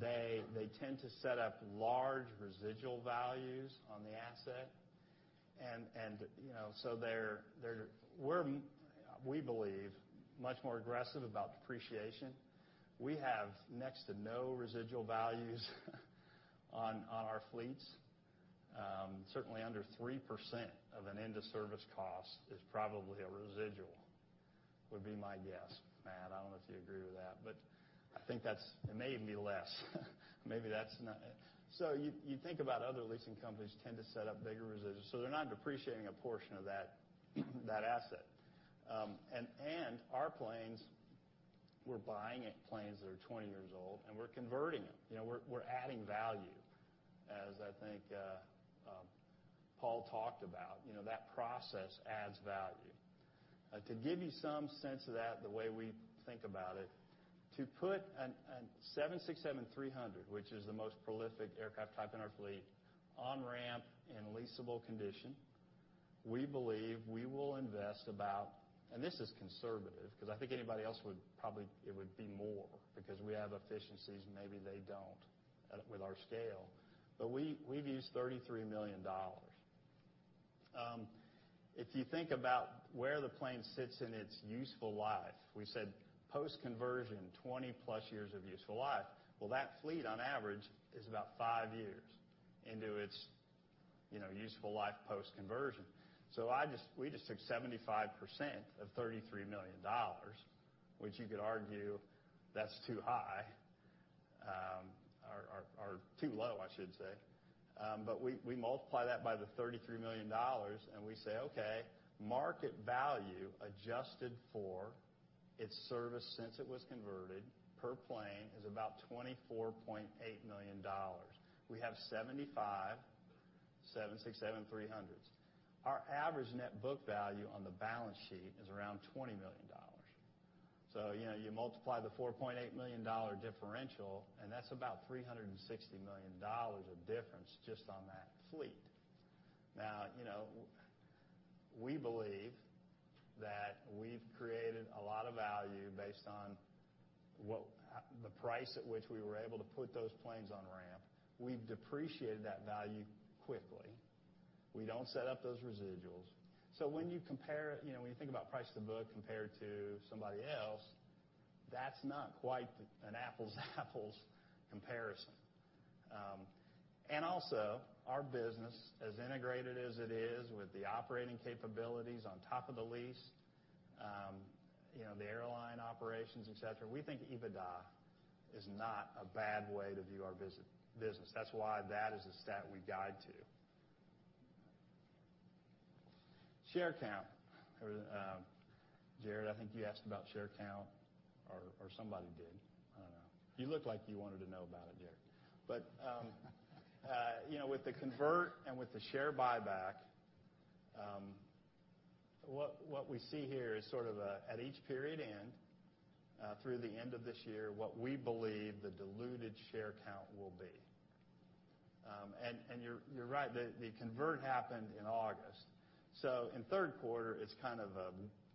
[SPEAKER 6] They tend to set up large residual values on the asset, and, you know, so they're. We're, we believe, much more aggressive about depreciation. We have next to no residual values on our fleets. Certainly under 3% of an end-of-service cost is probably a residual, would be my guess. Matt, I don't know if you agree with that, but I think that's, it may even be less. Maybe that's not it. So you think about other leasing companies tend to set up bigger residuals, so they're not depreciating a portion of that, that asset. And our planes, we're buying planes that are 20 years old, and we're converting them. You know, we're adding value, as I think Paul talked about. You know, that process adds value. To give you some sense of that, the way we think about it, to put a 767-300, which is the most prolific aircraft type in our fleet, on-ramp in leasable condition, we believe we will invest about... This is conservative, because I think anybody else would probably it would be more, because we have efficiencies, maybe they don't, with our scale, but we, we've used $33 million. If you think about where the plane sits in its useful life, we said post-conversion, 20+ years of useful life. Well, that fleet, on average, is about 5 years into its, you know, useful life post-conversion. So I just we just took 75% of $33 million, which you could argue that's too high, or, or, or too low, I should say. But we, we multiply that by the $33 million, and we say, "Okay, market value adjusted for its service since it was converted, per plane, is about $24.8 million. We have 75 767-300s. Our average net book value on the balance sheet is around $20 million. So, you know, you multiply the $4.8 million dollar differential, and that's about $360 million of difference just on that fleet. Now, you know, we believe that we've created a lot of value based on what the price at which we were able to put those planes on ramp. We've depreciated that value quickly. We don't set up those residuals. So when you compare, you know, when you think about price to book compared to somebody else, that's not quite an apples-to-apples comparison. And also, our business, as integrated as it is, with the operating capabilities on top of the lease, you know, the airline operations, et cetera, we think EBITDA is not a bad way to view our business. That's why that is a stat we guide to. Share count. Jared, I think you asked about share count, or somebody did. I don't know. You look like you wanted to know about it, Jared. But you know, with the convert and with the share buyback, what we see here is sort of a, at each period end, through the end of this year, what we believe the diluted share count will be. And you're right, the convert happened in August. So in third quarter, it's kind of a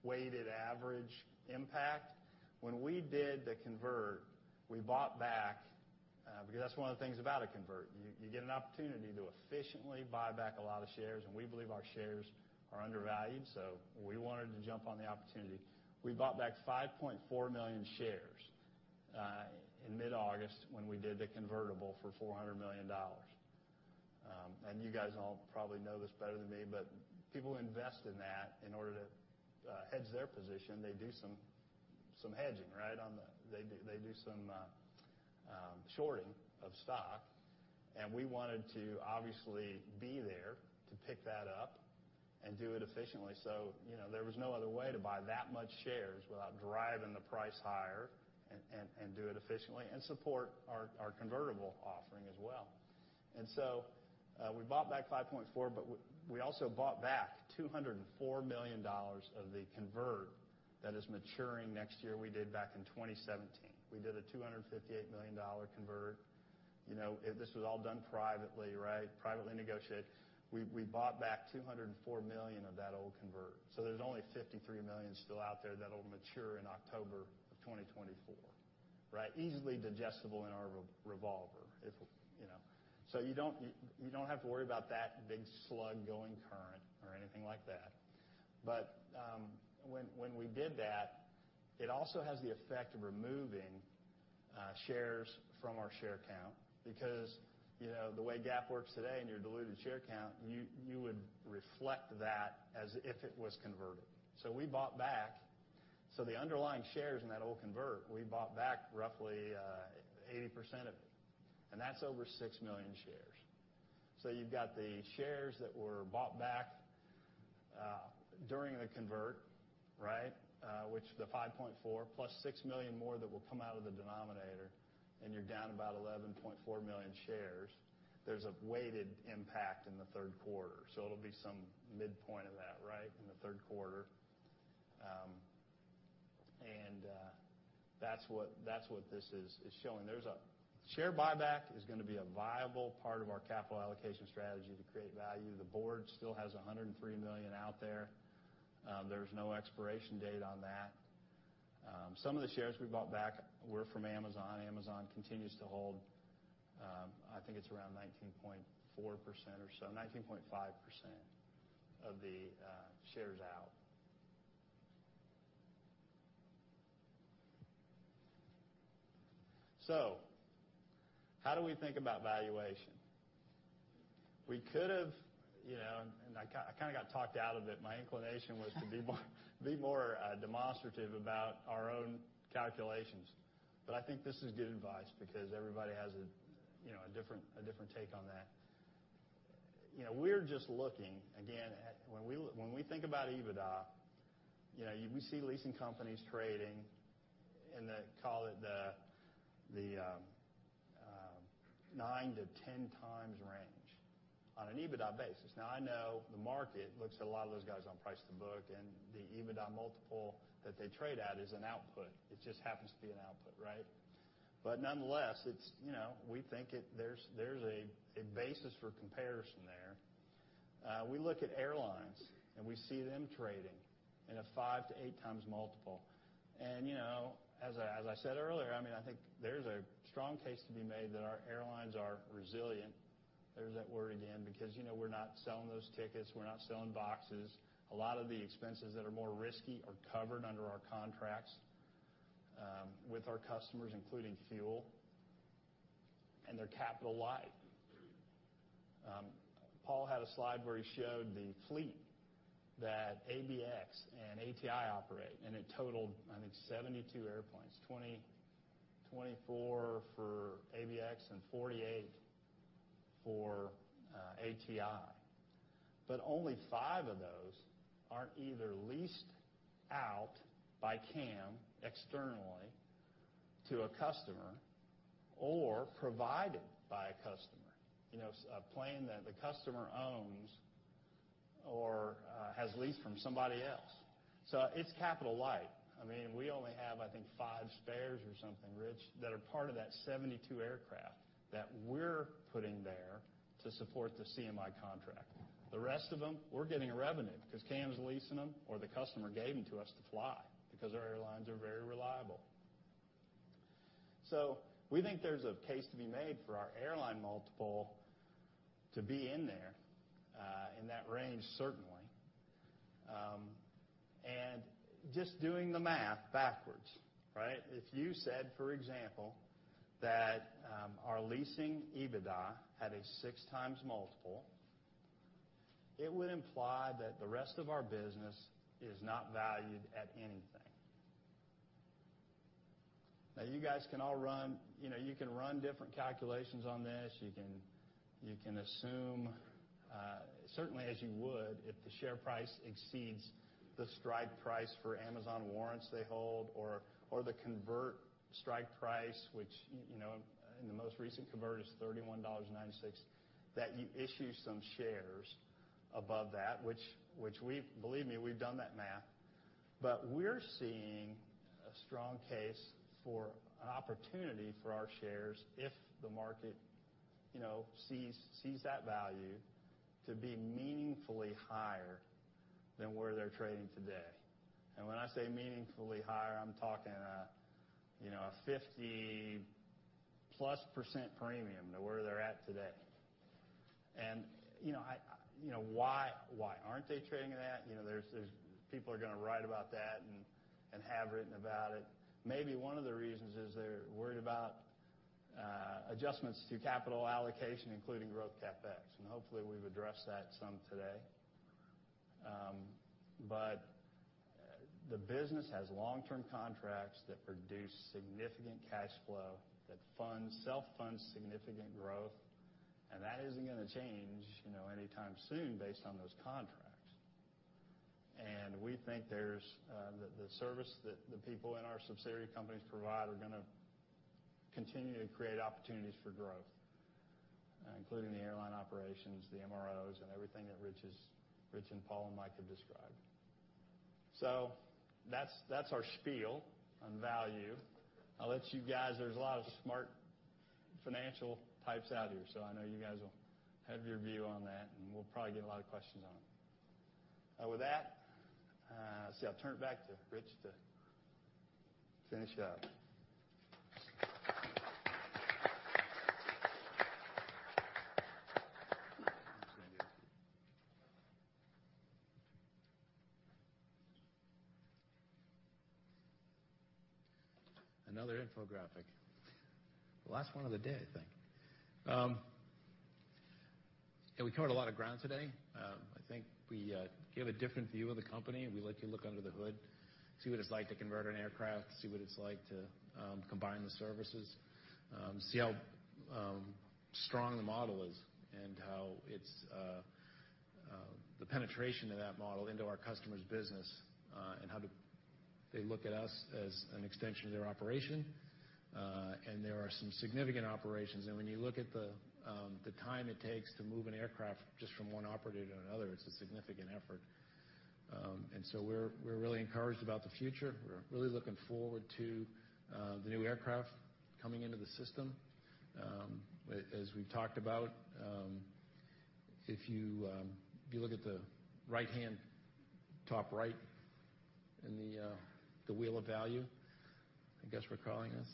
[SPEAKER 6] weighted average impact. When we did the convert, we bought back, because that's one of the things about a convert, you get an opportunity to efficiently buy back a lot of shares, and we believe our shares are undervalued, so we wanted to jump on the opportunity. We bought back 5.4 million shares in mid-August when we did the convertible for $400 million. And you guys all probably know this better than me, but people invest in that in order to hedge their position, they do some hedging, right, on the... They do some shorting of stock, and we wanted to obviously be there to pick that up and do it efficiently. So, you know, there was no other way to buy that much shares without driving the price higher and do it efficiently and support our convertible offering as well. And so, we bought back 5.4, but we also bought back $204 million of the convert that is maturing next year, we did back in 2017. We did a $258 million convert. You know, this was all done privately, right? Privately negotiated. We bought back $204 million of that old convert. So there's only $53 million still out there that'll mature in October of 2024, right? Easily digestible in our revolver, if you know. So you don't have to worry about that big slug going current or anything like that. But when we did that, it also has the effect of removing shares from our share count, because you know, the way GAAP works today in your diluted share count, you would reflect that as if it was converted. So the underlying shares in that old convert, we bought back roughly 80% of it, and that's over 6 million shares. So you've got the shares that were bought back, during the convert, right? Which the 5.4 million +6 million more that will come out of the denominator, and you're down about 11.4 million shares. There's a weighted impact in the third quarter, so it'll be some midpoint of that, right, in the third quarter. And that's what, that's what this is, is showing. There's a share buyback is gonna be a viable part of our capital allocation strategy to create value. The board still has 103 million out there. There's no expiration date on that. Some of the shares we bought back were from Amazon. Amazon continues to hold, I think it's around 19.4% or so, 19.5% of the shares out. So how do we think about valuation? We could have, you know, and I kind of got talked out of it. My inclination was to be more demonstrative about our own calculations. But I think this is good advice because everybody has a, you know, a different take on that. You know, we're just looking, again, at when we think about EBITDA, you know, we see leasing companies trading in the, call it, the 9x-10x range on an EBITDA basis. Now, I know the market looks at a lot of those guys on price to book, and the EBITDA multiple that they trade at is an output. It just happens to be an output, right? But nonetheless, it's, you know, we think it—there's a basis for comparison there. We look at airlines, and we see them trading in a 5x-8x multiple. And you know, as I said earlier, I mean, I think there's a strong case to be made that our airlines are resilient. There's that word again, because, you know, we're not selling those tickets, we're not selling boxes. A lot of the expenses that are more risky are covered under our contracts with our customers, including fuel, and they're capital light. Paul had a slide where he showed the fleet that ABX and ATI operate, and it totaled, I think, 72 airplanes, 24 for ABX and 48 for ATI. But only five of those are either leased out by CAM externally to a customer or provided by a customer. You know, a plane that the customer owns or has leased from somebody else. So it's capital light. I mean, we only have, I think, 5 spares or something, Rich, that are part of that 72 aircraft that we're putting there to support the CMI contract. The rest of them, we're getting a revenue because CAM's leasing them, or the customer gave them to us to fly, because our airlines are very reliable. So we think there's a case to be made for our airline multiple to be in there in that range, certainly. And just doing the math backwards, right? If you said, for example, that our leasing EBITDA had a 6x multiple, it would imply that the rest of our business is not valued at anything. Now, you guys can all run, you know, you can run different calculations on this. You can, you can assume, certainly, as you would, if the share price exceeds the strike price for Amazon warrants they hold or, or the convert strike price, which, you know, in the most recent convert is $31.96, that you issue some shares above that, which we, believe me, we've done that math. But we're seeing a strong case for an opportunity for our shares if the market, you know, sees that value to be meaningfully higher than where they're trading today. And when I say meaningfully higher, I'm talking, you know, a 50%+ premium to where they're at today. And, you know, I, you know, why, why aren't they trading that? You know, there's, people are gonna write about that and, and have written about it. Maybe one of the reasons is they're worried about adjustments to capital allocation, including growth CapEx, and hopefully, we've addressed that some today. But the business has long-term contracts that produce significant cash flow, that funds, self-funds significant growth, and that isn't gonna change, you know, anytime soon, based on those contracts. And we think there's the service that the people in our subsidiary companies provide are gonna continue to create opportunities for growth, including the airline operations, the MROs, and everything that Rich, and Paul, and Mike have described. So that's our spiel on value. I'll let you guys... There's a lot of smart financial types out here, so I know you guys will have your view on that, and we'll probably get a lot of questions on it. With that, so I'll turn it back to Rich to finish up.
[SPEAKER 2] Another infographic. The last one of the day, I think. And we covered a lot of ground today. I think we gave a different view of the company. We let you look under the hood, see what it's like to convert an aircraft, see what it's like to combine the services, see how strong the model is, and how it's the penetration of that model into our customer's business, and how they look at us as an extension of their operation. And there are some significant operations, and when you look at the time it takes to move an aircraft just from one operator to another, it's a significant effort. And so we're really encouraged about the future. We're really looking forward to the new aircraft coming into the system. As we've talked about, if you look at the right-hand, top right, in the wheel of value, I guess, we're calling this.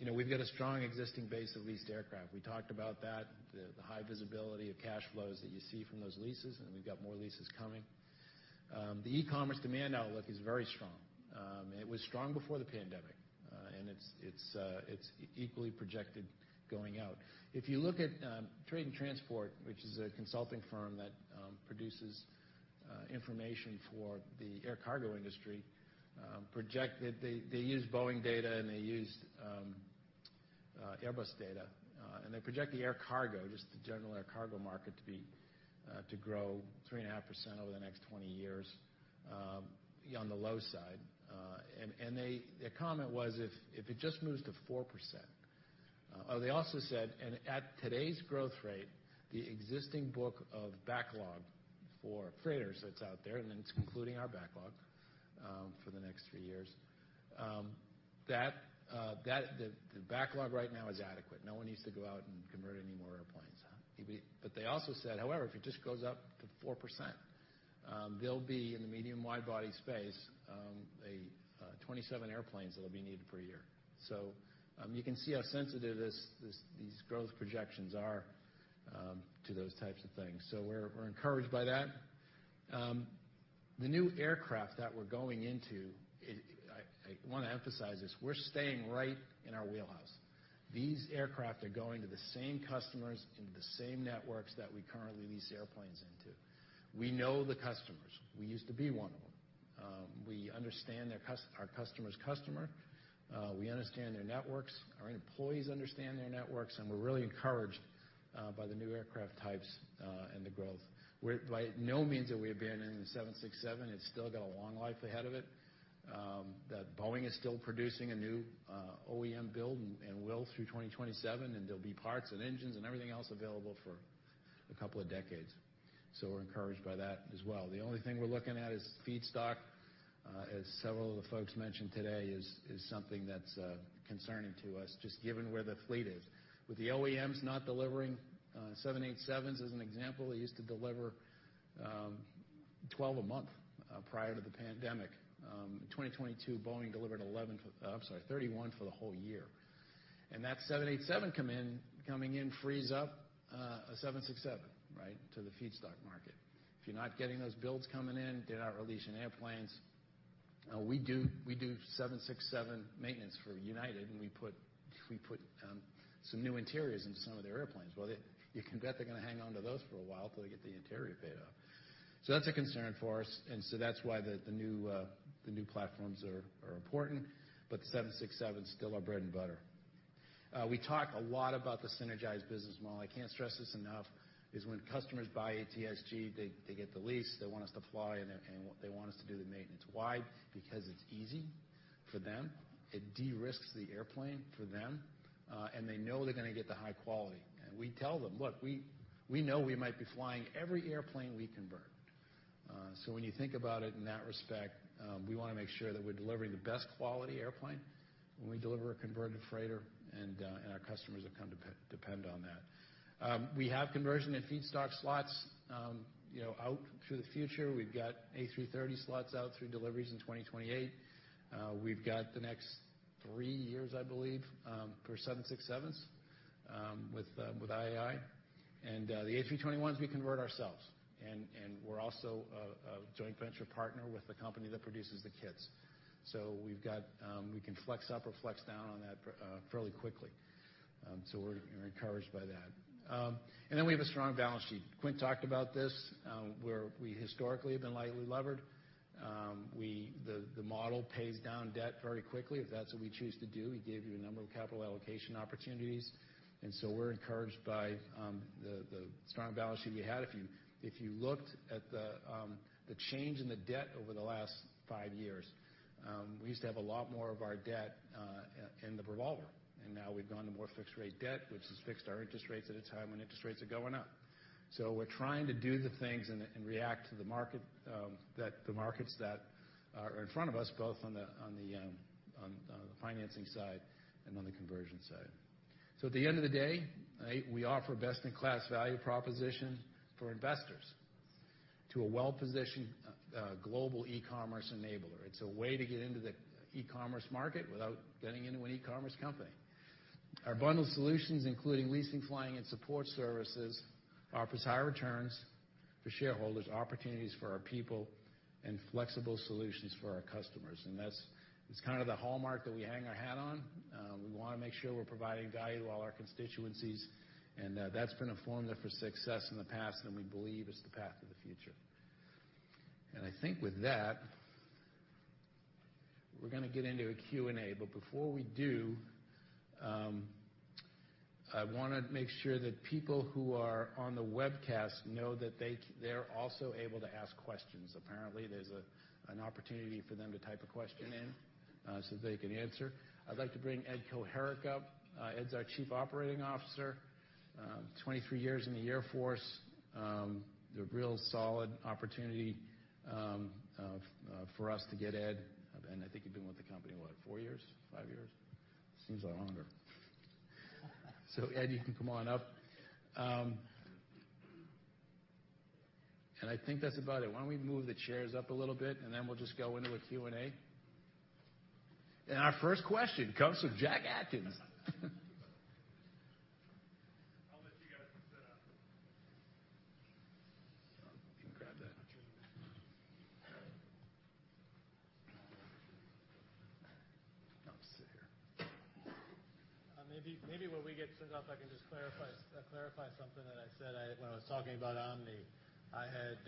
[SPEAKER 2] You know, we've got a strong existing base of leased aircraft. We talked about that, the high visibility of cash flows that you see from those leases, and we've got more leases coming. The e-commerce demand outlook is very strong. It was strong before the pandemic, and it's equally projected going out. If you look at Trade and Transport, which is a consulting firm that produces information for the air cargo industry, projected-- they, they use Boeing data, and they use Airbus data, and they project the air cargo, just the general air cargo market, to grow 3.5% over the next 20 years, on the low side. And they... Their comment was, if it just moves to 4%... They also said, "And at today's growth rate, the existing book of backlog for freighters that's out there," and then it's including our backlog for the next 3 years. That-- the backlog right now is adequate. No one needs to go out and convert any more airplanes. But they also said, "However, if it just goes up to 4%, they'll be in the medium wide body space, 27 airplanes that will be needed per year." So, you can see how sensitive these growth projections are to those types of things, so we're encouraged by that. The new aircraft that we're going into, I want to emphasize this, we're staying right in our wheelhouse. These aircraft are going to the same customers in the same networks that we currently lease airplanes into. We know the customers. We used to be one of them.... We understand their cust— our customer's customer, we understand their networks, our employees understand their networks, and we're really encouraged by the new aircraft types and the growth. We're by no means that we're abandoning the 767. It's still got a long life ahead of it. That Boeing is still producing a new OEM build and will through 2027, and there'll be parts and engines and everything else available for a couple of decades. So we're encouraged by that as well. The only thing we're looking at is feedstock, as several of the folks mentioned today, is something that's concerning to us, just given where the fleet is. With the OEMs not delivering 787s as an example, they used to deliver 12 a month prior to the pandemic. In 2022, Boeing delivered eleven for... I'm sorry, 31 for the whole year. And that 787 coming in frees up a 767, right? To the feedstock market. If you're not getting those builds coming in, they're not releasing airplanes. We do 767 maintenance for United, and we put some new interiors into some of their airplanes. Well, you can bet they're gonna hang on to those for a while till they get the interior paid off. So that's a concern for us, and so that's why the new platforms are important, but the 767 is still our bread and butter. We talk a lot about the synergized business model. I can't stress this enough, is when customers buy ATSG, they get the lease, they want us to fly, and they want us to do the maintenance. Why? Because it's easy for them, it de-risks the airplane for them, and they know they're gonna get the high quality. And we tell them: "Look, we know we might be flying every airplane we convert." So when you think about it in that respect, we wanna make sure that we're delivering the best quality airplane when we deliver a converted freighter, and our customers have come to depend on that. We have conversion and feedstock slots, you know, out through the future. We've got A330 slots out through deliveries in 2028. We've got the next three years, I believe, for 767s with IAI. And the A321s, we convert ourselves. And we're also a joint venture partner with the company that produces the kits. So we've got... We can flex up or flex down on that fairly quickly. So we're encouraged by that. And then we have a strong balance sheet. Quint talked about this, where we historically have been lightly levered. The model pays down debt very quickly, if that's what we choose to do. We gave you a number of capital allocation opportunities, and so we're encouraged by the strong balance sheet we had. If you looked at the change in the debt over the last five years, we used to have a lot more of our debt in the revolver, and now we've gone to more fixed rate debt, which has fixed our interest rates at a time when interest rates are going up. So we're trying to do the things and react to the market, the markets that are in front of us, both on the financing side and on the conversion side. So at the end of the day, right, we offer best-in-class value proposition for investors to a well-positioned global e-commerce enabler. It's a way to get into the e-commerce market without getting into an e-commerce company. Our bundled solutions, including leasing, flying, and support services, offers higher returns for shareholders, opportunities for our people, and flexible solutions for our customers, and that's, it's kind of the hallmark that we hang our hat on. We wanna make sure we're providing value to all our constituencies, and that's been a formula for success in the past, and we believe it's the path of the future. I think with that, we're gonna get into a Q&A. But before we do, I wanna make sure that people who are on the webcast know that they're also able to ask questions. Apparently, there's an opportunity for them to type a question in, so that they can answer. I'd like to bring Ed Koharik up. Ed's our Chief Operating Officer, 23 years in the Air Force. The real solid opportunity, of, for us to get Ed, and I think you've been with the company, what? 4 years, 5 years? Seems a lot longer. So, Ed, you can come on up. And I think that's about it. Why don't we move the chairs up a little bit, and then we'll just go into a Q&A. Our first question comes from Jack Atkins.
[SPEAKER 7] I'll let you guys set up.
[SPEAKER 2] You can grab that. I'll sit here. Maybe when we get set up, I can just clarify something that I said I... When I was talking about Omni. I had,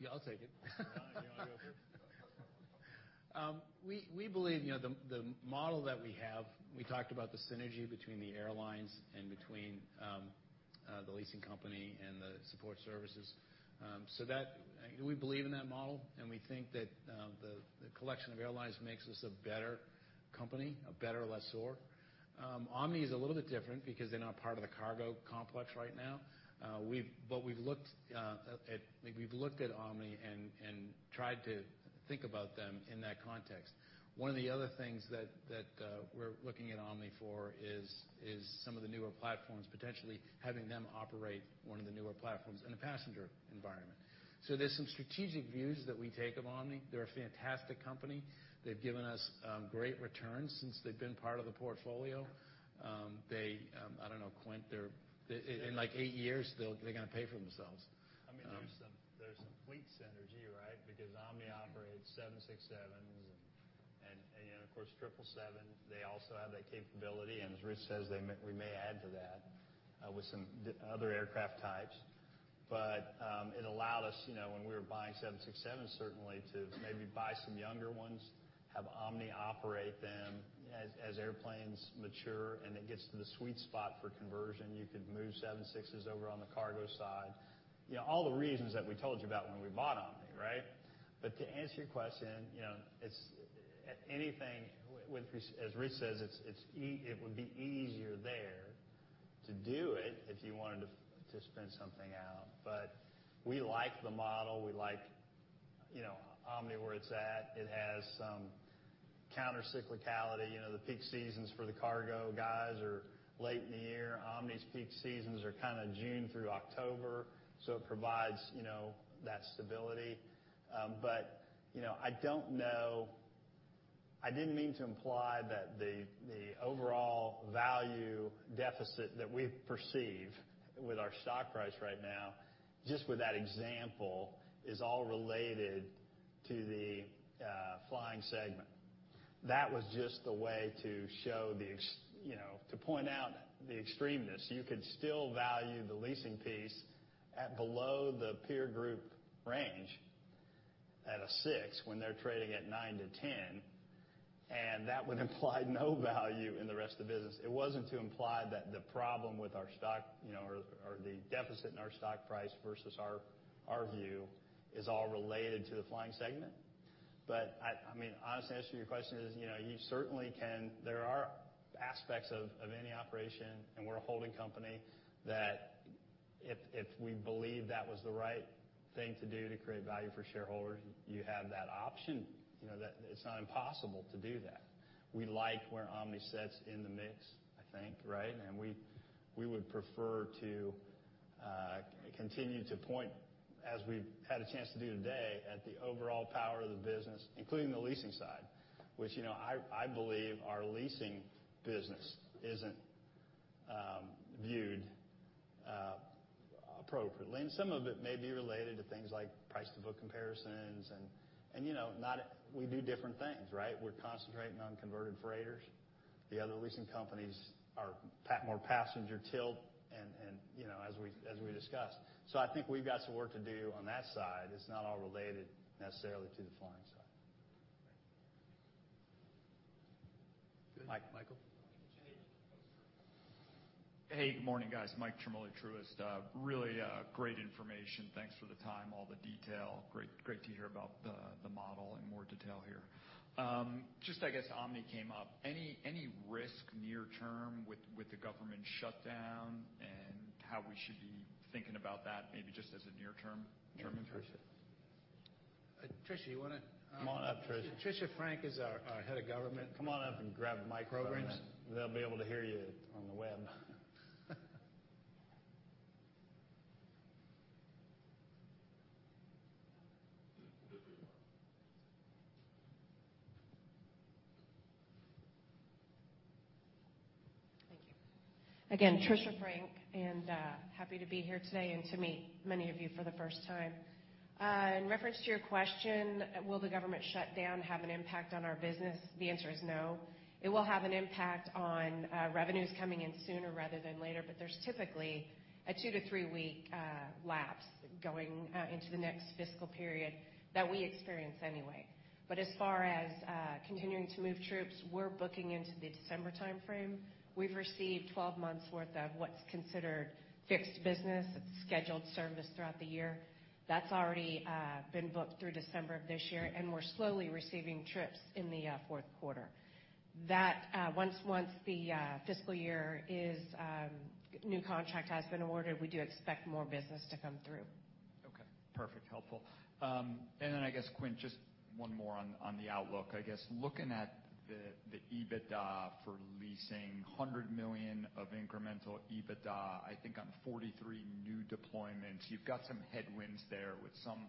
[SPEAKER 2] Yeah, I'll take it.
[SPEAKER 6] Rich, you want to go first?
[SPEAKER 2] We believe, you know, the model that we have. We talked about the synergy between the airlines and between the leasing company and the support services. We believe in that model, and we think that the collection of airlines makes us a better company, a better lessor. Omni is a little bit different because they're not part of the cargo complex right now. We've looked at Omni and tried to think about them in that context. One of the other things that we're looking at Omni for is some of the newer platforms, potentially having them operate one of the newer platforms in a passenger environment. So there's some strategic views that we take of Omni. They're a fantastic company. They've given us great returns since they've been part of the portfolio. I don't know, Quint, they're—in like 8 years, they'll—they're gonna pay for themselves.
[SPEAKER 6] I mean, there's some fleet synergy, right? Because Omni operates 767s, and you know, of course, 777, they also have that capability. And as Rich says, they may we may add to that with some other aircraft types. But it allowed us, you know, when we were buying 767s, certainly, to maybe buy some younger ones, have Omni operate them. As airplanes mature, and it gets to the sweet spot for conversion, you could move 767s over on the cargo side. You know, all the reasons that we told you about when we bought Omni, right? But to answer your question, you know, it's anything with. As Rich says, it's it would be easier there to do it if you wanted to, to spin something out. But we like the model, we like, you know, Omni, where it's at. It has some countercyclicality. You know, the peak seasons for the cargo guys are late in the year. Omni's peak seasons are kind of June through October, so it provides, you know, that stability. But, you know, I don't know... I didn't mean to imply that the, the overall value deficit that we perceive with our stock price right now, just with that example, is all related to the, flying segment. That was just a way to show the ex- you know, to point out the extremeness. You could still value the leasing piece at below the peer group range at a 6, when they're trading at 9-10, and that would imply no value in the rest of the business. It wasn't to imply that the problem with our stock, you know, or the deficit in our stock price versus our view, is all related to the flying segment. But I mean, honestly, to answer your question is, you know, you certainly can. There are aspects of any operation, and we're a holding company, that if we believe that was the right thing to do to create value for shareholders, you have that option, you know, that it's not impossible to do that. We like where Omni sits in the mix, I think, right? And we would prefer to continue to point, as we've had a chance to do today, at the overall power of the business, including the leasing side, which, you know, I believe our leasing business isn't viewed appropriately. And some of it may be related to things like price-to-book comparisons, you know. We do different things, right? We're concentrating on converted freighters. The other leasing companies are more passenger tilt, you know, as we discussed. So I think we've got some work to do on that side. It's not all related necessarily to the flying side.
[SPEAKER 2] Mike, Michael?
[SPEAKER 8] Hey, good morning, guys. Mike Ciarmoli, Truist. Really, great information. Thanks for the time, all the detail. Great, great to hear about the, the model in more detail here. Just, I guess, Omni came up. Any, any risk near term with, with the government shutdown and how we should be thinking about that, maybe just as a near-term term interest?
[SPEAKER 2] Tricia, you want to-
[SPEAKER 6] Come on up, Tricia.
[SPEAKER 2] Trisha Frank is our head of government-
[SPEAKER 6] Come on up and grab the mic.
[SPEAKER 2] -programs.
[SPEAKER 6] They'll be able to hear you on the web.
[SPEAKER 9] Thank you. Again, Trisha Frank, and happy to be here today and to meet many of you for the first time. In reference to your question, will the government shutdown have an impact on our business? The answer is no. It will have an impact on revenues coming in sooner rather than later, but there's typically a 2- to 3-week lapse going into the next fiscal period that we experience anyway. But as far as continuing to move troops, we're booking into the December timeframe. We've received 12 months worth of what's considered fixed business. It's scheduled service throughout the year. That's already been booked through December of this year, and we're slowly receiving trips in the fourth quarter. That, once the new contract has been awarded, we do expect more business to come through.
[SPEAKER 8] Okay, perfect. Helpful. And then I guess, Quint, just one more on, on the outlook. I guess looking at the, the EBITDA for leasing, $100 million of incremental EBITDA, I think on 43 new deployments, you've got some headwinds there with some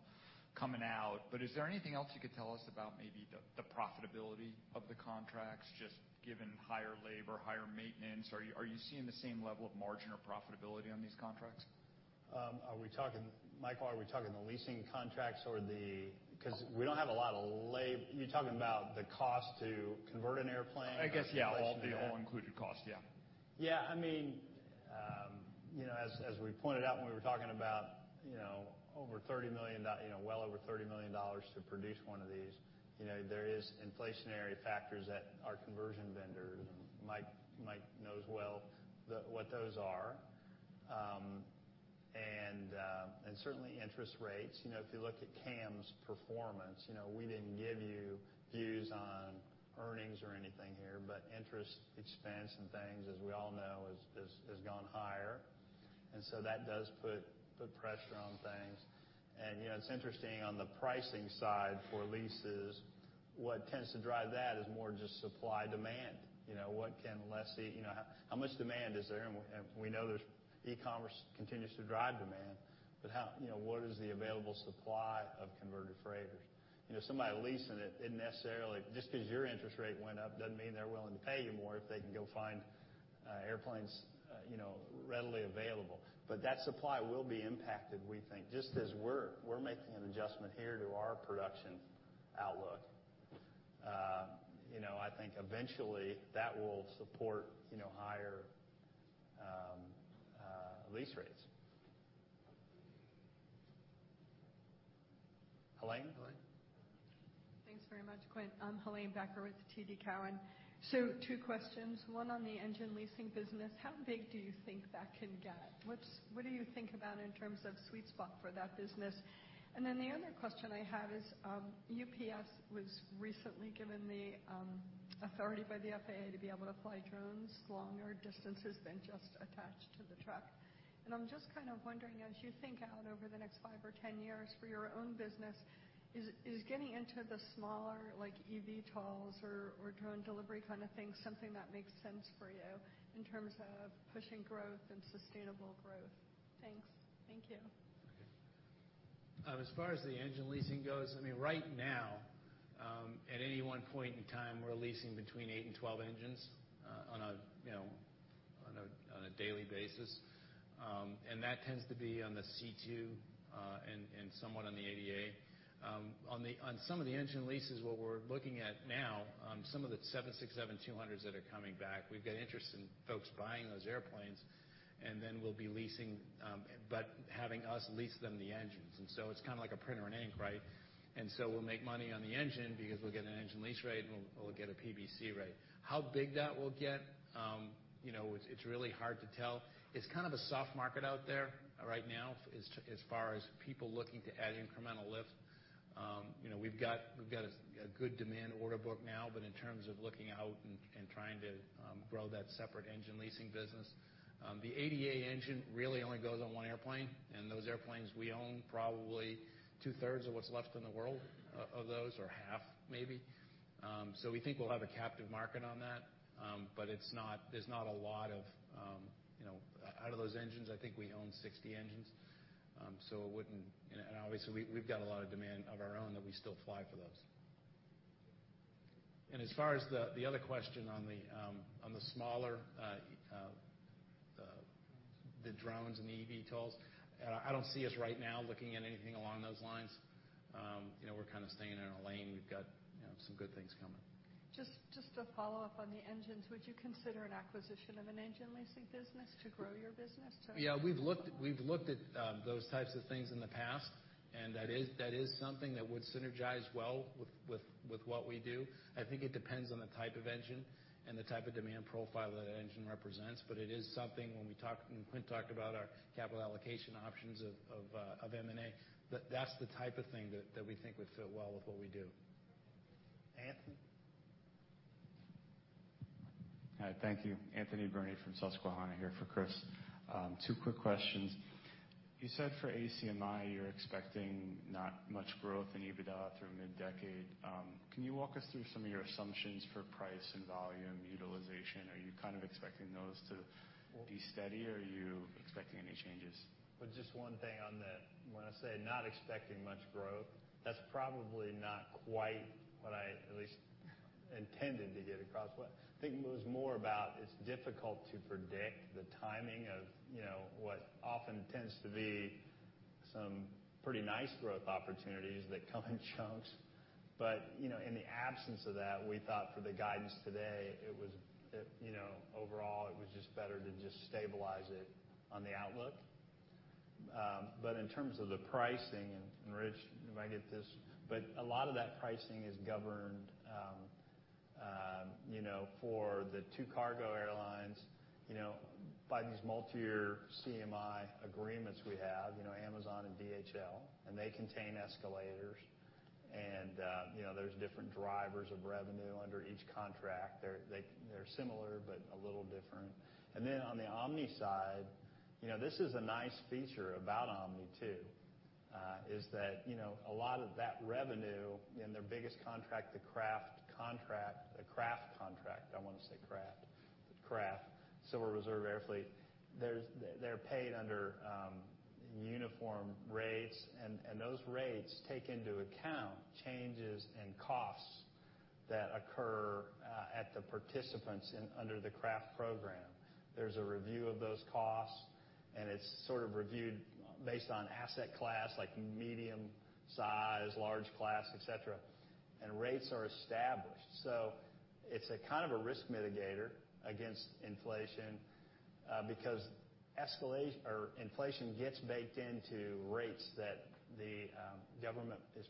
[SPEAKER 8] coming out, but is there anything else you could tell us about maybe the, the profitability of the contracts, just given higher labor, higher maintenance? Are you, are you seeing the same level of margin or profitability on these contracts?
[SPEAKER 2] Are we talking, Mike, are we talking the leasing contracts or the, because we don't have a lot of. You're talking about the cost to convert an airplane?
[SPEAKER 8] I guess, yeah, all the all-included costs, yeah.
[SPEAKER 2] Yeah, I mean, you know, as we pointed out when we were talking about, you know, over $30 million— you know, well over $30 million to produce one of these, you know, there is inflationary factors at our conversion vendors, and Mike, Mike knows well the, what those are. And certainly interest rates, you know, if you looked at CAM's performance, you know, we didn't give you views on earnings or anything here, but interest expense and things, as we all know, has gone higher. And so that does put pressure on things. And, you know, it's interesting on the pricing side for leases, what tends to drive that is more just supply-demand. You know, what can lessee— You know, how much demand is there? We know there's e-commerce continues to drive demand, but how—you know, what is the available supply of converted freighters? You know, somebody leasing it isn't necessarily, just because your interest rate went up, doesn't mean they're willing to pay you more if they can go find airplanes, you know, readily available. But that supply will be impacted, we think, just as we're making an adjustment here to our production outlook. You know, I think eventually that will support, you know, higher lease rates.
[SPEAKER 8] Helane?
[SPEAKER 6] Helane.
[SPEAKER 10] Thanks very much, Quint. I'm Helane Becker with TD Cowen. So two questions, one on the engine leasing business: How big do you think that can get? What do you think about in terms of sweet spot for that business? And then the other question I had is, UPS was recently given the authority by the FAA to be able to fly drones longer distances than just attached to the truck. And I'm just kind of wondering, as you think out over the next 5 or 10 years for your own business, is getting into the smaller, like eVTOLs or drone delivery kind of thing, something that makes sense for you in terms of pushing growth and sustainable growth? Thanks. Thank you.
[SPEAKER 2] As far as the engine leasing goes, I mean, right now, at any one point in time, we're leasing between 8 and 12 engines, you know, on a daily basis. And that tends to be on the C2, and somewhat on the 80A. On some of the engine leases, what we're looking at now, on some of the 767-200s that are coming back, we've got interest in folks buying those airplanes, and then we'll be leasing, but having us lease them the engines. And so it's kind of like a printer and ink, right? And so we'll make money on the engine because we'll get an engine lease rate, and we'll get a PBC rate. How big that will get, you know, it's really hard to tell. It's kind of a soft market out there right now, as far as people looking to add incremental lift. You know, we've got a good demand order book now, but in terms of looking out and trying to grow that separate engine leasing business, the 80A engine really only goes on one airplane, and those airplanes, we own probably two-thirds of what's left in the world of those, or half, maybe. So we think we'll have a captive market on that, but it's not—there's not a lot of, you know... Out of those engines, I think we own 60 engines, so it wouldn't, you know, and obviously, we've got a lot of demand of our own that we still fly for those. As far as the other question on the smaller drones and the EV tools, I don't see us right now looking at anything along those lines. You know, we're kind of staying in our lane. We've got, you know, some good things coming.
[SPEAKER 10] Just to follow up on the engines, would you consider an acquisition of an engine leasing business to grow your business to-
[SPEAKER 2] Yeah, we've looked at those types of things in the past, and that is something that would synergize well with what we do. I think it depends on the type of engine and the type of demand profile that engine represents, but it is something when we talk, when Quint talked about our capital allocation options of M&A, that's the type of thing that we think would fit well with what we do.
[SPEAKER 8] Anthony?
[SPEAKER 11] Hi, thank you. Anthony Berni from Susquehanna here for Chris. Two quick questions. You said for ACMI, you're expecting not much growth in EBITDA through mid-decade. Can you walk us through some of your assumptions for price and volume utilization? Are you kind of expecting those to be steady, or are you expecting any changes?
[SPEAKER 2] Well, just one thing on that. When I say not expecting much growth, that's probably not quite what I at least intended to get across. What I think it was more about, it's difficult to predict the timing of, you know, what often tends to be some pretty nice growth opportunities that come in chunks. But, you know, in the absence of that, we thought for the guidance today, it was, it, you know, overall, it was just better to just stabilize it on the outlook. But in terms of the pricing, and, and Rich, you might get this, but a lot of that pricing is governed, you know, for the two cargo airlines, you know, by these multi-year CMI agreements we have, you know, Amazon and DHL, and they contain escalators. And, you know, there's different drivers of revenue under each contract. They're similar, but a little different. Then on the Omni side, you know, this is a nice feature about Omni, too, is that, you know, a lot of that revenue in their biggest contract, the CRAF contract, the CRAF contract, I want to say CRAF, Civil Reserve Air Fleet, they're paid under uniform rates, and those rates take into account changes in costs that occur at the participants under the CRAF program. There's a review of those costs, and it's sort of reviewed based on asset class, like medium size, large class, et cetera, and rates are established. So it's a kind of a risk mitigator against inflation, because inflation gets baked into rates that the government is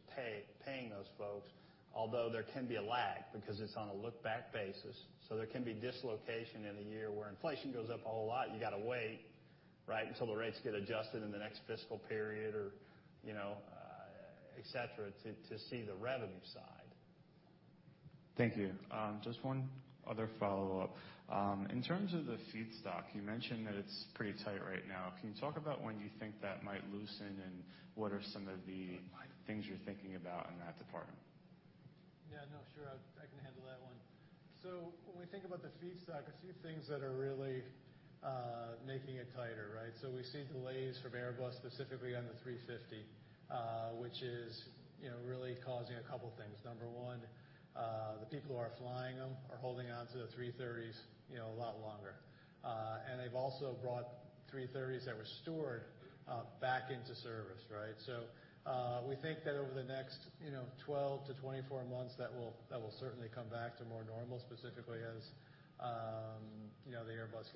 [SPEAKER 2] paying those folks, although there can be a lag because it's on a look-back basis. So there can be dislocation in a year where inflation goes up a whole lot, you gotta wait, right, until the rates get adjusted in the next fiscal period or, you know, et cetera, to see the revenue side.
[SPEAKER 11] Thank you. Just one other follow-up. In terms of the feedstock, you mentioned that it's pretty tight right now. Can you talk about when you think that might loosen, and what are some of the things you're thinking about in that department?
[SPEAKER 4] Yeah, no, sure. I can handle that one. So when we think about the feedstock, a few things that are really making it tighter, right? So we see delays from Airbus, specifically on the 350, which is, you know, really causing a couple things. Number one, the people who are flying them are holding on to the 330s, you know, a lot longer. And they've also brought 330s that were stored back into service, right? So we think that over the next, you know, 12-24 months, that will certainly come back to more normal, specifically as, you know, the Airbus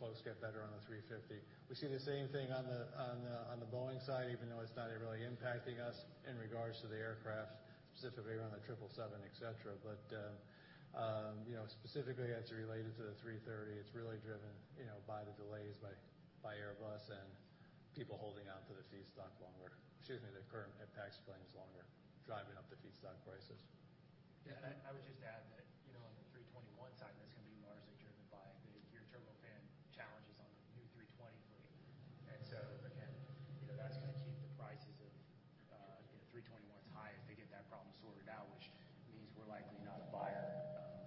[SPEAKER 4] folks get better on the 350. We see the same thing on the Boeing side, even though it's not really impacting us in regards to the aircraft, specifically around the 777, et cetera. But, you know, specifically as it related to the 330, it's really driven, you know, by the delays by Airbus and people holding on to the feedstock longer. Excuse me, the current in-service planes longer, driving up the feedstock prices.
[SPEAKER 5] Yeah, I would just add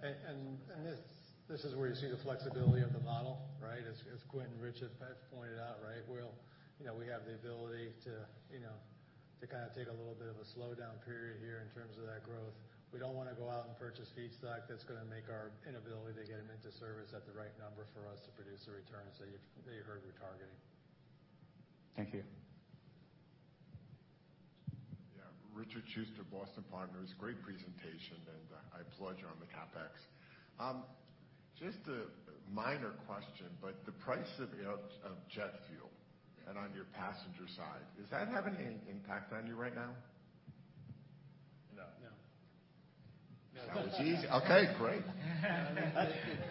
[SPEAKER 5] that, you know, on the 321 side, that's gonna be largely driven by the Geared Turbofan challenges on the new 320 fleet. And so, again, you know, that's gonna keep the prices of, you know, 321s high as they get that problem sorted out, which means we're likely not to buy them.
[SPEAKER 4] And this is where you see the flexibility of the model, right? As Quint and Rich have pointed out, right, we'll. You know, we have the ability to, you know, to kind of take a little bit of a slowdown period here in terms of that growth. We don't want to go out and purchase feedstock that's gonna make our inability to get them into service at the right number for us to produce the returns that you've, that you heard we're targeting.
[SPEAKER 11] Thank you.
[SPEAKER 12] Yeah. Richard Schuster, Boston Partners. Great presentation, and I applaud you on the CapEx. Just a minor question, but the price of jet fuel and on your passenger side, does that have any impact on you right now?
[SPEAKER 4] No. No.
[SPEAKER 2] No.
[SPEAKER 12] That was easy. Okay, great.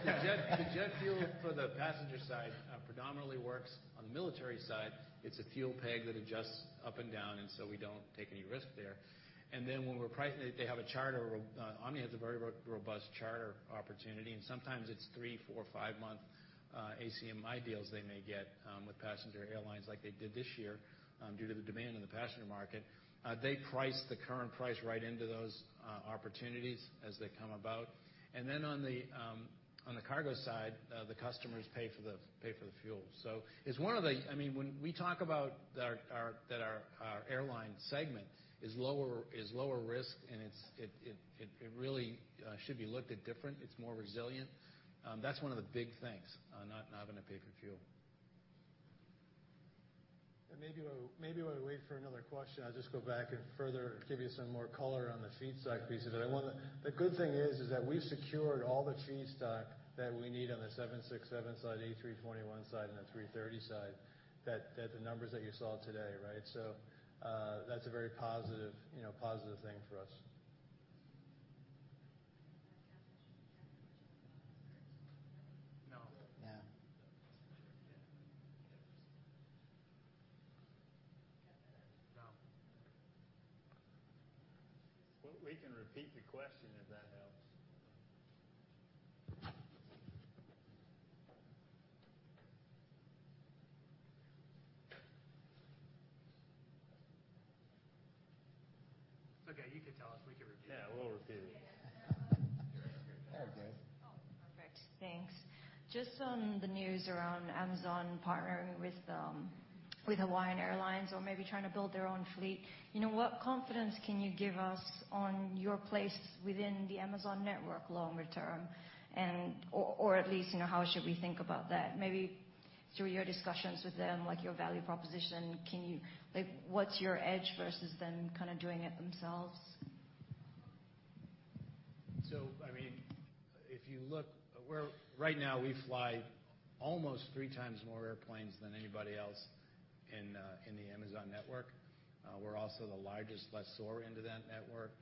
[SPEAKER 2] The jet, the jet fuel for the passenger side, predominantly works on the military side. It's a fuel peg that adjusts up and down, and so we don't take any risk there. And then they have a charter, Omni has a very robust charter opportunity, and sometimes it's three, four, five-month ACMI deals they may get with passenger airlines like they did this year due to the demand in the passenger market. They price the current price right into those opportunities as they come about. And then on the cargo side, the customers pay for the fuel. So it's one of the... I mean, when we talk about our airline segment is lower risk, and it's really should be looked at different, it's more resilient, that's one of the big things, not having to pay for fuel.
[SPEAKER 12] Maybe we'll wait for another question. I'll just go back and further give you some more color on the feedstock piece of it. I want to— The good thing is that we've secured all the feedstock that we need on the 767 side, A321 side, and the 330 side, that the numbers that you saw today, right? So, that's a very positive, you know, positive thing for us.
[SPEAKER 4] No.
[SPEAKER 2] No.
[SPEAKER 12] No. We can repeat the question if that helps.
[SPEAKER 4] Okay, you could tell us. We could repeat it. Yeah, we'll repeat it.
[SPEAKER 3] Yeah.
[SPEAKER 2] Okay.
[SPEAKER 13] Oh, perfect. Thanks. Just on the news around Amazon partnering with Hawaiian Airlines or maybe trying to build their own fleet, you know, what confidence can you give us on your place within the Amazon network longer term? Or, or at least, you know, how should we think about that? Maybe through your discussions with them, like your value proposition, can you-- Like, what's your edge versus them kind of doing it themselves?
[SPEAKER 2] So, I mean, if you look, we're right now we fly almost 3 times more airplanes than anybody else in the Amazon network. We're also the largest lessor into that network.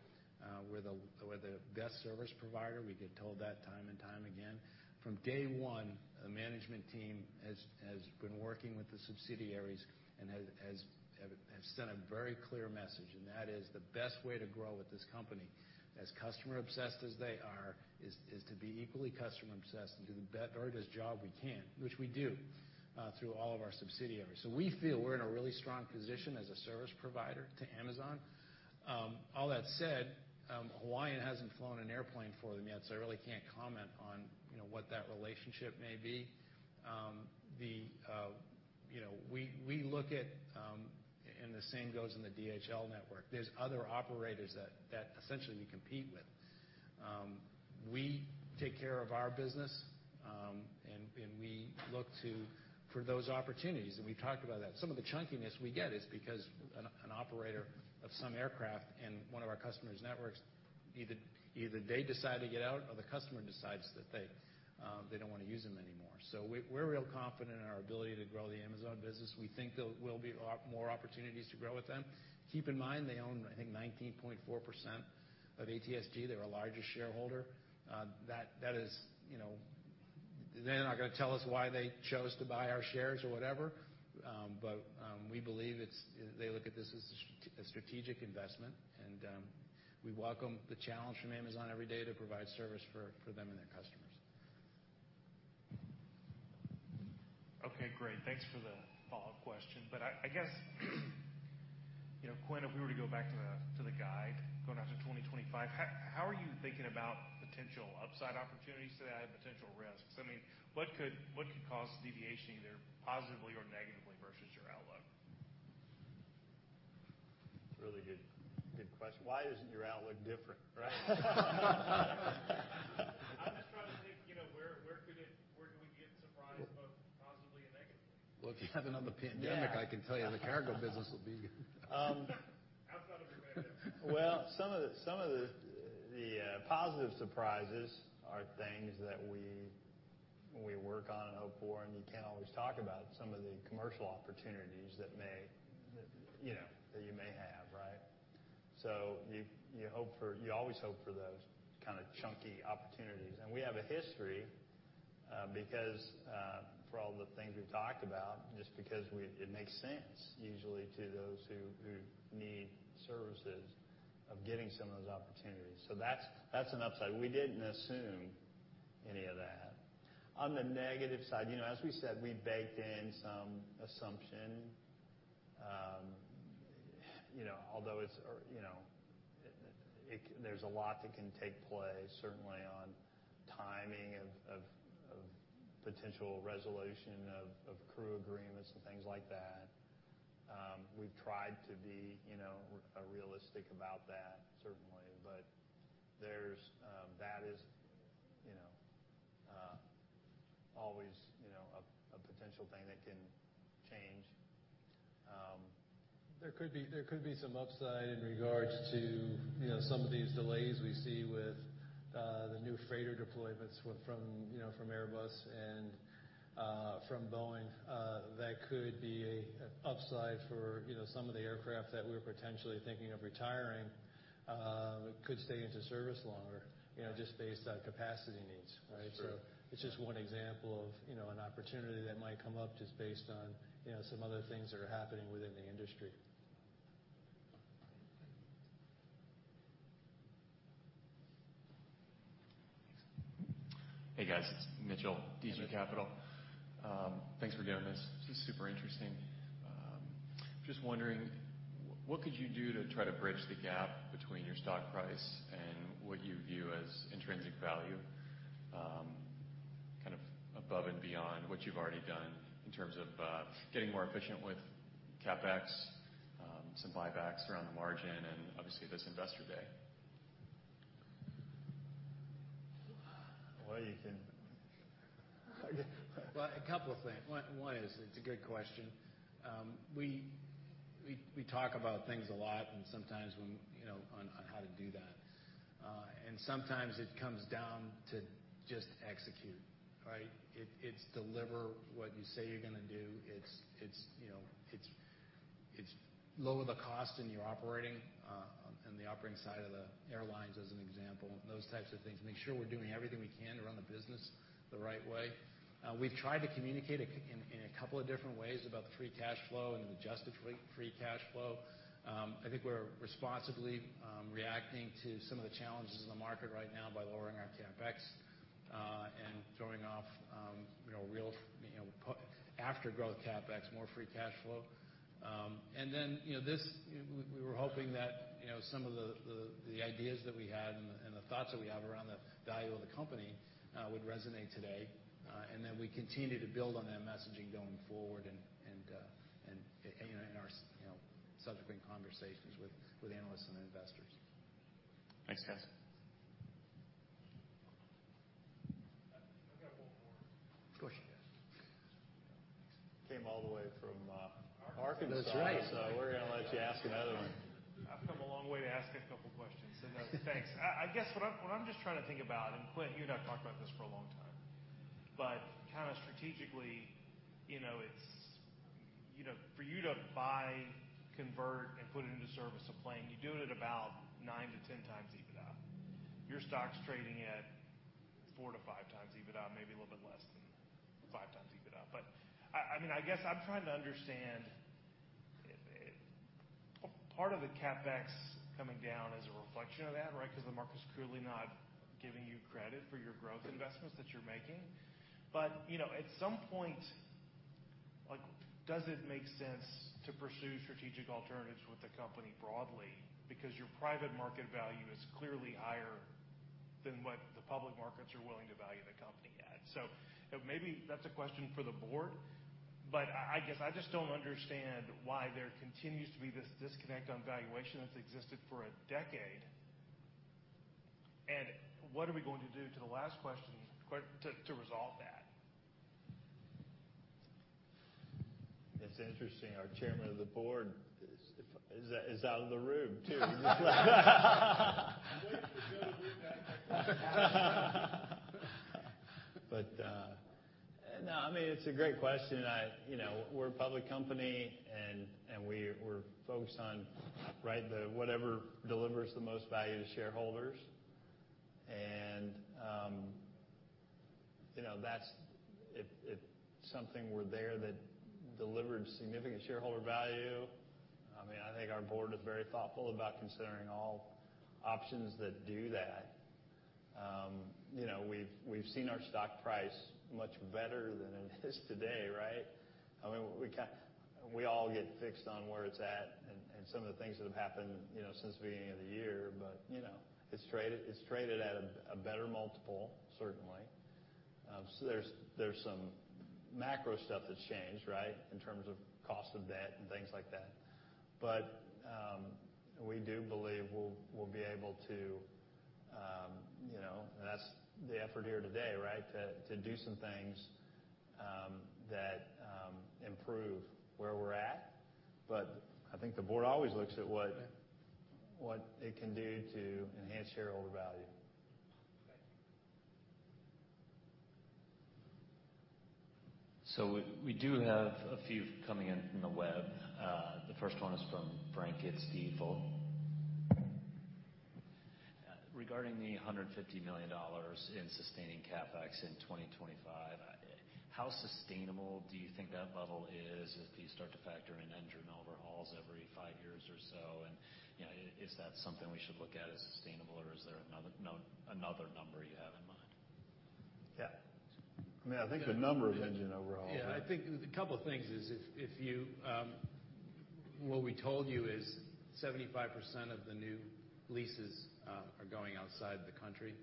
[SPEAKER 2] We're the best service provider. We get told that time and time again. From day one, the management team has been working with the subsidiaries and has sent a very clear message, and that is the best way to grow with this company, as customer obsessed as they are, is to be equally customer obsessed and do the very best job we can, which we do through all of our subsidiaries. So we feel we're in a really strong position as a service provider to Amazon.... All that said, Hawaiian hasn't flown an airplane for them yet, so I really can't comment on, you know, what that relationship may be. You know, we look at and the same goes in the DHL network. There's other operators that essentially we compete with. We take care of our business, and we look to for those opportunities, and we've talked about that. Some of the chunkiness we get is because an operator of some aircraft in one of our customers' networks, either they decide to get out or the customer decides that they don't want to use them anymore. So we're real confident in our ability to grow the Amazon business. We think there will be a lot more opportunities to grow with them. Keep in mind, they own, I think, 19.4% of ATSG. They're our largest shareholder. That is, you know, they're not gonna tell us why they chose to buy our shares or whatever, but we believe it's- they look at this as a strategic investment, and we welcome the challenge from Amazon every day to provide service for them and their customers.
[SPEAKER 14] Okay, great. Thanks for the follow-up question. But I guess, you know, Quint, if we were to go back to the guide, going out to 2025, how are you thinking about potential upside opportunities today and potential risks? I mean, what could cause deviation, either positively or negatively versus your outlook?
[SPEAKER 6] Really good, good question. Why isn't your outlook different, right?
[SPEAKER 14] I'm just trying to think, you know, where could it, where do we get surprised, both positively and negatively?
[SPEAKER 2] Well, if you have another pandemic, I can tell you the cargo business will be...
[SPEAKER 14] Outside of the pandemic.
[SPEAKER 6] Well, some of the positive surprises are things that we work on and hope for, and you can't always talk about some of the commercial opportunities that may, you know, that you may have, right? So you hope for—you always hope for those kind of chunky opportunities. And we have a history, because, for all the things we've talked about, just because we—it makes sense usually to those who need services, of getting some of those opportunities. So that's an upside. We didn't assume any of that. On the negative side, you know, as we said, we baked in some assumption. You know, although it's, or, you know, it—there's a lot that can take place, certainly on timing of potential resolution of crew agreements and things like that. We've tried to be, you know, realistic about that, certainly. But there's that is, you know, always, you know, a potential thing that can change.
[SPEAKER 2] There could be, there could be some upside in regards to, you know, some of these delays we see with the new freighter deployments from, you know, from Airbus and from Boeing. That could be a, an upside for, you know, some of the aircraft that we're potentially thinking of retiring, could stay into service longer, you know, just based on capacity needs, right?
[SPEAKER 6] Sure.
[SPEAKER 2] So it's just one example of, you know, an opportunity that might come up just based on, you know, some other things that are happening within the industry.
[SPEAKER 15] Hey, guys, it's Mitchell, DG Capital. Thanks for doing this. This is super interesting. Just wondering, what could you do to try to bridge the gap between your stock price and what you view as intrinsic value? Kind of above and beyond what you've already done in terms of, getting more efficient with CapEx, some buybacks around the margin, and obviously, this Investor Day.
[SPEAKER 6] Well, you can.
[SPEAKER 2] Well, a couple of things. One is, it's a good question. We talk about things a lot, and sometimes when, you know, on how to do that. And sometimes it comes down to just execute, right? It's deliver what you say you're gonna do. It's, you know, it's lower the cost in your operating, in the operating side of the airlines, as an example, those types of things. Make sure we're doing everything we can to run the business the right way. We've tried to communicate it in a couple of different ways about the free cash flow and the adjusted free cash flow. I think we're responsibly reacting to some of the challenges in the market right now by lowering our CapEx and throwing off, you know, real, you know, post-growth CapEx, more free cash flow. And then, you know, this, we were hoping that, you know, some of the ideas that we had and the thoughts that we have around the value of the company would resonate today, and that we continue to build on that messaging going forward and in our, you know, subsequent conversations with analysts and investors.
[SPEAKER 15] Thanks, guys. I've got one more.
[SPEAKER 6] Of course. You came all the way from Arkansas.
[SPEAKER 2] That's right.
[SPEAKER 6] We're gonna let you ask another one.
[SPEAKER 15] I've come a long way to ask a couple questions, so thanks. I guess what I'm just trying to think about, and Quint, you and I have talked about this for a long time, but kind of strategically, you know, it's, you know, for you to buy, convert, and put it into service, a plane, you do it at about 9x-10x EBITDA. Your stock's trading at 4x-5x EBITDA, maybe a little bit less than 5x EBITDA. But I mean, I guess I'm trying to understand. Part of the CapEx coming down is a reflection of that, right? Because the market's clearly not giving you credit for your growth investments that you're making. But, you know, at some point—like, does it make sense to pursue strategic alternatives with the company broadly? Because your private market value is clearly higher than what the public markets are willing to value the company at. So maybe that's a question for the board, but I, I guess I just don't understand why there continues to be this disconnect on valuation that's existed for a decade. And what are we going to do, to the last question, quick, to, to resolve that?
[SPEAKER 2] That's interesting. Our Chairman of the Board is out of the room, too. But no, I mean, it's a great question. You know, we're a public company, and we're focused on, right, the whatever delivers the most value to shareholders. And you know, that's if something were there that delivered significant shareholder value. I mean, I think our Board is very thoughtful about considering all options that do that. You know, we've seen our stock price much better than it is today, right? I mean, we all get fixed on where it's at and some of the things that have happened, you know, since the beginning of the year. But you know, it's traded at a better multiple, certainly. So there's, there's some macro stuff that's changed, right, in terms of cost of debt and things like that. But, we do believe we'll, we'll be able to, you know, and that's the effort here today, right? To, to do some things, that, improve where we're at. But I think the board always looks at what, what it can do to enhance shareholder value.
[SPEAKER 15] Thank you.
[SPEAKER 1] So we do have a few coming in from the web. The first one is from Frank Gibbs, Stifel. Regarding the $150 million in sustaining CapEx in 2025, how sustainable do you think that level is as you start to factor in engine overhauls every five years or so? And, you know, is that something we should look at as sustainable, or is there another number you have in mind?
[SPEAKER 2] Yeah.
[SPEAKER 6] I mean, I think the number of engine overhauls-
[SPEAKER 2] Yeah, I think a couple of things is if you... What we told you is 75% of the new leases are going outside the country.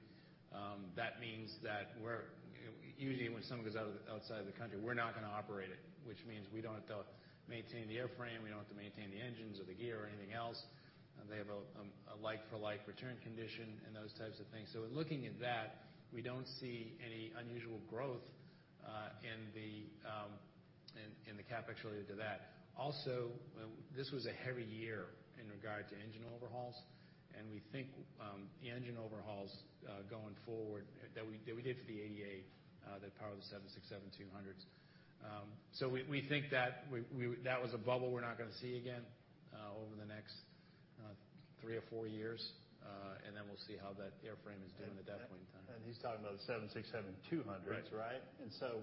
[SPEAKER 2] That means that we're, usually, when something goes outside the country, we're not gonna operate it, which means we don't have to maintain the airframe, we don't have to maintain the engines or the gear or anything else. They have a like-for-like return condition and those types of things. So in looking at that, we don't see any unusual growth in the CapEx related to that. Also, this was a heavy year in regard to engine overhauls, and we think the engine overhauls going forward, that we did for the AEA that power the 767-200s. So we think that was a bubble we're not gonna see again over the next three or four years, and then we'll see how that airframe is doing at that point in time.
[SPEAKER 6] He's talking about the 767-200s, right?
[SPEAKER 2] Right.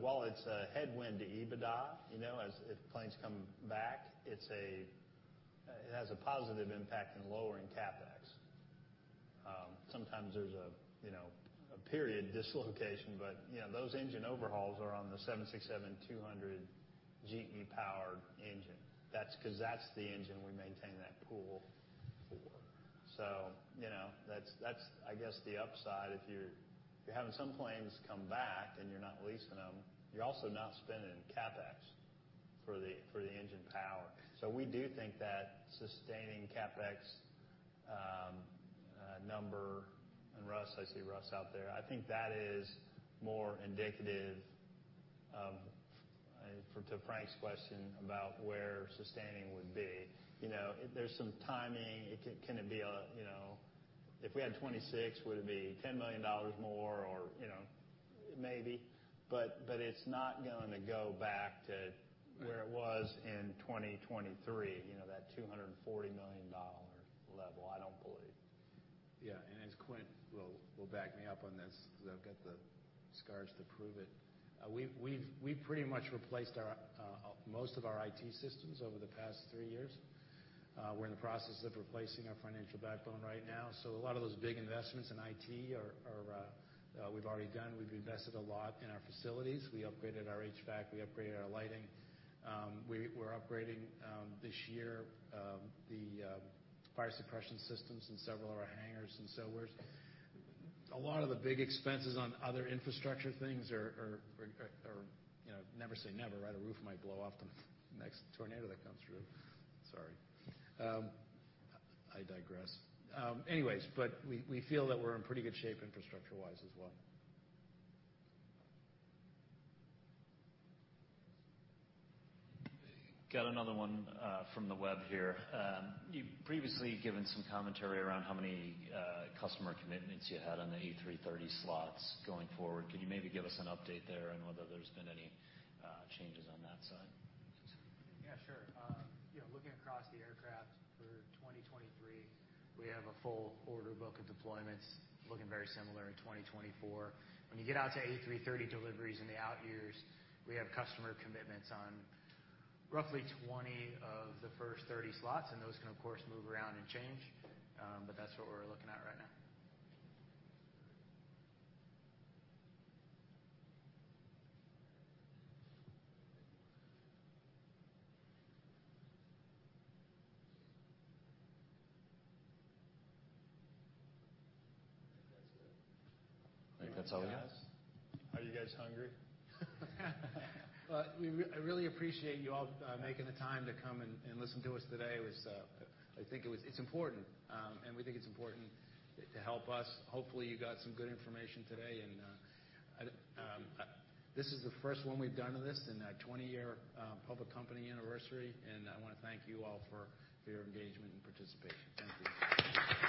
[SPEAKER 6] While it's a headwind to EBITDA, you know, as planes come back, it's a, it has a positive impact in lowering CapEx. Sometimes there's a, you know, a period dislocation, but, you know, those engine overhauls are on the 767-200 GE-powered engine. That's, because that's the engine we maintain that pool for. So, you know, that's, that's, I guess, the upside. If you're, you're having some planes come back and you're not leasing them, you're also not spending CapEx for the, for the engine power. So we do think that sustaining CapEx number, and Russ, I see Russ out there. I think that is more indicative of... To Frank's question about where sustaining would be. You know, there's some timing. Can it be a, you know, if we had 26, would it be $10 million more or, you know, maybe? But it's not going to go back to where it was in 2023, you know, that $240 million level, I don't believe.
[SPEAKER 2] Yeah, and as Quint will back me up on this, because I've got the scars to prove it. We've pretty much replaced most of our IT systems over the past three years. We're in the process of replacing our financial backbone right now. So a lot of those big investments in IT are we've already done. We've invested a lot in our facilities. We upgraded our HVAC, we upgraded our lighting. We're upgrading this year the fire suppression systems in several of our hangars and so forth. A lot of the big expenses on other infrastructure things are, you know, never say never, right? A roof might blow off the next tornado that comes through. Sorry. I digress. Anyways, but we feel that we're in pretty good shape, infrastructure-wise, as well.
[SPEAKER 1] Got another one from the web here. You've previously given some commentary around how many customer commitments you had on the A330 slots going forward. Can you maybe give us an update there on whether there's been any changes on that side?
[SPEAKER 3] Yeah, sure. You know, looking across the aircraft for 2023, we have a full order book of deployments, looking very similar in 2024. When you get out to A330 deliveries in the out years, we have customer commitments on roughly 20 of the first 30 slots, and those can, of course, move around and change. But that's what we're looking at right now.
[SPEAKER 1] I think that's all we have.
[SPEAKER 6] Are you guys hungry?
[SPEAKER 2] Well, I really appreciate you all making the time to come and listen to us today. It was, I think it was... It's important, and we think it's important to help us. Hopefully, you got some good information today and this is the first one we've done of this in a 20-year public company anniversary, and I wanna thank you all for your engagement and participation. Thank you.